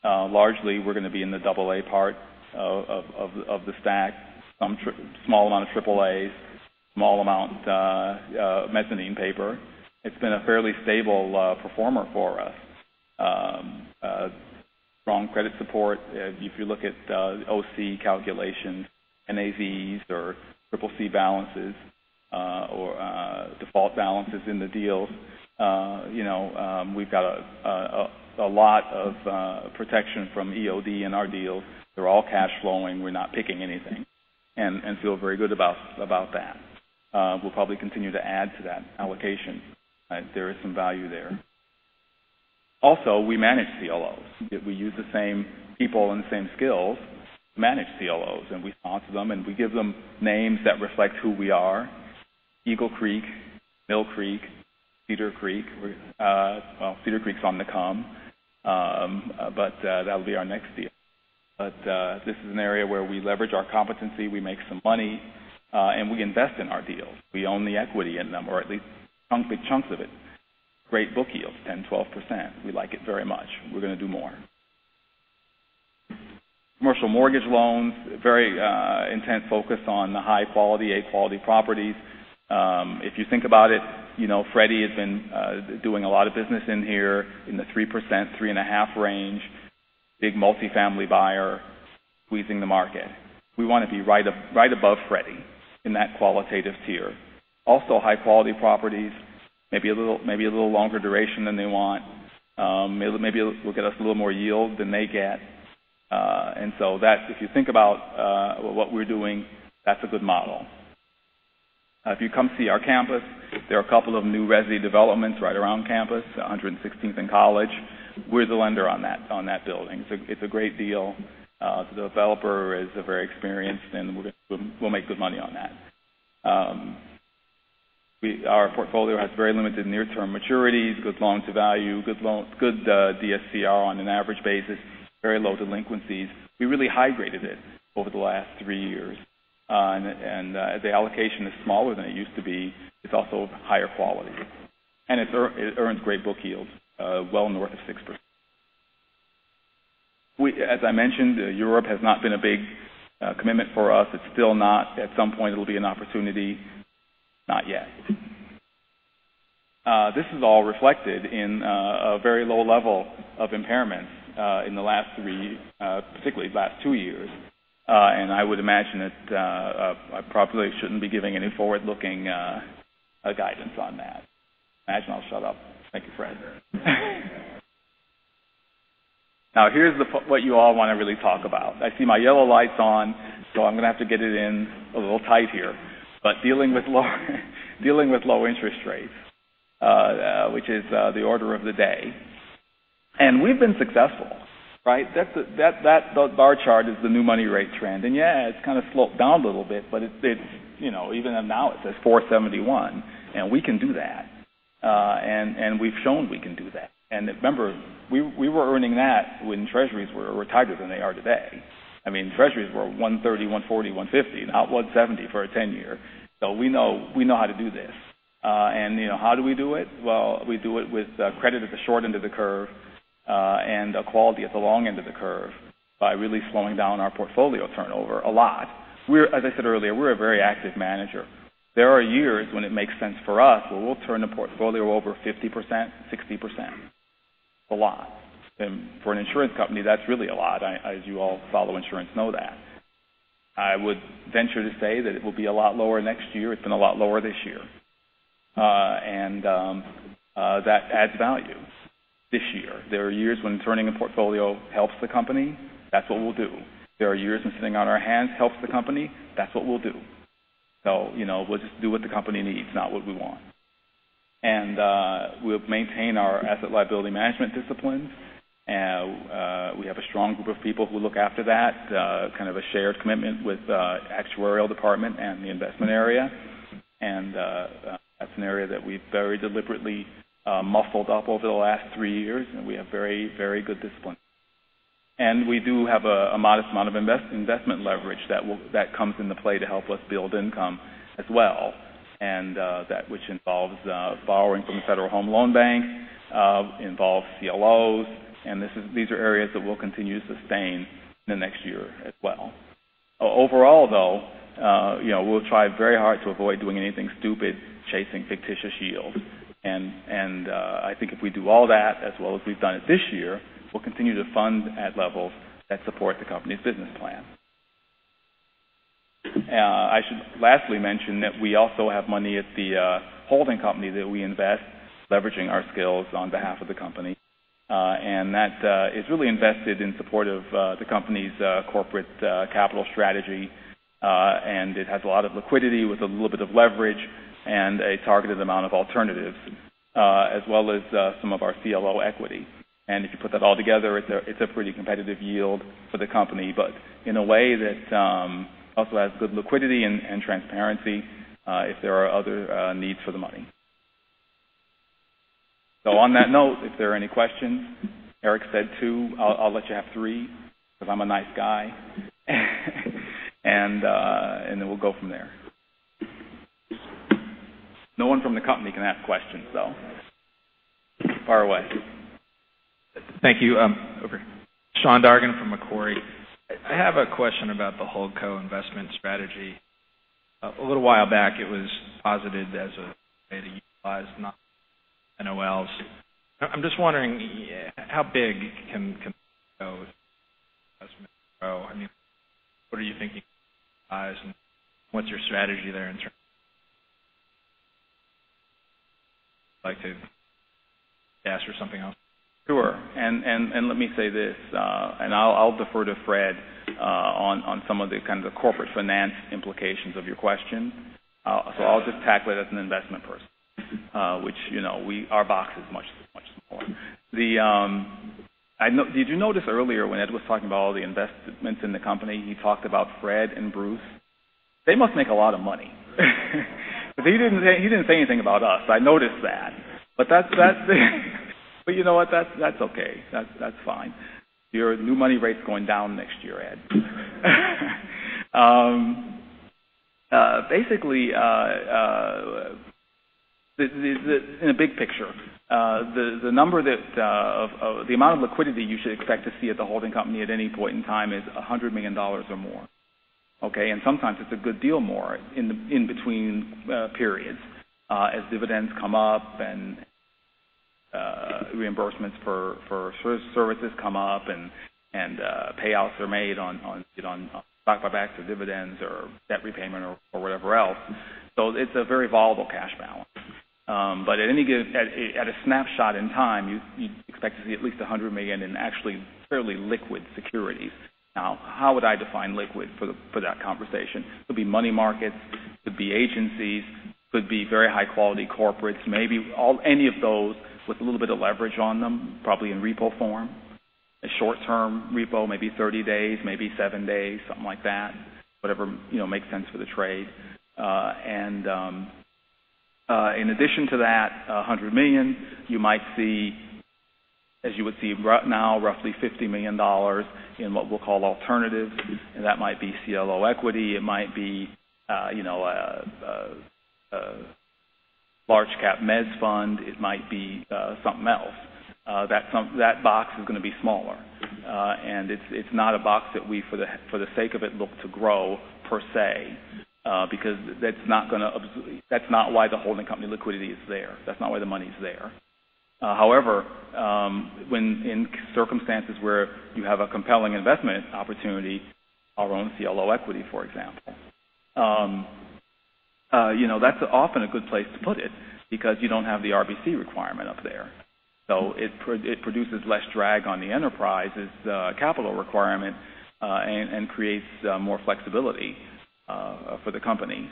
Largely, we're going to be in the AA part of the stack, some small amount of AAAs. Small amount mezzanine paper. It's been a fairly stable performer for us. Strong credit support. If you look at the OC calculations, NAVs or CCC balances, or default balances in the deals, we've got a lot of protection from EOD in our deals. They're all cash flowing. We're not PIKing anything, feel very good about that. We'll probably continue to add to that allocation. There is some value there. Also, we manage CLOs. We use the same people and the same skills to manage CLOs, and we sponsor them, and we give them names that reflect who we are. Eagle Creek, Mill Creek, Cedar Creek. Well, Cedar Creek's on the come, but that'll be our next deal. This is an area where we leverage our competency, we make some money, and we invest in our deals. We own the equity in them, or at least chunks of it. Great book yields, 10%, 12%. We like it very much. We're going to do more. Commercial mortgage loans, very intense focus on the high-quality, A-quality properties. If you think about it, Freddie Mac has been doing a lot of business in here in the 3%, 3.5% range. Big multi-family buyer squeezing the market. We want to be right above Freddie Mac in that qualitative tier. Also, high-quality properties, maybe a little longer duration than they want. Maybe it will get us a little more yield than they get. If you think about what we're doing, that's a good model. If you come see our campus, there are a couple of new resi developments right around campus, 116th and College. We're the lender on that building. It's a great deal. The developer is very experienced, and we'll make good money on that. Our portfolio has very limited near-term maturities, good loan-to-value, good DSCR on an average basis, very low delinquencies. We really high-graded it over the last three years. The allocation is smaller than it used to be. It's also higher quality. It earns great book yields, well north of 6%. As I mentioned, Europe has not been a big commitment for us. It's still not. At some point, it'll be an opportunity. Not yet. This is all reflected in a very low level of impairment in the last three, particularly last two years. I would imagine that I probably shouldn't be giving any forward-looking guidance on that. I imagine I'll shut up. Thank you, Fred. Now, here's what you all want to really talk about. I see my yellow light's on, I'm going to have to get it in a little tight here. Dealing with low interest rates, which is the order of the day. We've been successful, right? That bar chart is the new money rate trend. Yeah, it's kind of sloped down a little bit, but even now it says 471, and we can do that. We've shown we can do that. Remember, we were earning that when treasuries were tighter than they are today. I mean, treasuries were 130, 140, 150, not 170 for a 10-year. We know how to do this. How do we do it? Well, we do it with credit at the short end of the curve, and quality at the long end of the curve by really slowing down our portfolio turnover a lot. As I said earlier, we're a very active manager. There are years when it makes sense for us where we'll turn the portfolio over 50%, 60%. It's a lot. For an insurance company, that's really a lot, as you all who follow insurance know that. I would venture to say that it will be a lot lower next year. It's been a lot lower this year. That adds value this year. There are years when turning a portfolio helps the company. That's what we'll do. There are years when sitting on our hands helps the company. That's what we'll do. We'll just do what the company needs, not what we want. We'll maintain our asset liability management discipline. We have a strong group of people who look after that, kind of a shared commitment with the actuarial department and the investment area. That's an area that we've very deliberately muscled up over the last three years, and we have very good discipline. We do have a modest amount of investment leverage that comes into play to help us build income as well, which involves borrowing from the Federal Home Loan Bank, involves CLOs, and these are areas that we'll continue to sustain in the next year as well. Overall, though, we'll try very hard to avoid doing anything stupid, chasing fictitious yields. I think if we do all that, as well as we've done it this year, we'll continue to fund at levels that support the company's business plan. I should lastly mention that we also have money at the holding company that we invest, leveraging our skills on behalf of the company. That is really invested in support of the company's corporate capital strategy. It has a lot of liquidity with a little bit of leverage and a targeted amount of alternatives, as well as some of our CLO equity. If you put that all together, it's a pretty competitive yield for the company, but in a way that also has good liquidity and transparency if there are other needs for the money. On that note, if there are any questions. Eric said two. I'll let you have three because I'm a nice guy. We'll go from there. No one from the company can ask questions. Fire away. Thank you. Over here. Sean Dargan from Macquarie. I have a question about the whole co-investment strategy. A little while back, it was posited as a way to utilize NOLs. I'm just wondering, how big can co-investment go? What are you thinking, and what's your strategy there in terms. Sure. Let me say this. I'll defer to Fred on some of the corporate finance implications of your question. I'll just tackle it as an investment person, which our box is much more. Did you notice earlier when Ed was talking about all the investments in the company, he talked about Fred and Bruce? They must make a lot of money. He didn't say anything about us. I noticed that. You know what? That's okay. That's fine. Your new money rate's going down next year, Ed. Basically, in the big picture the amount of liquidity you should expect to see at the holding company at any point in time is $100 million or more. Okay? Sometimes it's a good deal more in between periods as dividends come up and reimbursements for services come up and payouts are made on stock buybacks or dividends or debt repayment or whatever else. It's a very volatile cash balance. At a snapshot in time, you'd expect to see at least $100 million in actually fairly liquid securities. Now, how would I define liquid for that conversation? Could be money markets, could be agencies, could be very high-quality corporates, maybe any of those with a little bit of leverage on them, probably in repo form. A short-term repo, maybe 30 days, maybe seven days, something like that. Whatever makes sense for the trade. In addition to that $100 million, you might see, as you would see now, roughly $50 million in what we'll call alternatives. That might be CLO equity. It might be a large cap mezz fund. It might be something else. That box is going to be smaller. It's not a box that we, for the sake of it, look to grow per se because that's not why the holding company liquidity is there. That's not why the money's there. However, in circumstances where you have a compelling investment opportunity, our own CLO equity, for example. That's often a good place to put it because you don't have the RBC requirement up there. It produces less drag on the enterprise's capital requirement and creates more flexibility for the company.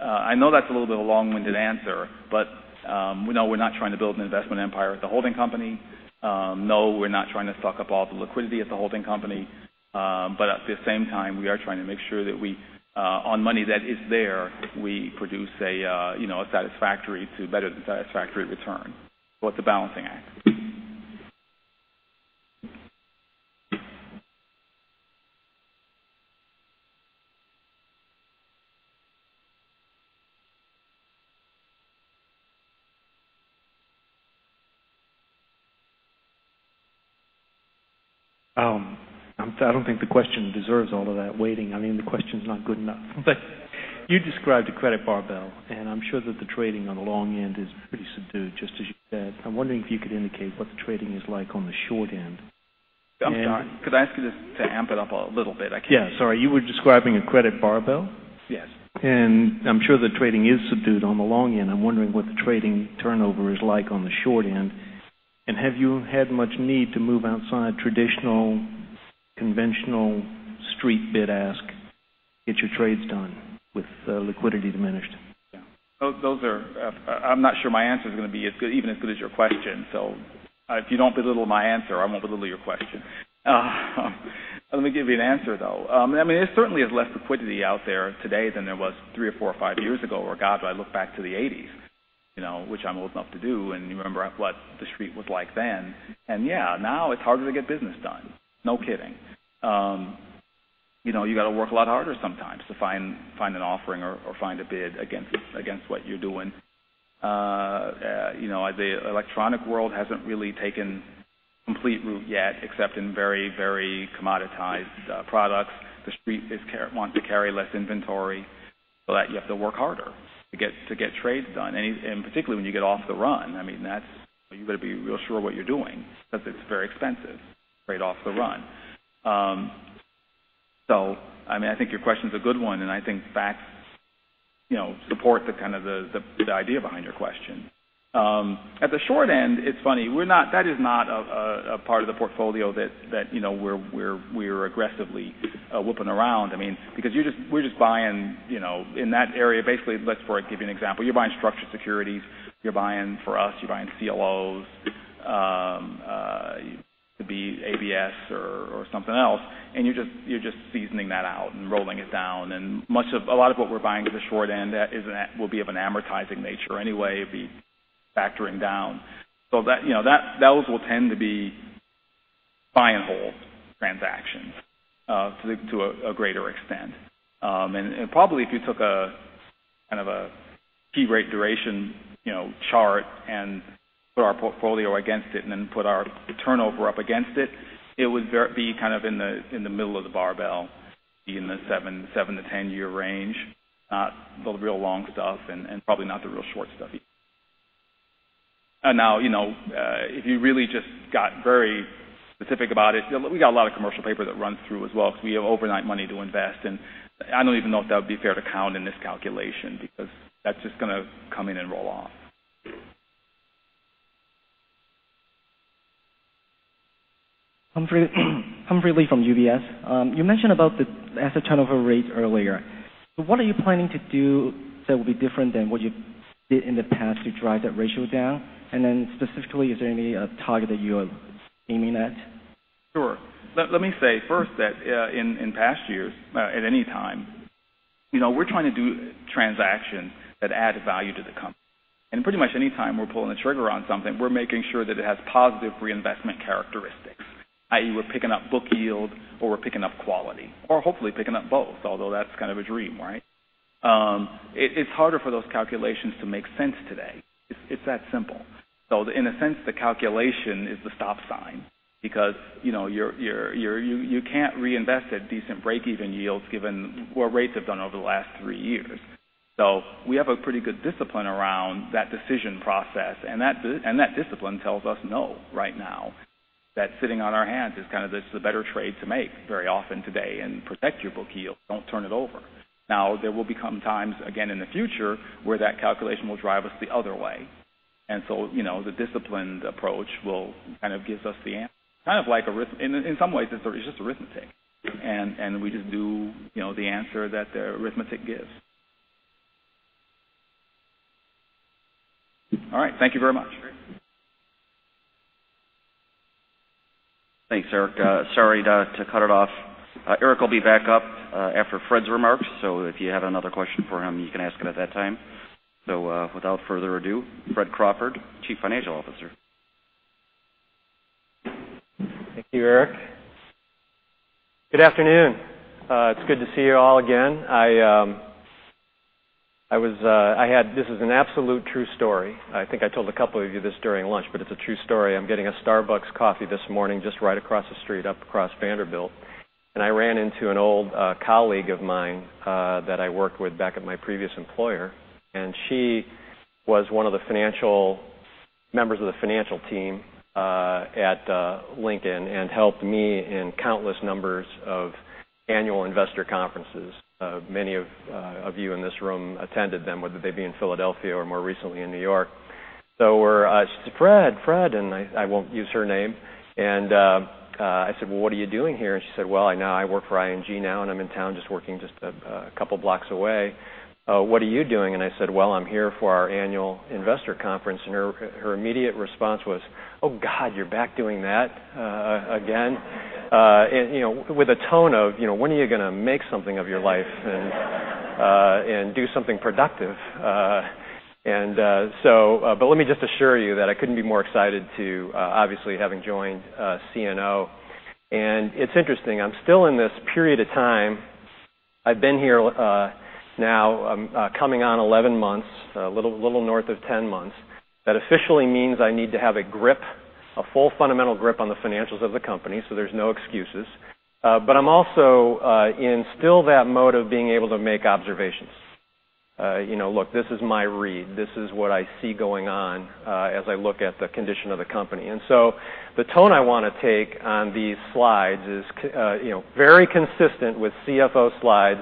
I know that's a little bit of a long-winded answer, no, we're not trying to build an investment empire at the holding company. No, we're not trying to stock up all the liquidity at the holding company. At the same time, we are trying to make sure that on money that is there, we produce a satisfactory to better than satisfactory return. It's a balancing act. I don't think the question deserves all of that weighting. The question's not good enough. You described a credit barbell, and I'm sure that the trading on the long end is pretty subdued, just as you said. I'm wondering if you could indicate what the trading is like on the short end. I'm sorry. Could I ask you just to amp it up a little bit? Yeah. Sorry. You were describing a credit barbell? Yes. I'm sure the trading is subdued on the long end. I'm wondering what the trading turnover is like on the short end. Have you had much need to move outside traditional, conventional street bid-ask, get your trades done with liquidity diminished? Yeah. I'm not sure my answer's going to be even as good as your question. If you don't belittle my answer, I won't belittle your question. Let me give you an answer, though. There certainly is less liquidity out there today than there was three or four or five years ago. God, do I look back to the '80s which I'm old enough to do, and you remember what the street was like then. Yeah, now it's harder to get business done. No kidding. You got to work a lot harder sometimes to find an offering or find a bid against what you're doing. The electronic world hasn't really taken complete root yet, except in very commoditized products. The street wants to carry less inventory so that you have to work harder to get trades done. Particularly when you get off the run. You better be real sure what you're doing because it's very expensive right off the run. I think your question's a good one, and I think facts support the idea behind your question. At the short end, it's funny. That is not a part of the portfolio that we're aggressively whipping around. We're just buying in that area. Basically, let's give you an example. You're buying structured securities. You're buying for us, you're buying CLOs, could be ABS or something else, and you're just seasoning that out and rolling it down. A lot of what we're buying at the short end will be of an amortizing nature anyway. It'd be factoring down. Those will tend to be Buy and hold transactions to a greater extent. Probably if you took a kind of a key rate duration chart and put our portfolio against it and then put our turnover up against it would be kind of in the middle of the barbell, be in the seven to 10-year range. Not the real long stuff and probably not the real short stuff either. Now, if you really just got very specific about it, we got a lot of commercial paper that runs through as well because we have overnight money to invest, and I don't even know if that would be fair to count in this calculation because that's just going to come in and roll off. Humphrey Lee from UBS. You mentioned about the asset turnover rate earlier. What are you planning to do that will be different than what you did in the past to drive that ratio down? Specifically, is there any target that you are aiming at? Sure. Let me say first that in past years, at any time, we're trying to do transactions that add value to the company. Pretty much anytime we're pulling the trigger on something, we're making sure that it has positive reinvestment characteristics. i.e. we're picking up book yield or we're picking up quality or hopefully picking up both, although that's kind of a dream, right? It's harder for those calculations to make sense today. It's that simple. In a sense, the calculation is the stop sign because you can't reinvest at decent breakeven yields given what rates have done over the last 3 years. We have a pretty good discipline around that decision process, and that discipline tells us no right now. That sitting on our hands is kind of this is a better trade to make very often today and protect your book yield. Don't turn it over. There will become times again in the future where that calculation will drive us the other way, the disciplined approach kind of gives us the answer. In some ways, it's just arithmetic, and we just do the answer that the arithmetic gives. All right. Thank you very much. Thanks, Eric. Sorry to cut it off. Eric will be back up after Fred's remarks, if you had another question for him, you can ask it at that time. Without further ado, Fred Crawford, Chief Financial Officer. Thank you, Eric. Good afternoon. It's good to see you all again. This is an absolute true story. I think I told a couple of you this during lunch, but it's a true story. I'm getting a Starbucks coffee this morning just right across the street, up across Vanderbilt, and I ran into an old colleague of mine that I worked with back at my previous employer, and she was one of the members of the financial team at Lincoln and helped me in countless numbers of annual investor conferences. Many of you in this room attended them, whether they be in Philadelphia or more recently in New York. She said, "Fred," and I won't use her name. I said, "Well, what are you doing here?" She said, "Well, I work for ING now, and I'm in town just working just a couple blocks away. What are you doing?" I said, "Well, I'm here for our annual investor conference." Her immediate response was, "Oh, God, you're back doing that again?" With a tone of, when are you going to make something of your life and do something productive? Let me just assure you that I couldn't be more excited to, obviously, having joined CNO. It's interesting. I'm still in this period of time. I've been here now coming on 11 months, a little north of 10 months. That officially means I need to have a grip, a full fundamental grip on the financials of the company, so there's no excuses. I'm also in still that mode of being able to make observations. Look, this is my read. This is what I see going on as I look at the condition of the company. The tone I want to take on these slides is very consistent with CFO slides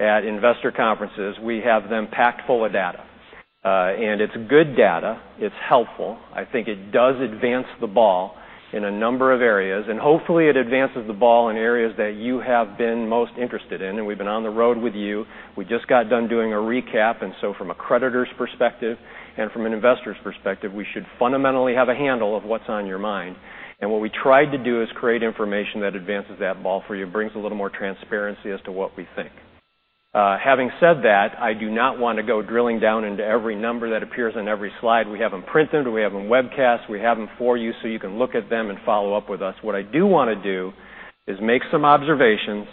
at investor conferences. We have them packed full of data. It's good data. It's helpful. I think it does advance the ball in a number of areas, hopefully, it advances the ball in areas that you have been most interested in, we've been on the road with you. We just got done doing a recap, from a creditor's perspective from an investor's perspective, we should fundamentally have a handle of what's on your mind. What we tried to do is create information that advances that ball for you. Brings a little more transparency as to what we think. Having said that, I do not want to go drilling down into every number that appears on every slide. We have them printed. We have them webcast. We have them for you so you can look at them and follow up with us. What I do want to do is make some observations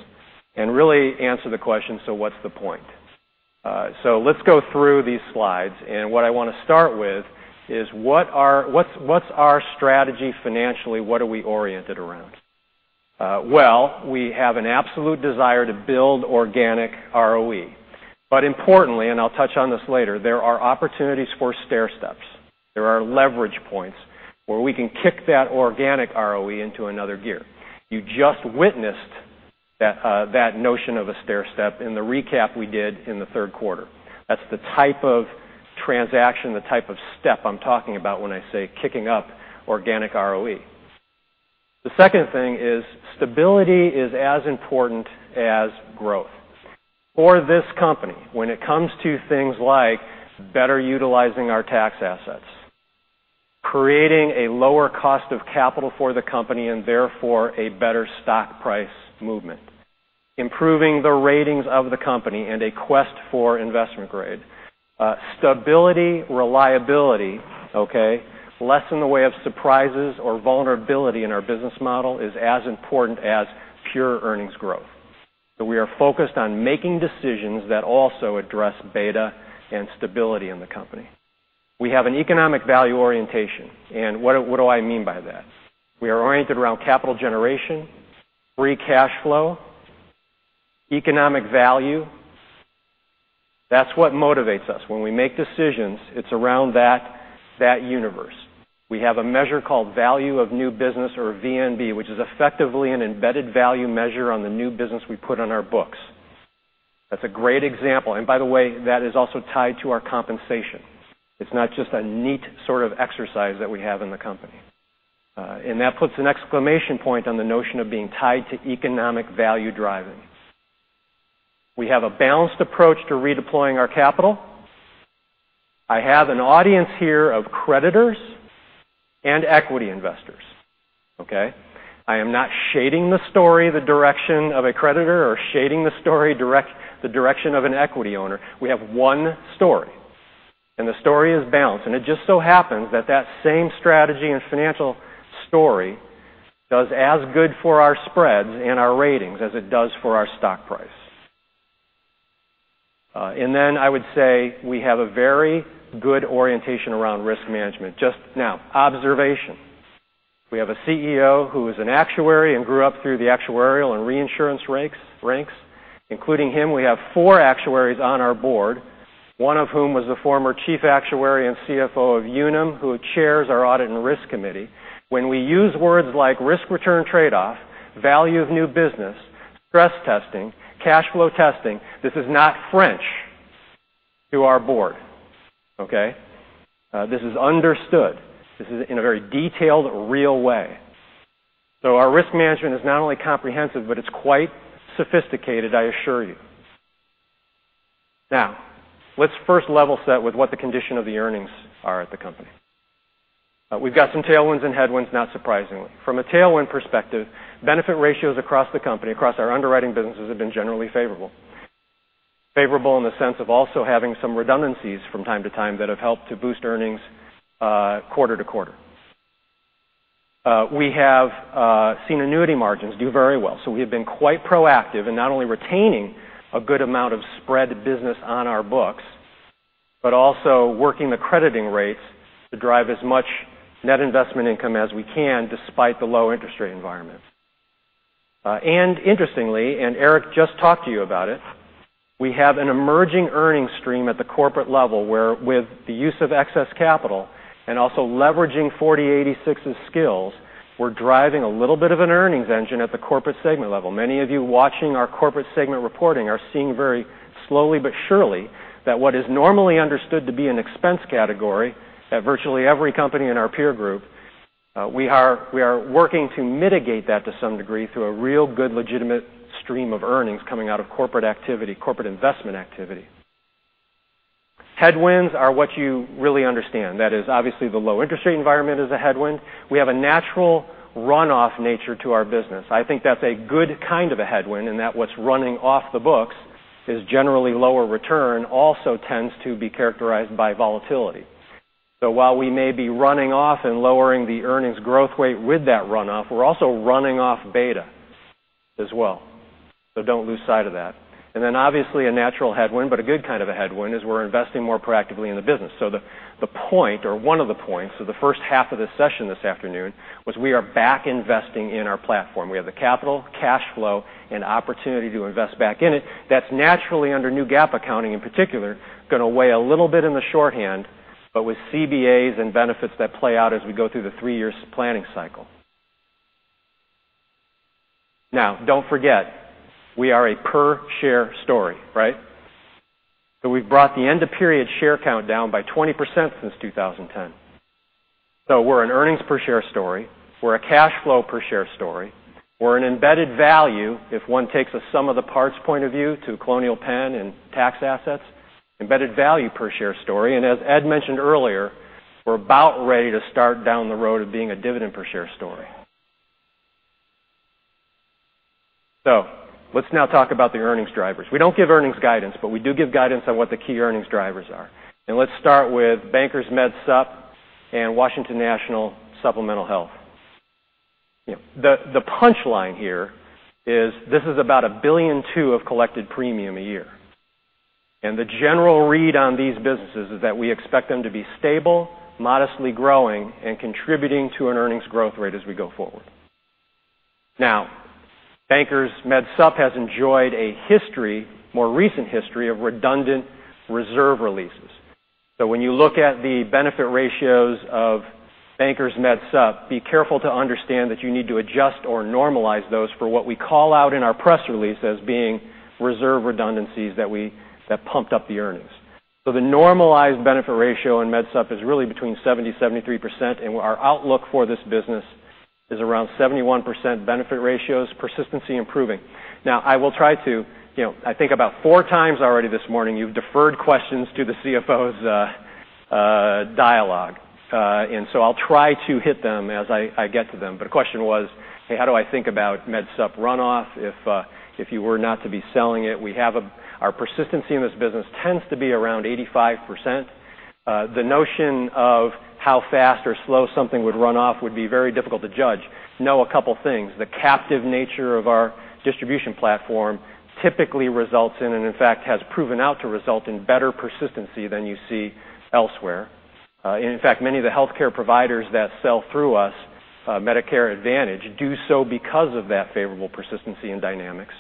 and really answer the question, what's the point? Let's go through these slides, what I want to start with is what's our strategy financially? What are we oriented around? Well, we have an absolute desire to build organic ROE. Importantly, I'll touch on this later, there are opportunities for stairsteps. There are leverage points where we can kick that organic ROE into another gear. You just witnessed that notion of a stairstep in the recap we did in the third quarter. That's the type of transaction, the type of step I'm talking about when I say kicking up organic ROE. The second thing is stability is as important as growth for this company when it comes to things like better utilizing our tax assets. Creating a lower cost of capital for the company and therefore a better stock price movement. Improving the ratings of the company and a quest for investment grade. Stability, reliability, okay? Less in the way of surprises or vulnerability in our business model is as important as pure earnings growth. We are focused on making decisions that also address beta and stability in the company. We have an economic value orientation. What do I mean by that? We are oriented around capital generation, free cash flow, economic value. That's what motivates us. When we make decisions, it's around that universe. We have a measure called value of new business or VNB, which is effectively an embedded value measure on the new business we put on our books. That's a great example. By the way, that is also tied to our compensation. It's not just a neat sort of exercise that we have in the company. That puts an exclamation point on the notion of being tied to economic value driving. We have a balanced approach to redeploying our capital. I have an audience here of creditors and equity investors, okay? I am not shading the story the direction of a creditor or shading the story the direction of an equity owner. We have one story, and the story is balanced. It just so happens that that same strategy and financial story does as good for our spreads and our ratings as it does for our stock price. Then I would say we have a very good orientation around risk management. Just now, observation. We have a CEO who is an actuary and grew up through the actuarial and reinsurance ranks. Including him, we have four actuaries on our board, one of whom was the former chief actuary and CFO of Unum, who chairs our audit and risk committee. When we use words like risk-return tradeoff, value of new business, stress testing, cash flow testing, this is not French to our board, okay? This is understood. This is in a very detailed, real way. Our risk management is not only comprehensive, but it's quite sophisticated, I assure you. Now, let's first level set with what the condition of the earnings are at the company. We've got some tailwinds and headwinds, not surprisingly. From a tailwind perspective, benefit ratios across the company, across our underwriting businesses have been generally favorable. Favorable in the sense of also having some redundancies from time to time that have helped to boost earnings quarter to quarter. We have seen annuity margins do very well. We have been quite proactive in not only retaining a good amount of spread business on our books but also working the crediting rates to drive as much net investment income as we can despite the low interest rate environment. Interestingly, Eric just talked to you about it, we have an emerging earnings stream at the corporate level where with the use of excess capital and also leveraging 40|86's skills, we're driving a little bit of an earnings engine at the corporate segment level. Many of you watching our corporate segment reporting are seeing very slowly but surely that what is normally understood to be an expense category at virtually every company in our peer group, we are working to mitigate that to some degree through a real good legitimate stream of earnings coming out of corporate investment activity. Headwinds are what you really understand. That is obviously the low interest rate environment is a headwind. We have a natural runoff nature to our business. I think that's a good kind of a headwind in that what's running off the books is generally lower return, also tends to be characterized by volatility. While we may be running off and lowering the earnings growth rate with that runoff, we're also running off beta as well. Don't lose sight of that. Obviously a natural headwind, but a good kind of a headwind is we're investing more proactively in the business. The point or one of the points of the first half of this session this afternoon was we are back investing in our platform. We have the capital, cash flow, and opportunity to invest back in it. That's naturally under new GAAP accounting in particular, going to weigh a little bit in the short run, but with CBAs and benefits that play out as we go through the 3 years planning cycle. Don't forget, we are a per share story, right? We've brought the end of period share count down by 20% since 2010. We're an earnings per share story. We're a cash flow per share story. We're an embedded value, if one takes a sum of the parts point of view to Colonial Penn and tax assets, embedded value per share story. As Ed mentioned earlier, we're about ready to start down the road of being a dividend per share story. Let's now talk about the earnings drivers. We don't give earnings guidance, but we do give guidance on what the key earnings drivers are. Let's start with Bankers Life Med Sup and Washington National Supplemental Health. The punchline here is this is about $1.2 billion of collected premium a year. The general read on these businesses is that we expect them to be stable, modestly growing, and contributing to an earnings growth rate as we go forward. Bankers Life Med Sup has enjoyed a more recent history of redundant reserve releases. When you look at the benefit ratios of Bankers Life Med Sup, be careful to understand that you need to adjust or normalize those for what we call out in our press release as being reserve redundancies that pumped up the earnings. The normalized benefit ratio in Med Sup is really between 70%-73%, and our outlook for this business is around 71% benefit ratios, persistency improving. I will try to. I think about 4 times already this morning, you've deferred questions to the CFO's Dialogue. I'll try to hit them as I get to them. The question was, hey, how do I think about Med Sup runoff if you were not to be selling it? Our persistency in this business tends to be around 85%. The notion of how fast or slow something would run off would be very difficult to judge. Know a couple of things. The captive nature of our distribution platform typically results in, and in fact, has proven out to result in better persistency than you see elsewhere. In fact, many of the healthcare providers that sell through us Medicare Advantage do so because of that favorable persistency and dynamics.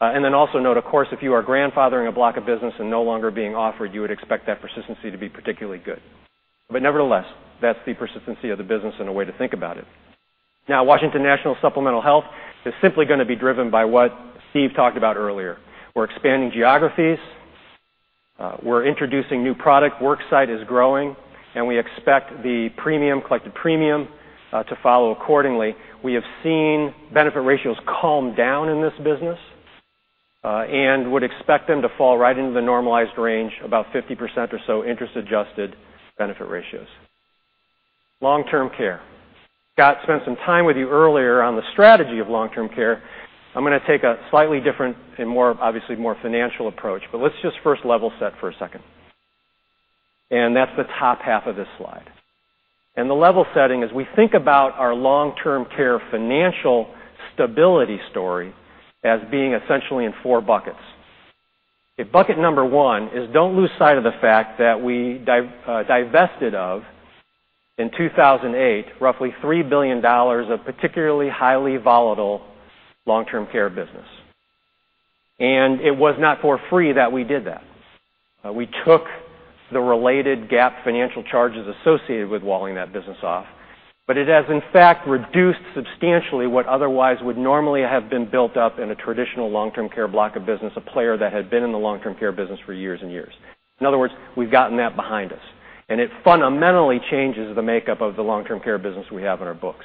Also note, of course, if you are grandfathering a block of business and no longer being offered, you would expect that persistency to be particularly good. Nevertheless, that's the persistency of the business and a way to think about it. Washington National supplemental health is simply going to be driven by what Steve talked about earlier. We're expanding geographies. We're introducing new product. Worksite is growing, and we expect the collected premium to follow accordingly. We have seen benefit ratios calm down in this business, would expect them to fall right into the normalized range, about 50% or so interest-adjusted benefit ratios. Long-term care. Scott spent some time with you earlier on the strategy of long-term care. I'm going to take a slightly different and obviously more financial approach. Let's just first level set for a second. That's the top half of this slide. The level setting is we think about our long-term care financial stability story as being essentially in four buckets. Bucket 1 is don't lose sight of the fact that we divested of, in 2008, roughly $3 billion of particularly highly volatile long-term care business. It was not for free that we did that. We took the related GAAP financial charges associated with walling that business off, it has in fact reduced substantially what otherwise would normally have been built up in a traditional long-term care block of business, a player that had been in the long-term care business for years and years. We've gotten that behind us, it fundamentally changes the makeup of the long-term care business we have on our books.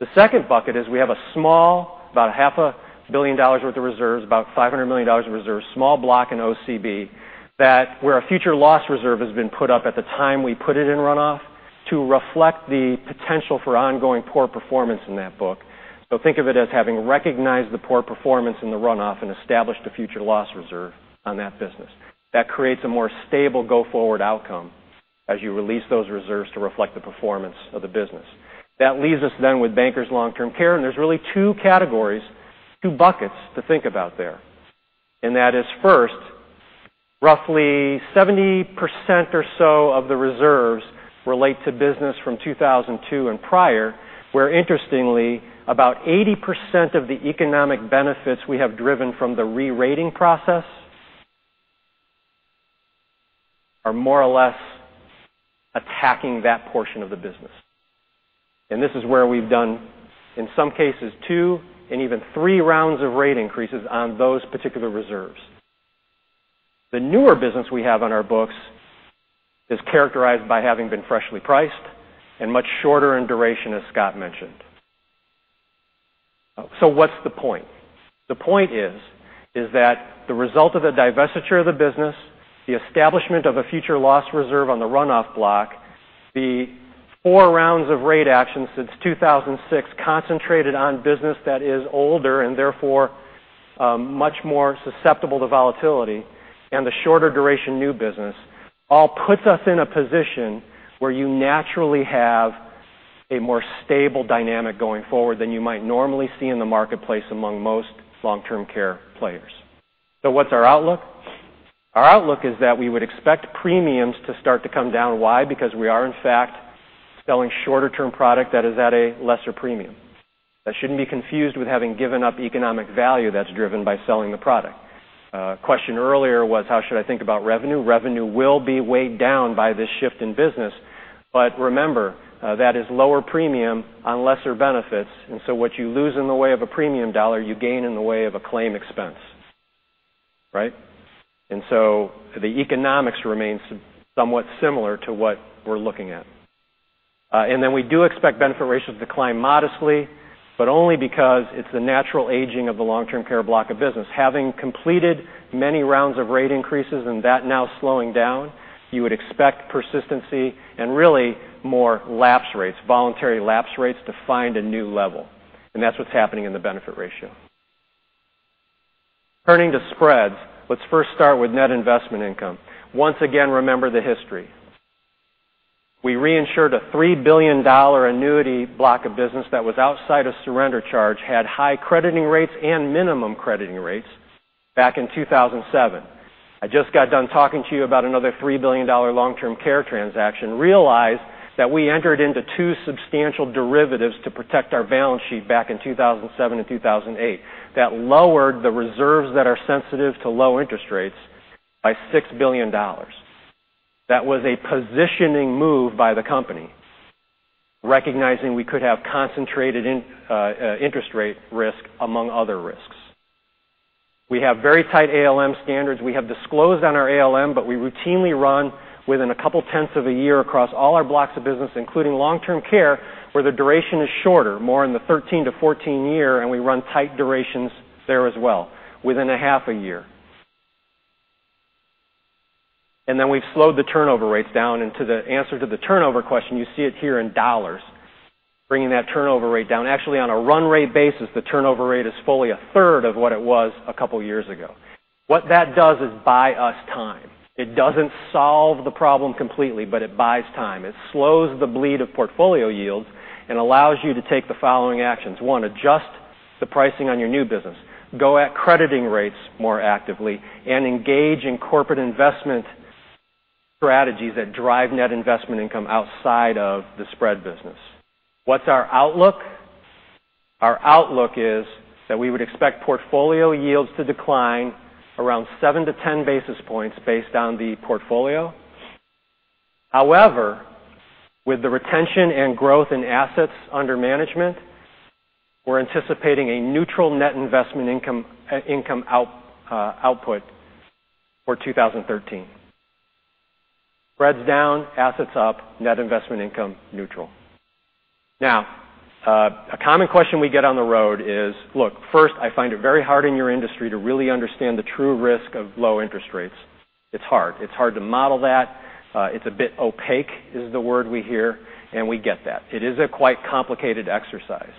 The second bucket is we have a small, about a half a billion dollars worth of reserves, about $500 million of reserves, small block in OCB, that where a future loss reserve has been put up at the time we put it in runoff to reflect the potential for ongoing poor performance in that book. Think of it as having recognized the poor performance in the runoff and established a future loss reserve on that business. That creates a more stable go-forward outcome as you release those reserves to reflect the performance of the business. That leaves us then with Bankers Long-Term Care, there's really two categories, two buckets to think about there. That is, first, roughly 70% or so of the reserves relate to business from 2002 and prior, where interestingly, about 80% of the economic benefits we have driven from the re-rating process are more or less attacking that portion of the business. This is where we've done, in some cases, two and even three rounds of rate increases on those particular reserves. The newer business we have on our books is characterized by having been freshly priced and much shorter in duration, as Scott mentioned. What's the point? The point is that the result of the divestiture of the business, the establishment of a future loss reserve on the runoff block, the four rounds of rate actions since 2006 concentrated on business that is older and therefore much more susceptible to volatility, the shorter duration new business all puts us in a position where you naturally have a more stable dynamic going forward than you might normally see in the marketplace among most long-term care players. What's our outlook? Our outlook is that we would expect premiums to start to come down. Why? We are, in fact, selling shorter-term product that is at a lesser premium. That shouldn't be confused with having given up economic value that's driven by selling the product. A question earlier was, how should I think about revenue? Revenue will be weighed down by this shift in business. Remember, that is lower premium on lesser benefits. What you lose in the way of a premium dollar, you gain in the way of a claim expense. Right? The economics remains somewhat similar to what we're looking at. We do expect benefit ratios to decline modestly, but only because it's the natural aging of the long-term care block of business. Having completed many rounds of rate increases and that now slowing down, you would expect persistency and really more lapse rates, voluntary lapse rates to find a new level. That's what's happening in the benefit ratio. Turning to spreads, let's first start with net investment income. Once again, remember the history. We reinsured a $3 billion annuity block of business that was outside a surrender charge, had high crediting rates and minimum crediting rates back in 2007. I just got done talking to you about another $3 billion long-term care transaction. Realize that we entered into two substantial derivatives to protect our balance sheet back in 2007 and 2008 that lowered the reserves that are sensitive to low interest rates by $6 billion. That was a positioning move by the company, recognizing we could have concentrated interest rate risk among other risks. We have very tight ALM standards. We have disclosed on our ALM, but we routinely run within a couple of tenths of a year across all our blocks of business, including long-term care, where the duration is shorter, more in the 13-14 year, and we run tight durations there as well within a half a year. We've slowed the turnover rates down into the answer to the turnover question, you see it here in dollars, bringing that turnover rate down. Actually, on a run rate basis, the turnover rate is fully a third of what it was a couple of years ago. What that does is buy us time. It doesn't solve the problem completely, but it buys time. It slows the bleed of portfolio yields and allows you to take the following actions. One, adjust the pricing on your new business, go at crediting rates more actively, and engage in corporate investment strategies that drive net investment income outside of the spread business. What's our outlook? Our outlook is that we would expect portfolio yields to decline around seven-10 basis points based on the portfolio. However, with the retention and growth in assets under management, we're anticipating a neutral net investment income output for 2013. Spreads down, assets up, net investment income, neutral. A common question we get on the road is, look, first, I find it very hard in your industry to really understand the true risk of low interest rates. It's hard. It's hard to model that. It's a bit opaque is the word we hear, and we get that. It is a quite complicated exercise.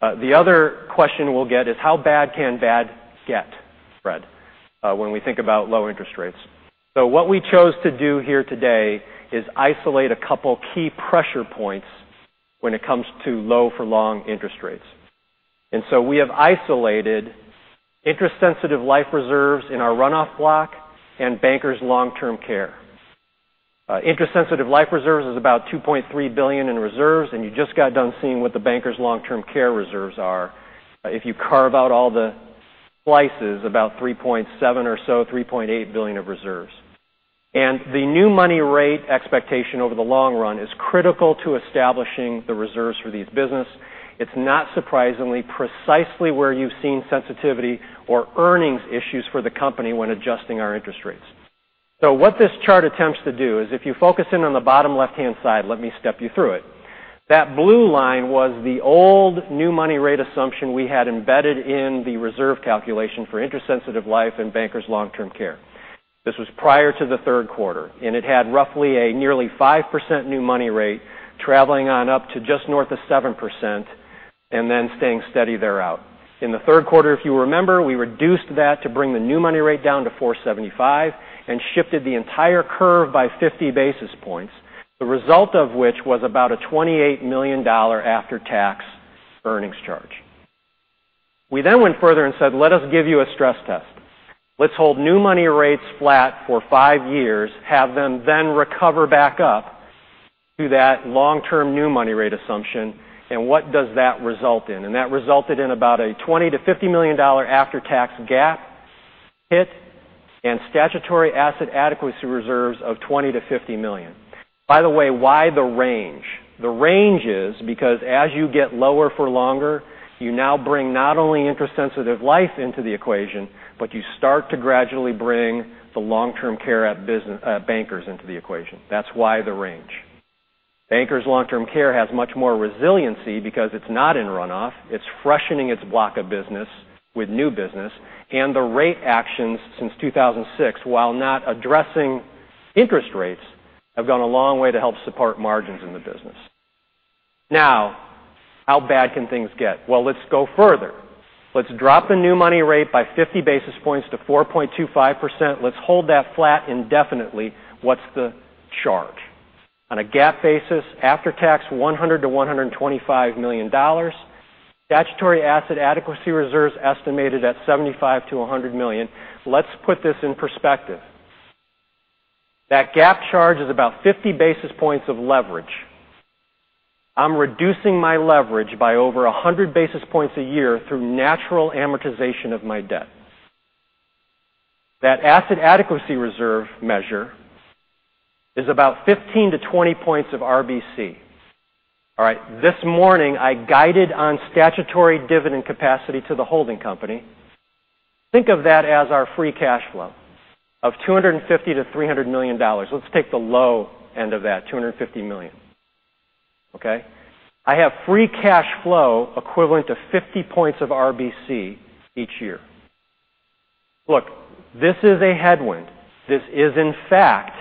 The other question we'll get is, how bad can bad get spread, when we think about low interest rates? What we chose to do here today is isolate a couple key pressure points when it comes to low for long interest rates. We have isolated interest-sensitive life reserves in our runoff block and Bankers Long-Term Care. Interest-sensitive life reserves is about $2.3 billion in reserves, and you just got done seeing what the Bankers Long-Term Care reserves are. If you carve out all the slices, about $3.7 billion or so, $3.8 billion of reserves. The new money rate expectation over the long run is critical to establishing the reserves for these business. It's not surprisingly precisely where you've seen sensitivity or earnings issues for the company when adjusting our interest rates. What this chart attempts to do is if you focus in on the bottom left-hand side, let me step you through it. That blue line was the old new money rate assumption we had embedded in the reserve calculation for interest-sensitive life and Bankers Long-Term Care. This was prior to the third quarter, and it had roughly a nearly 5% new money rate traveling on up to just north of 7% and then staying steady there out. In the third quarter, if you remember, we reduced that to bring the new money rate down to 4.75% and shifted the entire curve by 50 basis points, the result of which was about a $28 million after-tax earnings charge. We went further and said, let us give you a stress test. Let's hold new money rates flat for five years, have them then recover back up to that long-term new money rate assumption, and what does that result in? That resulted in about a $20 million-$50 million after-tax GAAP hit and statutory asset adequacy reserves of $20 million-$50 million. By the way, why the range? The range is because as you get lower for longer, you now bring not only interest-sensitive life into the equation, but you start to gradually bring the long-term care at Bankers into the equation. That's why the range. Bankers Long-Term Care has much more resiliency because it's not in runoff. It's freshening its block of business with new business, and the rate actions since 2006, while not addressing interest rates, have gone a long way to help support margins in the business. How bad can things get? Let's go further. Let's drop the new money rate by 50 basis points to 4.25%. Let's hold that flat indefinitely. What's the charge? On a GAAP basis, after tax, $100 million-$125 million. Statutory asset adequacy reserves estimated at $75 million-$100 million. Let's put this in perspective. That GAAP charge is about 50 basis points of leverage. I'm reducing my leverage by over 100 basis points a year through natural amortization of my debt. That asset adequacy reserve measure is about 15-20 points of RBC. All right. This morning, I guided on statutory dividend capacity to the holding company. Think of that as our free cash flow of $250 million-$300 million. Let's take the low end of that, $250 million. Okay? I have free cash flow equivalent to 50 points of RBC each year. This is a headwind. This is in fact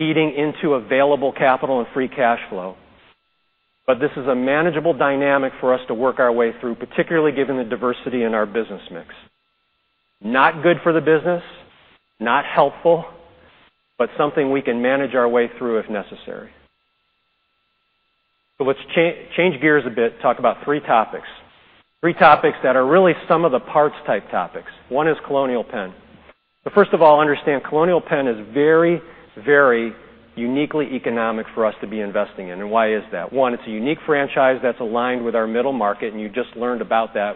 eating into available capital and free cash flow. This is a manageable dynamic for us to work our way through, particularly given the diversity in our business mix. Not good for the business, not helpful, but something we can manage our way through if necessary. Let's change gears a bit, talk about three topics. Three topics that are really some of the parts type topics. One is Colonial Penn. First of all, understand Colonial Penn is very, very uniquely economic for us to be investing in. Why is that? One, it's a unique franchise that's aligned with our middle market, and you just learned about that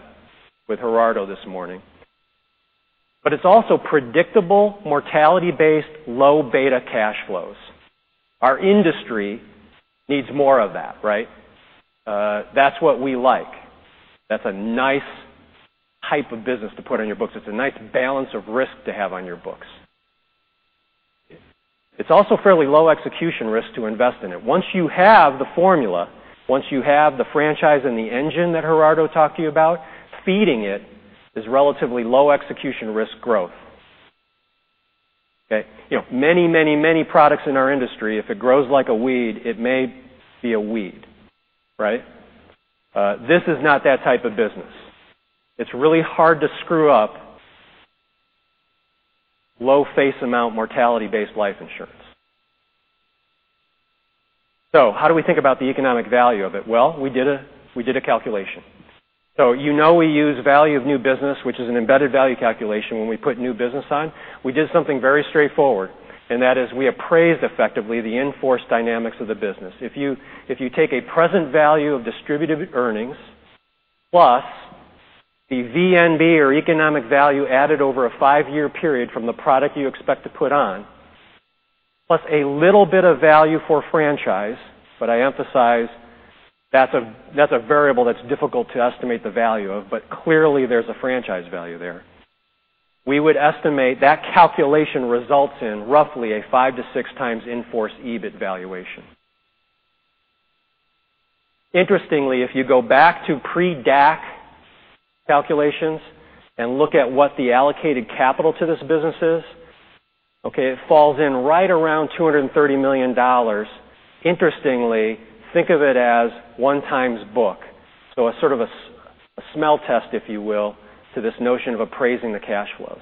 with Gerardo this morning. It's also predictable mortality-based low beta cash flows. Our industry needs more of that, right? That's what we like. That's a nice type of business to put on your books. It's a nice balance of risk to have on your books. It's also fairly low execution risk to invest in it. Once you have the formula, once you have the franchise and the engine that Gerardo talked to you about, feeding it is relatively low execution risk growth. Okay? Many products in our industry, if it grows like a weed, it may be a weed, right? This is not that type of business. It's really hard to screw up low face amount mortality-based life insurance. How do we think about the economic value of it? Well, we did a calculation. You know we use value of new business, which is an embedded value calculation when we put new business on. We did something very straightforward, and that is we appraised effectively the in-force dynamics of the business. If you take a present value of distributed earnings, plus the VNB or economic value added over a five-year period from the product you expect to put on, plus a little bit of value for franchise. I emphasize that's a variable that's difficult to estimate the value of, but clearly there's a franchise value there. We would estimate that calculation results in roughly a five to six times in force EBIT valuation. Interestingly, if you go back to pre-DAC calculations and look at what the allocated capital to this business is, okay, it falls in right around $230 million. Interestingly, think of it as one times book. A sort of a smell test, if you will, to this notion of appraising the cash flows.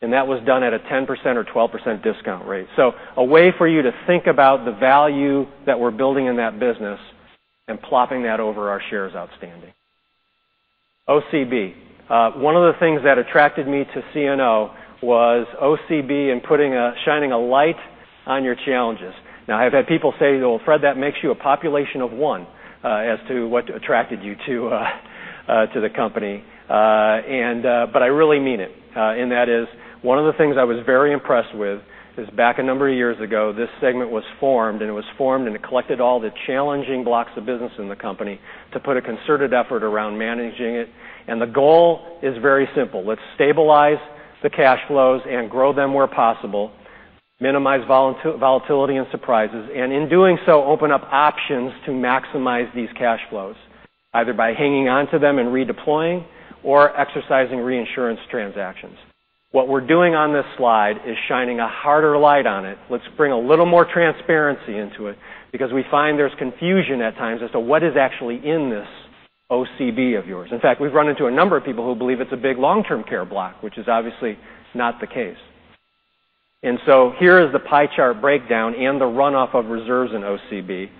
That was done at a 10% or 12% discount rate. A way for you to think about the value that we're building in that business and plopping that over our shares outstanding. OCB. One of the things that attracted me to CNO was OCB and shining a light on your challenges. Now I've had people say, "Well, Fred, that makes you a population of one as to what attracted you to the company." I really mean it. That is one of the things I was very impressed with is back a number of years ago, this segment was formed, and it collected all the challenging blocks of business in the company to put a concerted effort around managing it. The goal is very simple. Let's stabilize the cash flows and grow them where possible, minimize volatility and surprises, and in doing so, open up options to maximize these cash flows, either by hanging on to them and redeploying or exercising reinsurance transactions. What we're doing on this slide is shining a harder light on it. Let's bring a little more transparency into it because we find there's confusion at times as to what is actually in this OCB of yours. In fact, we've run into a number of people who believe it's a big long-term care block, which is obviously not the case. Here is the pie chart breakdown and the runoff of reserves in OCB.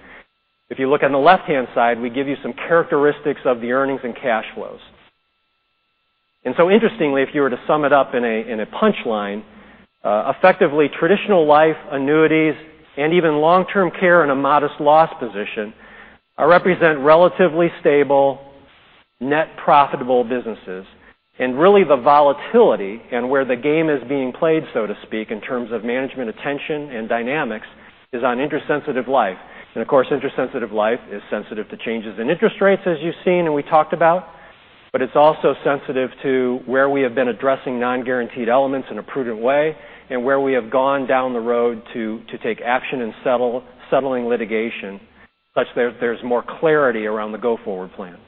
If you look on the left-hand side, we give you some characteristics of the earnings and cash flows. Interestingly, if you were to sum it up in a punchline, effectively traditional life annuities and even long-term care in a modest loss position represent relatively stable net profitable businesses. Really the volatility and where the game is being played, so to speak, in terms of management attention and dynamics is on interest sensitive life. Of course, interest sensitive life is sensitive to changes in interest rates, as you've seen and we talked about, but it's also sensitive to where we have been addressing non-guaranteed elements in a prudent way and where we have gone down the road to take action and settling litigation such that there's more clarity around the go-forward plan.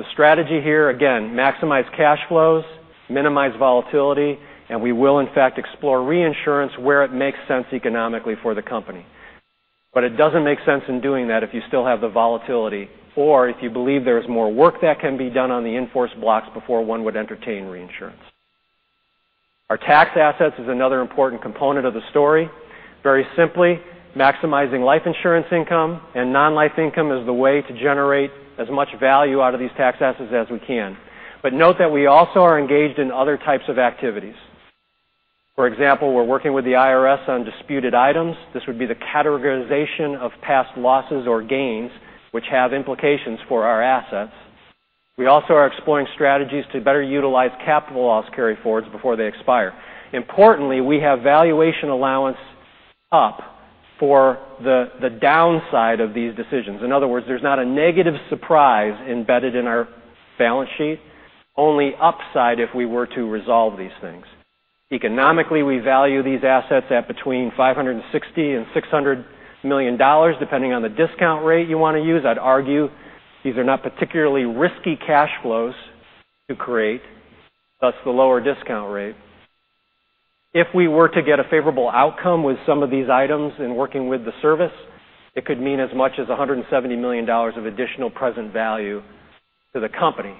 The strategy here, again, maximize cash flows, minimize volatility, and we will in fact explore reinsurance where it makes sense economically for the company. It doesn't make sense in doing that if you still have the volatility or if you believe there's more work that can be done on the in-force blocks before one would entertain reinsurance. Our tax assets is another important component of the story. Very simply, maximizing life insurance income and non-life income is the way to generate as much value out of these tax assets as we can. Note that we also are engaged in other types of activities. For example, we're working with the IRS on disputed items. This would be the categorization of past losses or gains, which have implications for our assets. We also are exploring strategies to better utilize capital loss carryforwards before they expire. Importantly, we have valuation allowance up for the downside of these decisions. In other words, there's not a negative surprise embedded in our balance sheet, only upside if we were to resolve these things. Economically, we value these assets at between $560 million and $600 million, depending on the discount rate you want to use. I'd argue these are not particularly risky cash flows to create, thus the lower discount rate. If we were to get a favorable outcome with some of these items in working with the service, it could mean as much as $170 million of additional present value to the company.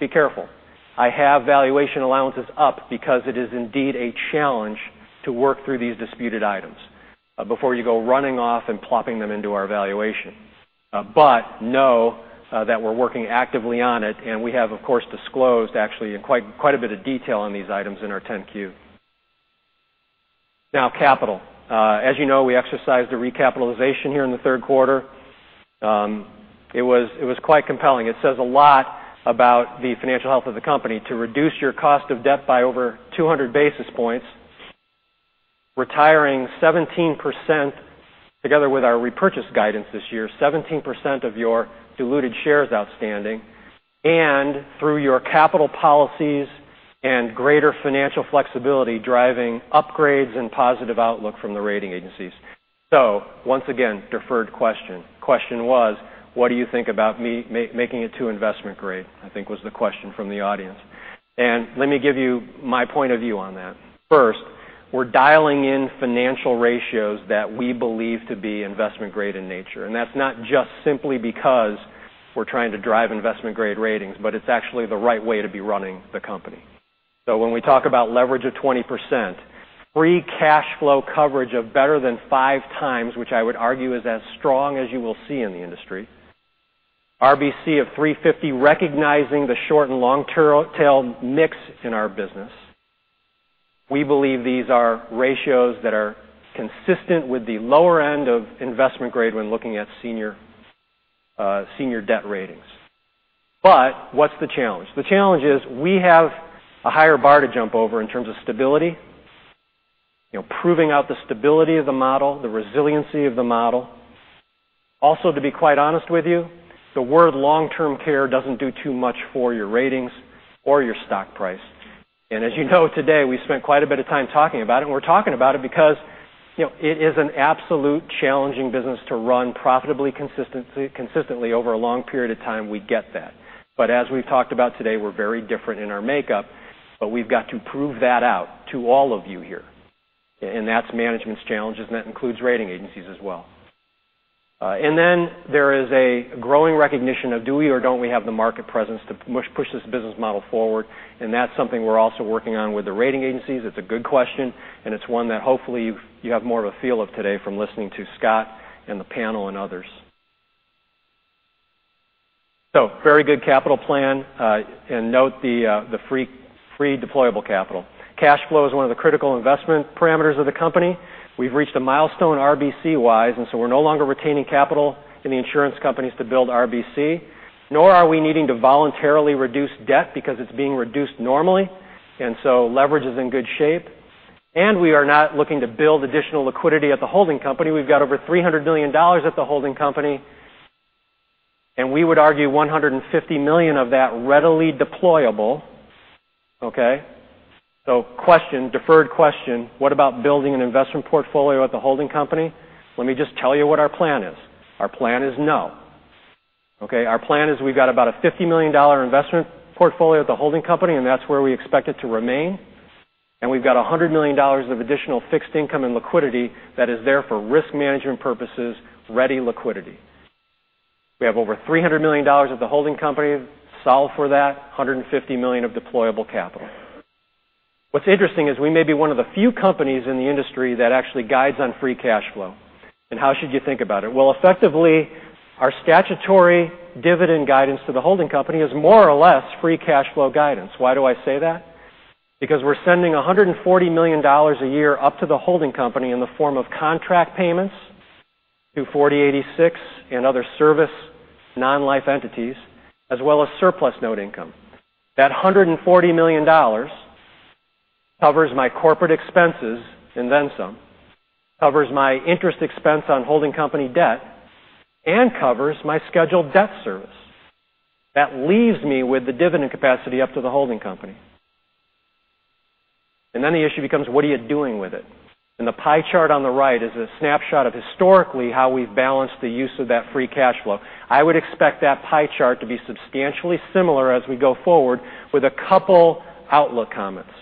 Be careful. I have valuation allowances up because it is indeed a challenge to work through these disputed items before you go running off and plopping them into our valuation. Know that we're working actively on it, and we have, of course, disclosed actually quite a bit of detail on these items in our 10-Q. Capital. As you know, we exercised a recapitalization here in the third quarter. It was quite compelling. It says a lot about the financial health of the company to reduce your cost of debt by over 200 basis points retiring 17%, together with our repurchase guidance this year, 17% of your diluted shares outstanding, and through your capital policies and greater financial flexibility, driving upgrades and positive outlook from the rating agencies. Once again, deferred question. Question was, what do you think about me making it to investment grade? I think was the question from the audience. Let me give you my point of view on that. First, we're dialing in financial ratios that we believe to be investment grade in nature. That's not just simply because we're trying to drive investment-grade ratings, but it's actually the right way to be running the company. When we talk about leverage of 20%, free cash flow coverage of better than five times, which I would argue is as strong as you will see in the industry, RBC of 350, recognizing the short and long-tail mix in our business. We believe these are ratios that are consistent with the lower end of investment grade when looking at senior debt ratings. What's the challenge? The challenge is we have a higher bar to jump over in terms of stability. Proving out the stability of the model, the resiliency of the model. To be quite honest with you, the word long-term care doesn't do too much for your ratings or your stock price. As you know, today, we spent quite a bit of time talking about it, and we're talking about it because it is an absolute challenging business to run profitably consistently over a long period of time. We get that. But as we've talked about today, we're very different in our makeup, but we've got to prove that out to all of you here. That's management's challenge, and that includes rating agencies as well. There is a growing recognition of do we or don't we have the market presence to push this business model forward, and that's something we're also working on with the rating agencies. It's a good question, and it's one that hopefully you have more of a feel of today from listening to Scott and the panel and others. Very good capital plan, and note the free deployable capital. Cash flow is one of the critical investment parameters of the company. We've reached a milestone RBC-wise, we're no longer retaining capital in the insurance companies to build RBC, nor are we needing to voluntarily reduce debt because it's being reduced normally. Leverage is in good shape. We are not looking to build additional liquidity at the holding company. We've got over $300 million at the holding company, and we would argue $150 million of that readily deployable. Okay. Question, deferred question, what about building an investment portfolio at the holding company? Let me just tell you what our plan is. Our plan is no. Okay. Our plan is we've got about a $50 million investment portfolio at the holding company, and that's where we expect it to remain. We've got $100 million of additional fixed income and liquidity that is there for risk management purposes, ready liquidity. We have over $300 million of the holding company solve for that, $150 million of deployable capital. What's interesting is we may be one of the few companies in the industry that actually guides on free cash flow. How should you think about it? Well, effectively, our statutory dividend guidance to the holding company is more or less free cash flow guidance. Why do I say that? Because we're sending $140 million a year up to the holding company in the form of contract payments to 40|86 and other service non-life entities, as well as surplus note income. That $140 million covers my corporate expenses and then some, covers my interest expense on holding company debt, and covers my scheduled debt service. That leaves me with the dividend capacity up to the holding company. The issue becomes, what are you doing with it? The pie chart on the right is a snapshot of historically how we've balanced the use of that free cash flow. I would expect that pie chart to be substantially similar as we go forward with a couple outlook comments.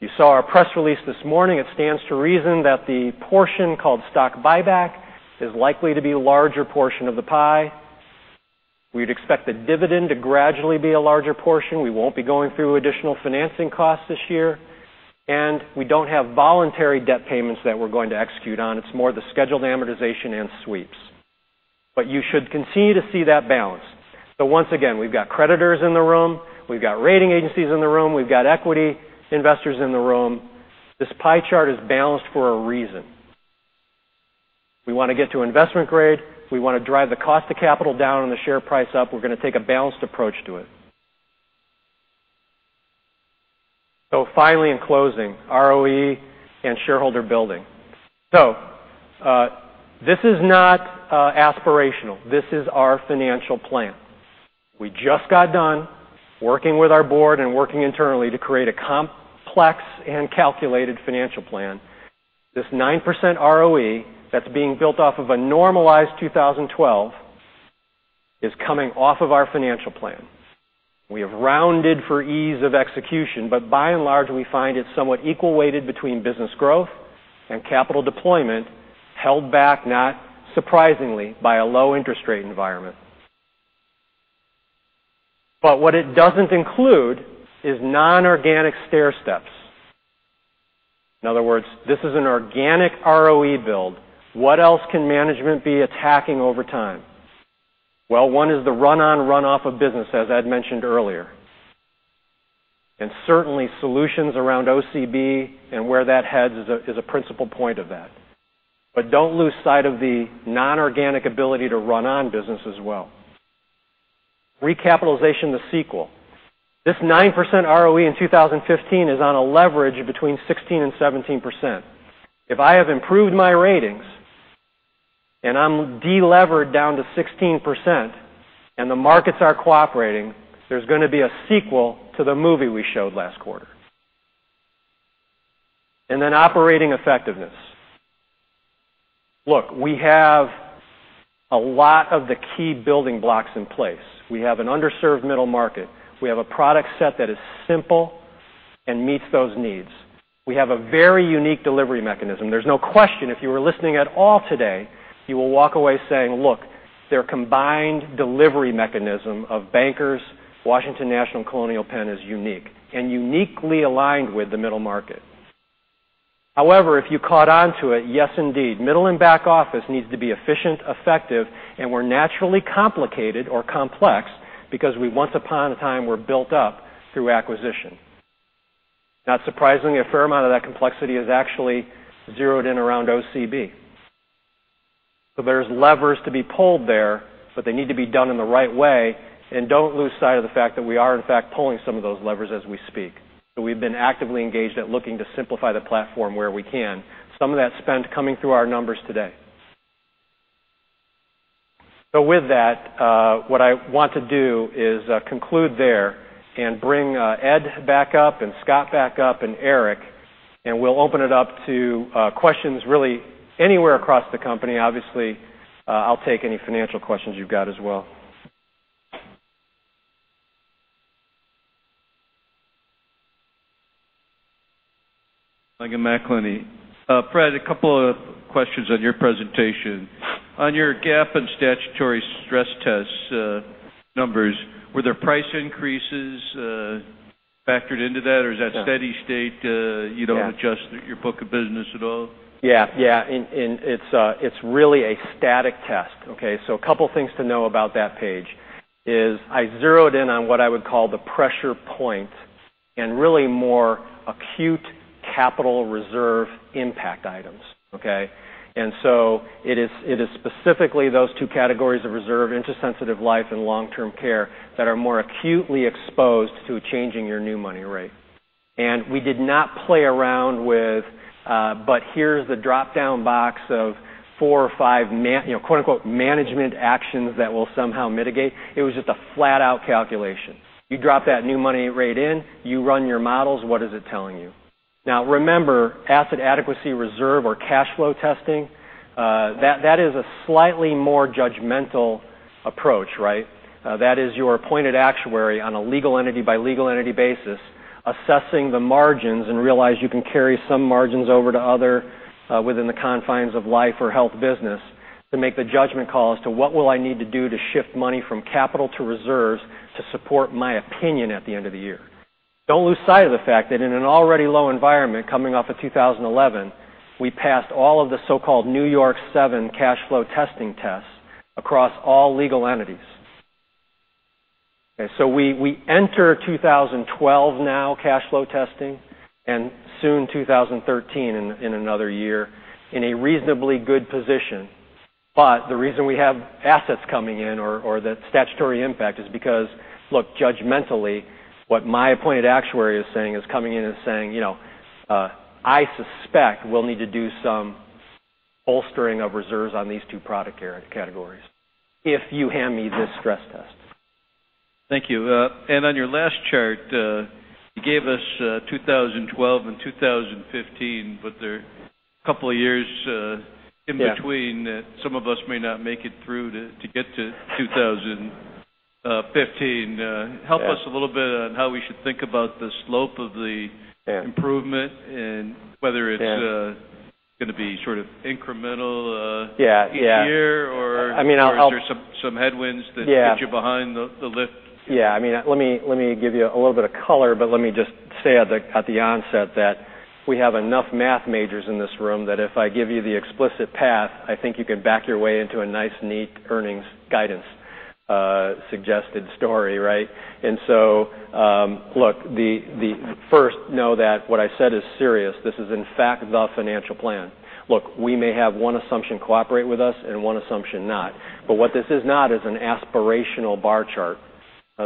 You saw our press release this morning. It stands to reason that the portion called stock buyback is likely to be a larger portion of the pie. We'd expect the dividend to gradually be a larger portion. We won't be going through additional financing costs this year, and we don't have voluntary debt payments that we're going to execute on. It's more the scheduled amortization and sweeps. You should continue to see that balance. Once again, we've got creditors in the room, we've got rating agencies in the room, we've got equity investors in the room. This pie chart is balanced for a reason. We want to get to investment grade. We want to drive the cost of capital down and the share price up. We're going to take a balanced approach to it. Finally, in closing, ROE and shareholder building. This is not aspirational. This is our financial plan. We just got done working with our board and working internally to create a complex and calculated financial plan. This 9% ROE that's being built off of a normalized 2012 is coming off of our financial plan. We have rounded for ease of execution, but by and large, we find it somewhat equal weighted between business growth and capital deployment held back, not surprisingly, by a low interest rate environment. What it doesn't include is non-organic stairsteps. In other words, this is an organic ROE build. What else can management be attacking over time? Well, one is the run on, run off of business, as Ed mentioned earlier. Certainly, solutions around OCB and where that heads is a principal point of that. Don't lose sight of the non-organic ability to run on business as well. Recapitalization, the sequel. This 9% ROE in 2015 is on a leverage of between 16% and 17%. If I have improved my ratings and I'm de-levered down to 16% and the markets are cooperating, there's going to be a sequel to the movie we showed last quarter. Operating effectiveness. Look, we have a lot of the key building blocks in place. We have an underserved middle market. We have a product set that is simple and meets those needs. We have a very unique delivery mechanism. There's no question, if you were listening at all today, you will walk away saying, look, their combined delivery mechanism of Bankers, Washington National, Colonial Penn is unique and uniquely aligned with the middle market. However, if you caught onto it, yes, indeed, middle and back office needs to be efficient, effective, and we're naturally complicated or complex because we once upon a time were built up through acquisition. Not surprisingly, a fair amount of that complexity is actually zeroed in around OCB. There's levers to be pulled there, but they need to be done in the right way and don't lose sight of the fact that we are in fact pulling some of those levers as we speak. We've been actively engaged at looking to simplify the platform where we can. Some of that spend coming through our numbers today. With that, what I want to do is conclude there and bring Ed back up and Scott back up and Eric, and we'll open it up to questions really anywhere across the company. Obviously, I'll take any financial questions you've got as well. Mike McLenney. Fred, a couple of questions on your presentation. On your GAAP and statutory stress test numbers, were there price increases factored into that? No. Is that steady state. Yeah You don't adjust your book of business at all? Yeah. It's really a static test. A couple things to know about that page is I zeroed in on what I would call the pressure point and really more acute capital reserve impact items. It is specifically those two categories of reserve, interest sensitive life and long-term care, that are more acutely exposed to changing your new money rate. We did not play around with but here's the drop down box of four or five "management actions" that will somehow mitigate. It was just a flat out calculation. You drop that new money rate in, you run your models, what is it telling you? Remember, asset adequacy reserve or cash flow testing, that is a slightly more judgmental approach, right? That is your appointed actuary on a legal entity by legal entity basis, assessing the margins and realize you can carry some margins over to other within the confines of life or health business to make the judgment call as to what will I need to do to shift money from capital to reserves to support my opinion at the end of the year. Don't lose sight of the fact that in an already low environment coming off of 2011, we passed all of the so-called New York 7 cash flow testing tests across all legal entities. We enter 2012 now cash flow testing and soon 2013 in another year in a reasonably good position. The reason we have assets coming in or the statutory impact is because, look, judgmentally, what my appointed actuary is saying is coming in and saying, I suspect we'll need to do some bolstering of reserves on these two product categories if you hand me this stress test. Thank you. On your last chart, you gave us 2012 and 2015, but there are a couple of years in between. Yeah that some of us may not make it through to get to 2015. Yeah. Help us a little bit on how we should think about the slope of the. Yeah improvement whether it's. Yeah going to be sort of incremental Yeah each year, or I mean, I'll help Or is there some headwinds that Yeah get you behind the lift? Yeah. Let me give you a little bit of color, let me just say at the onset that we have enough math majors in this room that if I give you the explicit path, I think you can back your way into a nice, neat earnings guidance suggested story, right? Look, first know that what I said is serious. This is in fact the financial plan. Look, we may have one assumption cooperate with us and one assumption not. What this is not is an aspirational bar chart.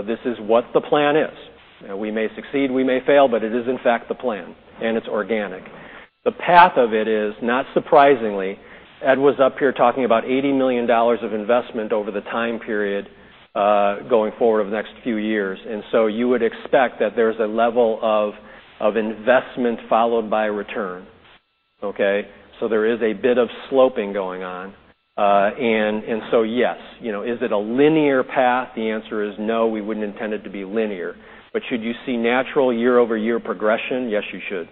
This is what the plan is. We may succeed, we may fail, but it is in fact the plan, and it's organic. The path of it is, not surprisingly, Ed was up here talking about $80 million of investment over the time period going forward over the next few years. You would expect that there's a level of investment followed by return. Okay? There is a bit of sloping going on. Yes. Is it a linear path? The answer is no, we wouldn't intend it to be linear. Should you see natural year-over-year progression? Yes, you should.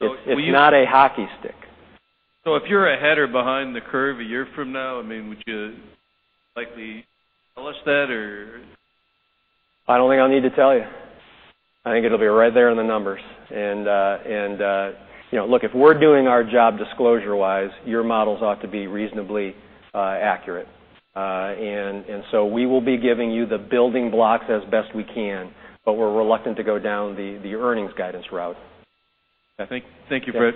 Will you- It's not a hockey stick. If you're ahead or behind the curve a year from now, would you likely tell us that or? I don't think I'll need to tell you. I think it'll be right there in the numbers. Look, if we're doing our job disclosure-wise, your models ought to be reasonably accurate. We will be giving you the building blocks as best we can, but we're reluctant to go down the earnings guidance route. Thank you, Fred.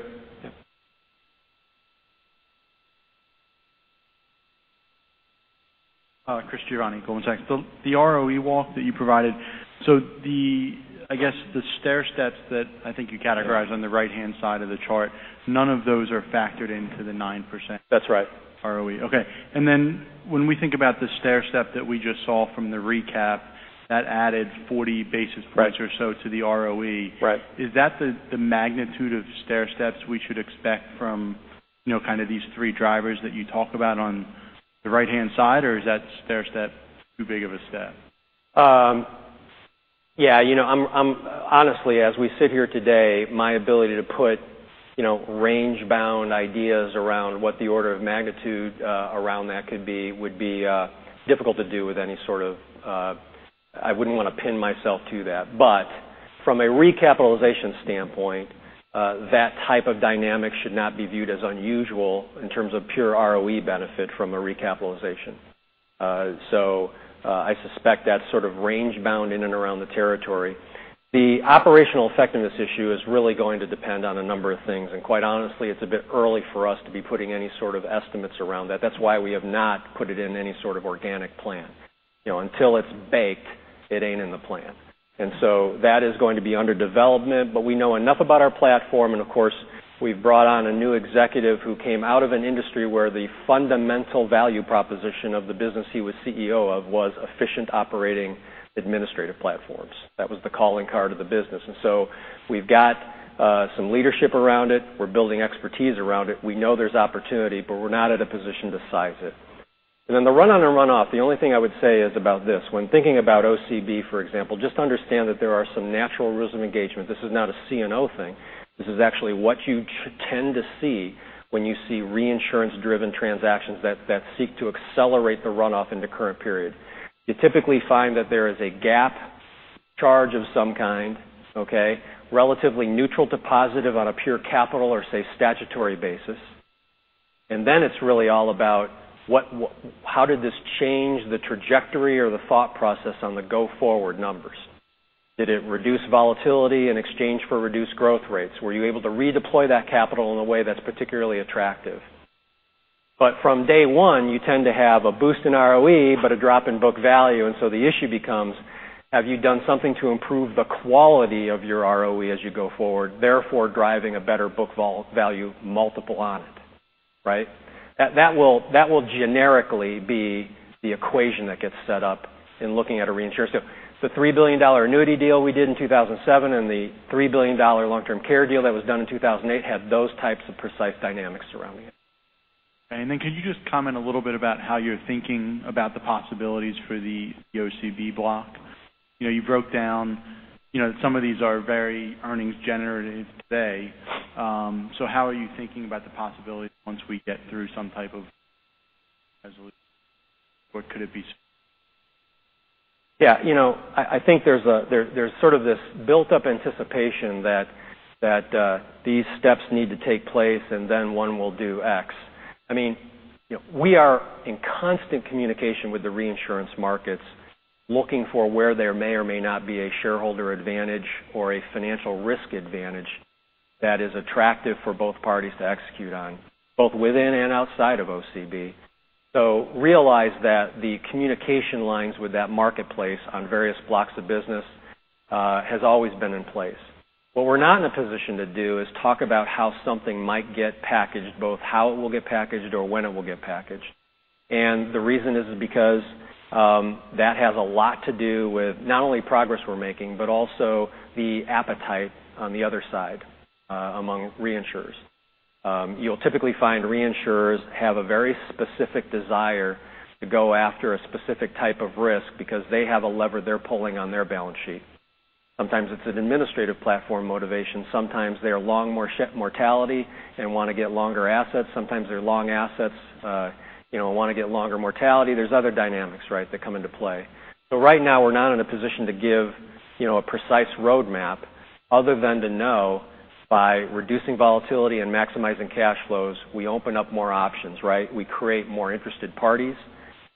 Chris Giovanni, Goldman Sachs. The ROE walk that you provided, so I guess the stair steps that I think you categorized on the right-hand side of the chart, none of those are factored into the 9%? That's right. ROE. Okay. Then when we think about the stair step that we just saw from the recap, that added 40 basis points or so to the ROE. Right. Is that the magnitude of stair steps we should expect from these three drivers that you talk about on the right-hand side, or is that stair step too big of a step? Honestly, as we sit here today, my ability to put range-bound ideas around what the order of magnitude around that could be would be difficult to do. I wouldn't want to pin myself to that. From a recapitalization standpoint, that type of dynamic should not be viewed as unusual in terms of pure ROE benefit from a recapitalization. I suspect that sort of range bound in and around the territory. The operational effectiveness issue is really going to depend on a number of things. Quite honestly, it's a bit early for us to be putting any sort of estimates around that. That's why we have not put it in any sort of organic plan. Until it's baked, it ain't in the plan. That is going to be under development, but we know enough about our platform, and of course, we've brought on a new executive who came out of an industry where the fundamental value proposition of the business he was CEO of was efficient operating administrative platforms. That was the calling card of the business. We've got some leadership around it. We're building expertise around it. We know there's opportunity, but we're not in a position to size it. The run on and runoff, the only thing I would say is about this, when thinking about OCB, for example, just understand that there are some natural rhythms of engagement. This is not a CNO thing. This is actually what you should tend to see when you see reinsurance-driven transactions that seek to accelerate the runoff into current period. You typically find that there is a GAAP charge of some kind, okay, relatively neutral to positive on a pure capital or, say, statutory basis. It's really all about how did this change the trajectory or the thought process on the go-forward numbers? Did it reduce volatility in exchange for reduced growth rates? Were you able to redeploy that capital in a way that's particularly attractive? From day one, you tend to have a boost in ROE, but a drop in book value, the issue becomes, have you done something to improve the quality of your ROE as you go forward, therefore, driving a better book value multiple on it, right? That will generically be the equation that gets set up in looking at a reinsurance deal. The $3 billion annuity deal we did in 2007 and the $3 billion long-term care deal that was done in 2008 had those types of precise dynamics around it. Could you just comment a little bit about how you're thinking about the possibilities for the OCB block? You broke down some of these are very earnings generative today. How are you thinking about the possibilities once we get through some type of resolution? What could it be? I think there's sort of this built-up anticipation that these steps need to take place, and then one will do X. We are in constant communication with the reinsurance markets, looking for where there may or may not be a shareholder advantage or a financial risk advantage that is attractive for both parties to execute on, both within and outside of OCB. Realize that the communication lines with that marketplace on various blocks of business has always been in place. What we're not in a position to do is talk about how something might get packaged, both how it will get packaged or when it will get packaged. The reason is because that has a lot to do with not only progress we're making, but also the appetite on the other side among reinsurers. You'll typically find reinsurers have a very specific desire to go after a specific type of risk because they have a lever they're pulling on their balance sheet. Sometimes it's an administrative platform motivation. Sometimes they're long mortality and want to get longer assets. Sometimes they're long assets, want to get longer mortality. There's other dynamics that come into play. Right now, we're not in a position to give a precise roadmap other than to know by reducing volatility and maximizing cash flows, we open up more options. We create more interested parties,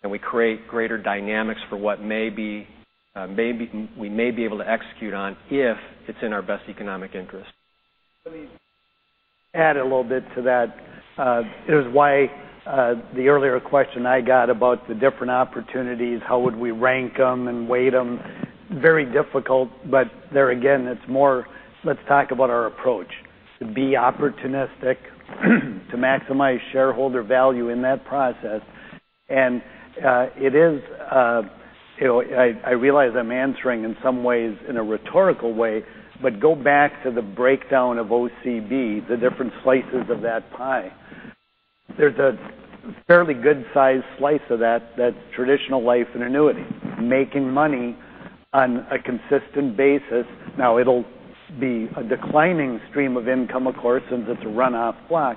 and we create greater dynamics for what we may be able to execute on if it's in our best economic interest. Let me add a little bit to that. It is why the earlier question I got about the different opportunities, how would we rank them and weight them, very difficult, but there again, it's more, let's talk about our approach. To be opportunistic, to maximize shareholder value in that process. I realize I'm answering in some ways in a rhetorical way, but go back to the breakdown of OCB, the different slices of that pie. There's a fairly good-sized slice of that that's traditional life and annuity, making money on a consistent basis. Now, it'll be a declining stream of income, of course, since it's a runoff block.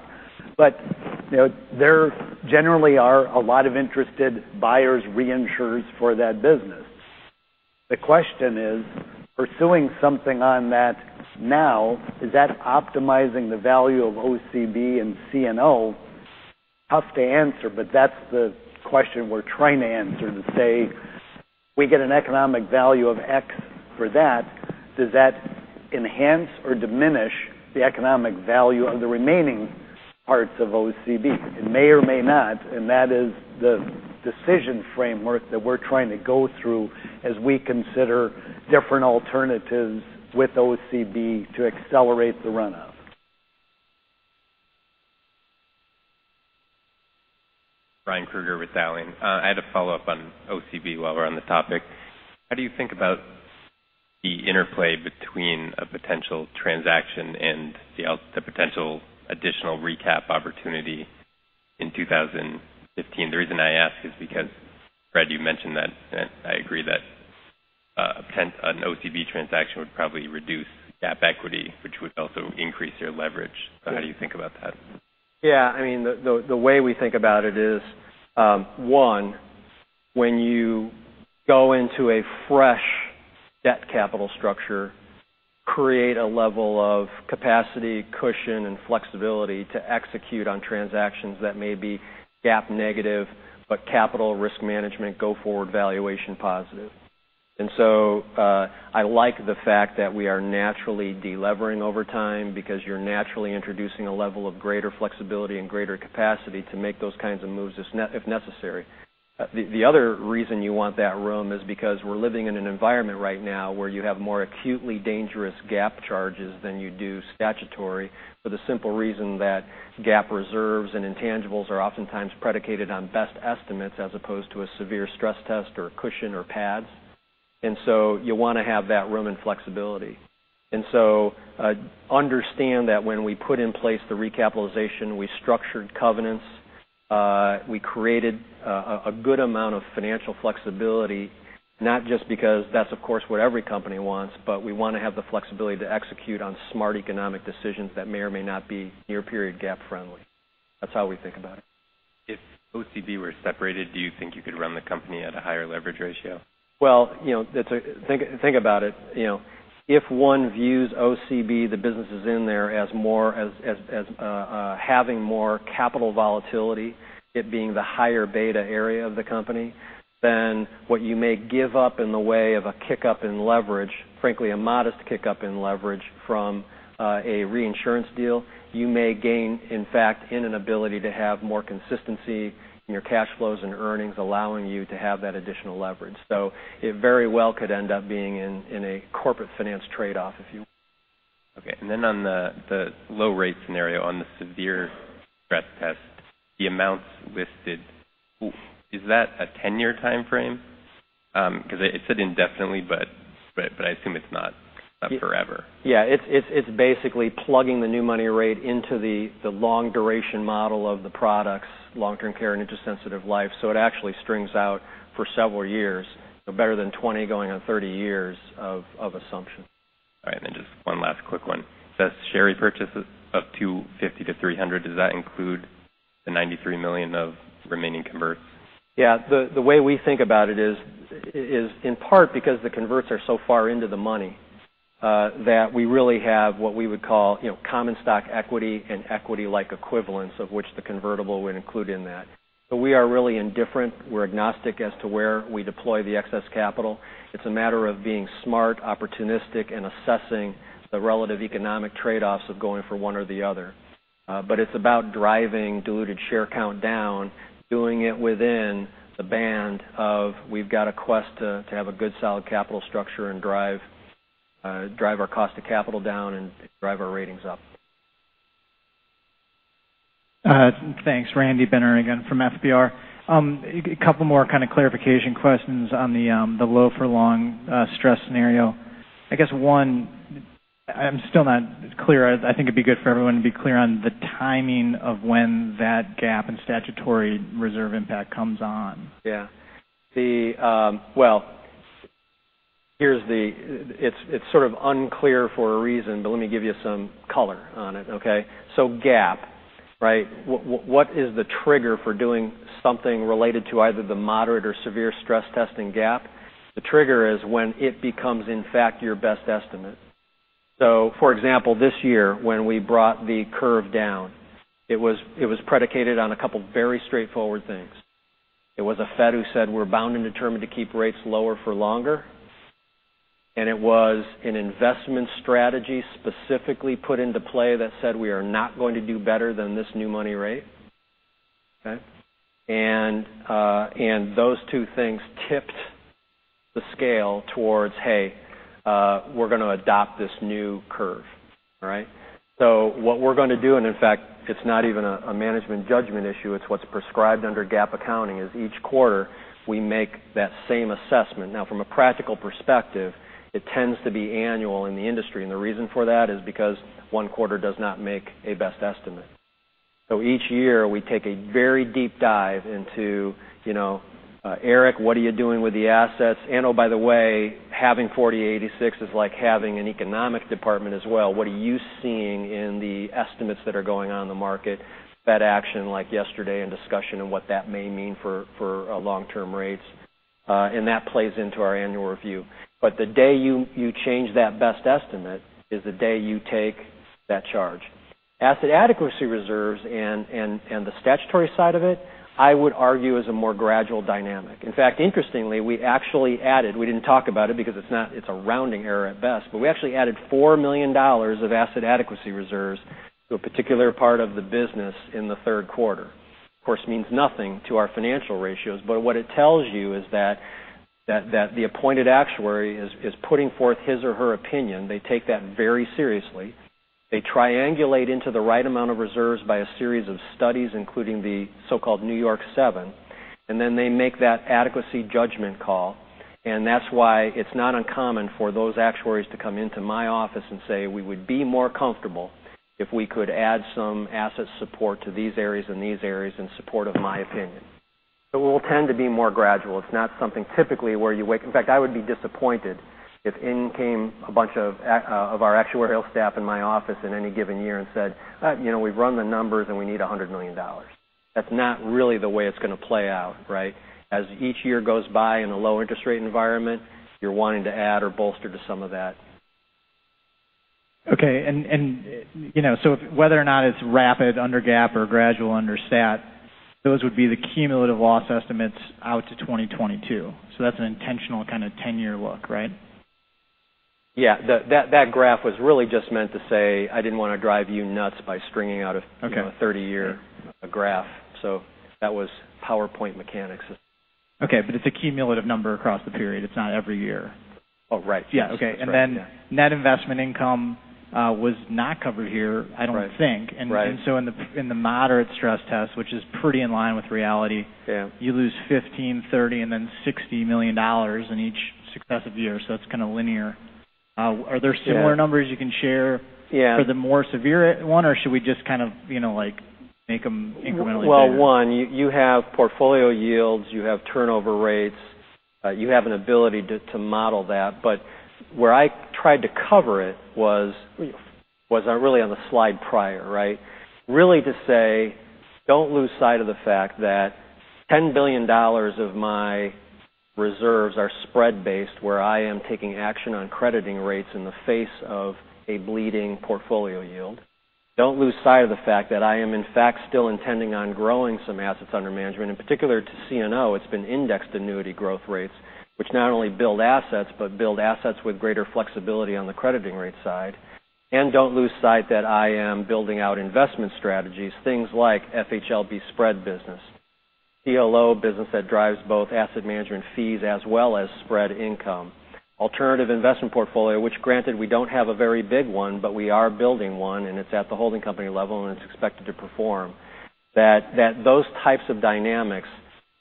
There generally are a lot of interested buyers, reinsurers for that business. The question is, pursuing something on that now, is that optimizing the value of OCB and CNO? Tough to answer, but that's the question we're trying to answer to say We get an economic value of X for that. Does that enhance or diminish the economic value of the remaining parts of OCB? It may or may not, and that is the decision framework that we're trying to go through as we consider different alternatives with OCB to accelerate the runoff. Brian Kruger with Sallie. I had a follow-up on OCB while we're on the topic. How do you think about the interplay between a potential transaction and the potential additional recap opportunity in 2015? The reason I ask is because, Fred, you mentioned that, and I agree that an OCB transaction would probably reduce GAAP equity, which would also increase your leverage. How do you think about that? Yeah. The way we think about it is, one, when you go into a fresh debt capital structure, create a level of capacity, cushion, and flexibility to execute on transactions that may be GAAP negative, but capital risk management go forward valuation positive. I like the fact that we are naturally de-levering over time because you're naturally introducing a level of greater flexibility and greater capacity to make those kinds of moves if necessary. The other reason you want that room is because we're living in an environment right now where you have more acutely dangerous GAAP charges than you do statutory for the simple reason that GAAP reserves and intangibles are oftentimes predicated on best estimates as opposed to a severe stress test or cushion or pads. You want to have that room and flexibility. Understand that when we put in place the recapitalization, we structured covenants, we created a good amount of financial flexibility, not just because that's, of course, what every company wants, but we want to have the flexibility to execute on smart economic decisions that may or may not be near-period GAAP friendly. That's how we think about it. If OCB were separated, do you think you could run the company at a higher leverage ratio? Well, think about it. If one views OCB, the businesses in there as having more capital volatility, it being the higher beta area of the company, then what you may give up in the way of a kick-up in leverage, frankly, a modest kick-up in leverage from a reinsurance deal, you may gain, in fact, in an ability to have more consistency in your cash flows and earnings, allowing you to have that additional leverage. It very well could end up being in a corporate finance trade-off. Okay, on the low rate scenario on the severe stress test, the amounts listed, is that a 10-year timeframe? Because it said indefinitely, but I assume it's not forever. Yeah. It's basically plugging the new money rate into the long duration model of the products, long-term care, and interest-sensitive life. It actually strings out for several years, better than 20, going on 30 years of assumption. All right. Just one last quick one. It says share repurchases of $250-$300. Does that include the $93 million of remaining converts? Yeah. The way we think about it is, in part because the converts are so far into the money, that we really have what we would call common stock equity and equity-like equivalents, of which the convertible would include in that. We are really indifferent. We're agnostic as to where we deploy the excess capital. It's a matter of being smart, opportunistic, and assessing the relative economic trade-offs of going for one or the other. It's about driving diluted share count down, doing it within the band of we've got a quest to have a good, solid capital structure and drive our cost of capital down and drive our ratings up. Thanks. Randy Binner again from FBR. A couple more kind of clarification questions on the low for long stress scenario. I guess one, I'm still not clear. I think it'd be good for everyone to be clear on the timing of when that GAAP and statutory reserve impact comes on. Yeah. Well, it's sort of unclear for a reason, but let me give you some color on it, okay? GAAP, right? What is the trigger for doing something related to either the moderate or severe stress test in GAAP? The trigger is when it becomes, in fact, your best estimate. For example, this year, when we brought the curve down, it was predicated on a couple of very straightforward things. It was the Fed who said we're bound and determined to keep rates lower for longer. It was an investment strategy specifically put into play that said we are not going to do better than this new money rate. Okay? Those two things tipped the scale towards, hey, we're going to adopt this new curve. All right? What we're going to do, and in fact, it's not even a management judgment issue, it's what's prescribed under GAAP accounting, is each quarter we make that same assessment. Now, from a practical perspective, it tends to be annual in the industry. The reason for that is because one quarter does not make a best estimate. Each year, we take a very deep dive into, "Eric, what are you doing with the assets? And oh, by the way, having 4086 is like having an economic department as well. What are you seeing in the estimates that are going on in the market?" Fed action like yesterday and discussion on what that may mean for long-term rates. That plays into our annual review. The day you change that best estimate is the day you take that charge. Asset adequacy reserves and the statutory side of it, I would argue, is a more gradual dynamic. In fact, interestingly, we actually added, we didn't talk about it because it's a rounding error at best, but we actually added $4 million of asset adequacy reserves to a particular part of the business in the third quarter. Of course, means nothing to our financial ratios. What it tells you is that the appointed actuary is putting forth his or her opinion. They take that very seriously. They triangulate into the right amount of reserves by a series of studies, including the so-called New York Seven, and then they make that adequacy judgment call. That's why it's not uncommon for those actuaries to come into my office and say, "We would be more comfortable if we could add some asset support to these areas and these areas in support of my opinion." It will tend to be more gradual. It's not something typically where In fact, I would be disappointed if in came a bunch of our actuarial staff in my office in any given year and said, "We've run the numbers and we need $100 million." That's not really the way it's going to play out, right? As each year goes by in a low interest rate environment, you're wanting to add or bolster to some of that. Okay. Whether or not it's rapid under GAAP or gradual under stat, those would be the cumulative loss estimates out to 2022. That's an intentional kind of 10-year look, right? Yeah. That graph was really just meant to say I didn't want to drive you nuts by stringing out. Okay a 30-year graph. That was PowerPoint mechanics. Okay. It's a cumulative number across the period. It's not every year. Oh, right. Yes. Yeah. Okay. Then net investment income was not covered here, I don't think. Right. In the moderate stress test, which is pretty in line with reality. Yeah You lose $15 million, $30 million, and then $60 million in each successive year. It's kind of linear. Are there similar numbers you can share? Yeah for the more severe one, or should we just kind of make them incrementally bigger? One, you have portfolio yields, you have turnover rates, you have an ability to model that. Where I tried to cover it was really on the slide prior, right? Really to say, don't lose sight of the fact that $10 billion of my reserves are spread-based, where I am taking action on crediting rates in the face of a bleeding portfolio yield. Don't lose sight of the fact that I am, in fact, still intending on growing some assets under management. In particular to CNO, it's been indexed annuity growth rates, which not only build assets, but build assets with greater flexibility on the crediting rate side. Don't lose sight that I am building out investment strategies, things like FHLB spread business, CLO business that drives both asset management fees as well as spread income. Alternative investment portfolio, which granted, we don't have a very big one, but we are building one, and it's at the holding company level, and it's expected to perform. Those types of dynamics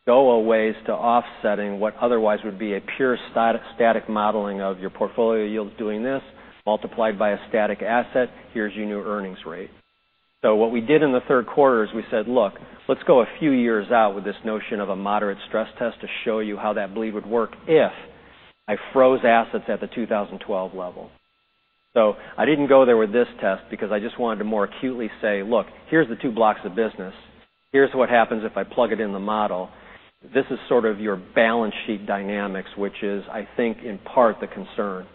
go a ways to offsetting what otherwise would be a pure static modeling of your portfolio yields doing this, multiplied by a static asset. Here's your new earnings rate. What we did in the third quarter is we said, look, let's go a few years out with this notion of a moderate stress test to show you how that bleed would work if I froze assets at the 2012 level. I didn't go there with this test because I just wanted to more acutely say, look, here's the two blocks of business. Here's what happens if I plug it in the model. This is sort of your balance sheet dynamics, which is, I think, in part the concern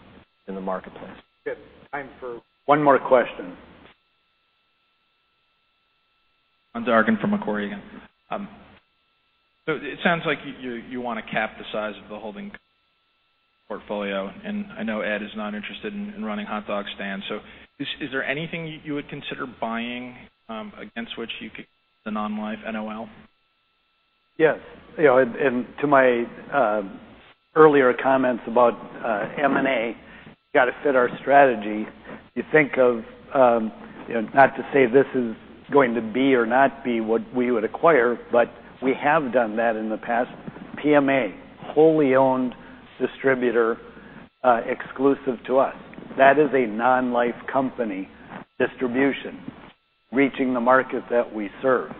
in the marketplace. We have time for one more question. Sean Dargan from Macquarie again. It sounds like you want to cap the size of the holding portfolio, and I know Ed is not interested in running hotdog stands. Is there anything you would consider buying against which you could the non-life NOL? Yes. To my earlier comments about M&A, got to fit our strategy. You think of, not to say this is going to be or not be what we would acquire, but we have done that in the past. PMA, wholly owned distributor, exclusive to us. That is a non-life company distribution reaching the market that we serve.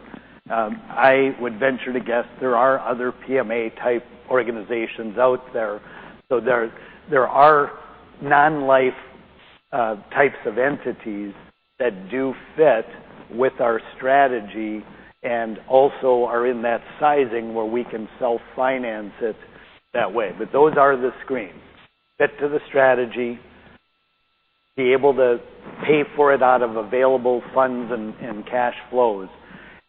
I would venture to guess there are other PMA type organizations out there. There are non-life types of entities that do fit with our strategy and also are in that sizing where we can self-finance it that way. Those are the screens. Fit to the strategy, be able to pay for it out of available funds and cash flows.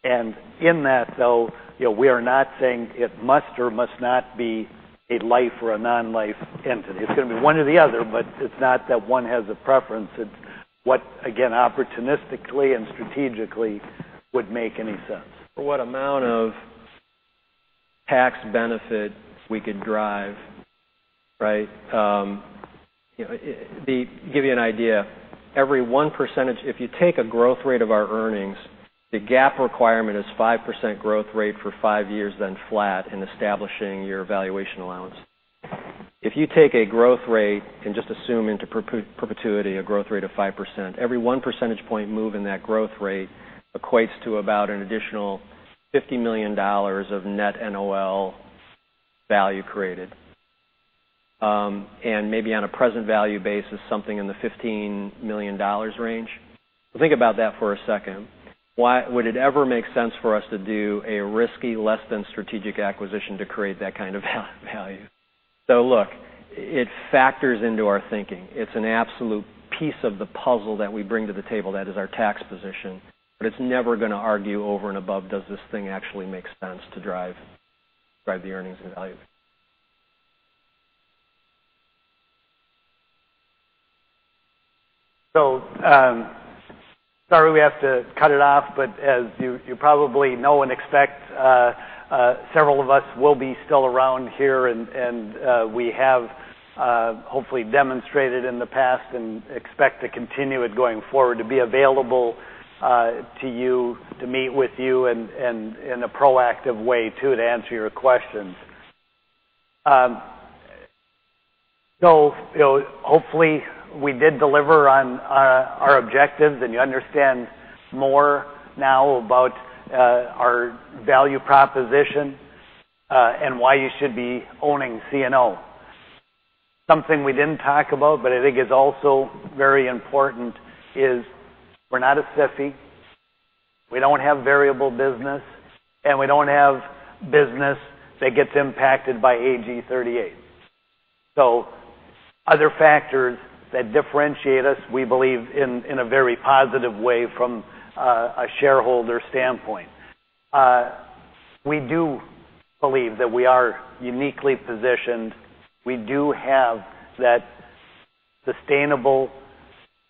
In that, though, we are not saying it must or must not be a life or a non-life entity. It's going to be one or the other, but it's not that one has a preference. It's what, again, opportunistically and strategically would make any sense. What amount of tax benefit we could drive, right? To give you an idea, every one percentage, if you take a growth rate of our earnings, the GAAP requirement is 5% growth rate for 5 years, then flat in establishing your valuation allowance. If you take a growth rate and just assume into perpetuity a growth rate of 5%, every one percentage point move in that growth rate equates to about an additional $50 million of net NOL value created. And maybe on a present value basis, something in the $15 million range. Think about that for a second. Would it ever make sense for us to do a risky, less than strategic acquisition to create that kind of value? Look, it factors into our thinking. It's an absolute piece of the puzzle that we bring to the table, that is our tax position. It's never going to argue over and above, does this thing actually make sense to drive the earnings and value? Sorry, we have to cut it off, as you probably know and expect, several of us will be still around here, and we have hopefully demonstrated in the past and expect to continue it going forward, to be available to you, to meet with you in a proactive way too, to answer your questions. Hopefully we did deliver on our objectives and you understand more now about our value proposition, and why you should be owning CNO. Something we didn't talk about, but I think is also very important is we're not a SIFI, we don't have variable business, and we don't have business that gets impacted by AG 38. Other factors that differentiate us, we believe in a very positive way from a shareholder standpoint. We do believe that we are uniquely positioned. We do have that sustainable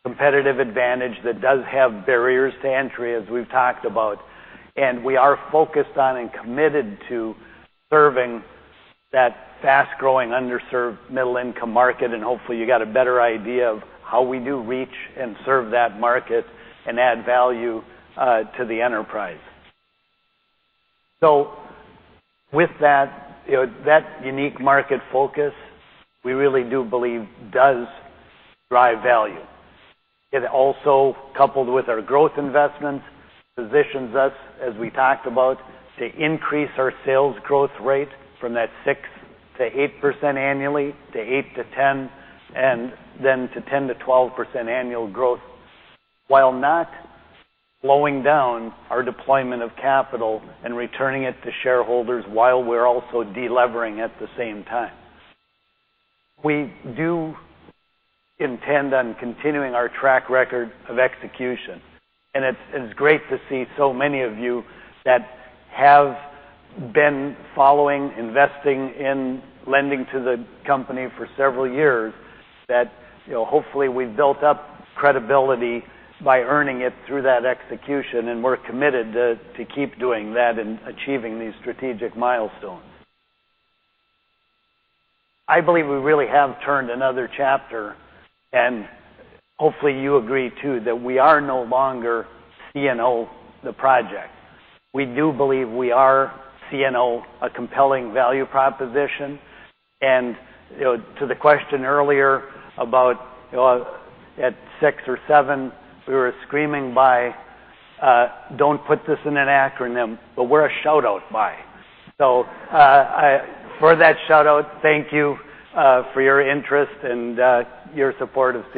competitive advantage that does have barriers to entry, as we've talked about. We are focused on and committed to serving that fast-growing, underserved middle-income market. Hopefully, you got a better idea of how we do reach and serve that market and add value to the enterprise. With that unique market focus, we really do believe does drive value. It also, coupled with our growth investments, positions us, as we talked about, to increase our sales growth rate from that 6%-8% annually, to 8%-10%, and then to 10%-12% annual growth, while not slowing down our deployment of capital and returning it to shareholders while we're also de-levering at the same time. We do intend on continuing our track record of execution. It's great to see so many of you that have been following, investing in, lending to the company for several years that hopefully we've built up credibility by earning it through that execution, and we're committed to keep doing that and achieving these strategic milestones. I believe we really have turned another chapter, and hopefully, you agree too, that we are no longer CNO, the project. We do believe we are CNO, a compelling value proposition. To the question earlier about at six or seven, we were screaming by, "Don't put this in an acronym," but we're a shout-out buy. For that shout-out, thank you for your interest and your support of CNO.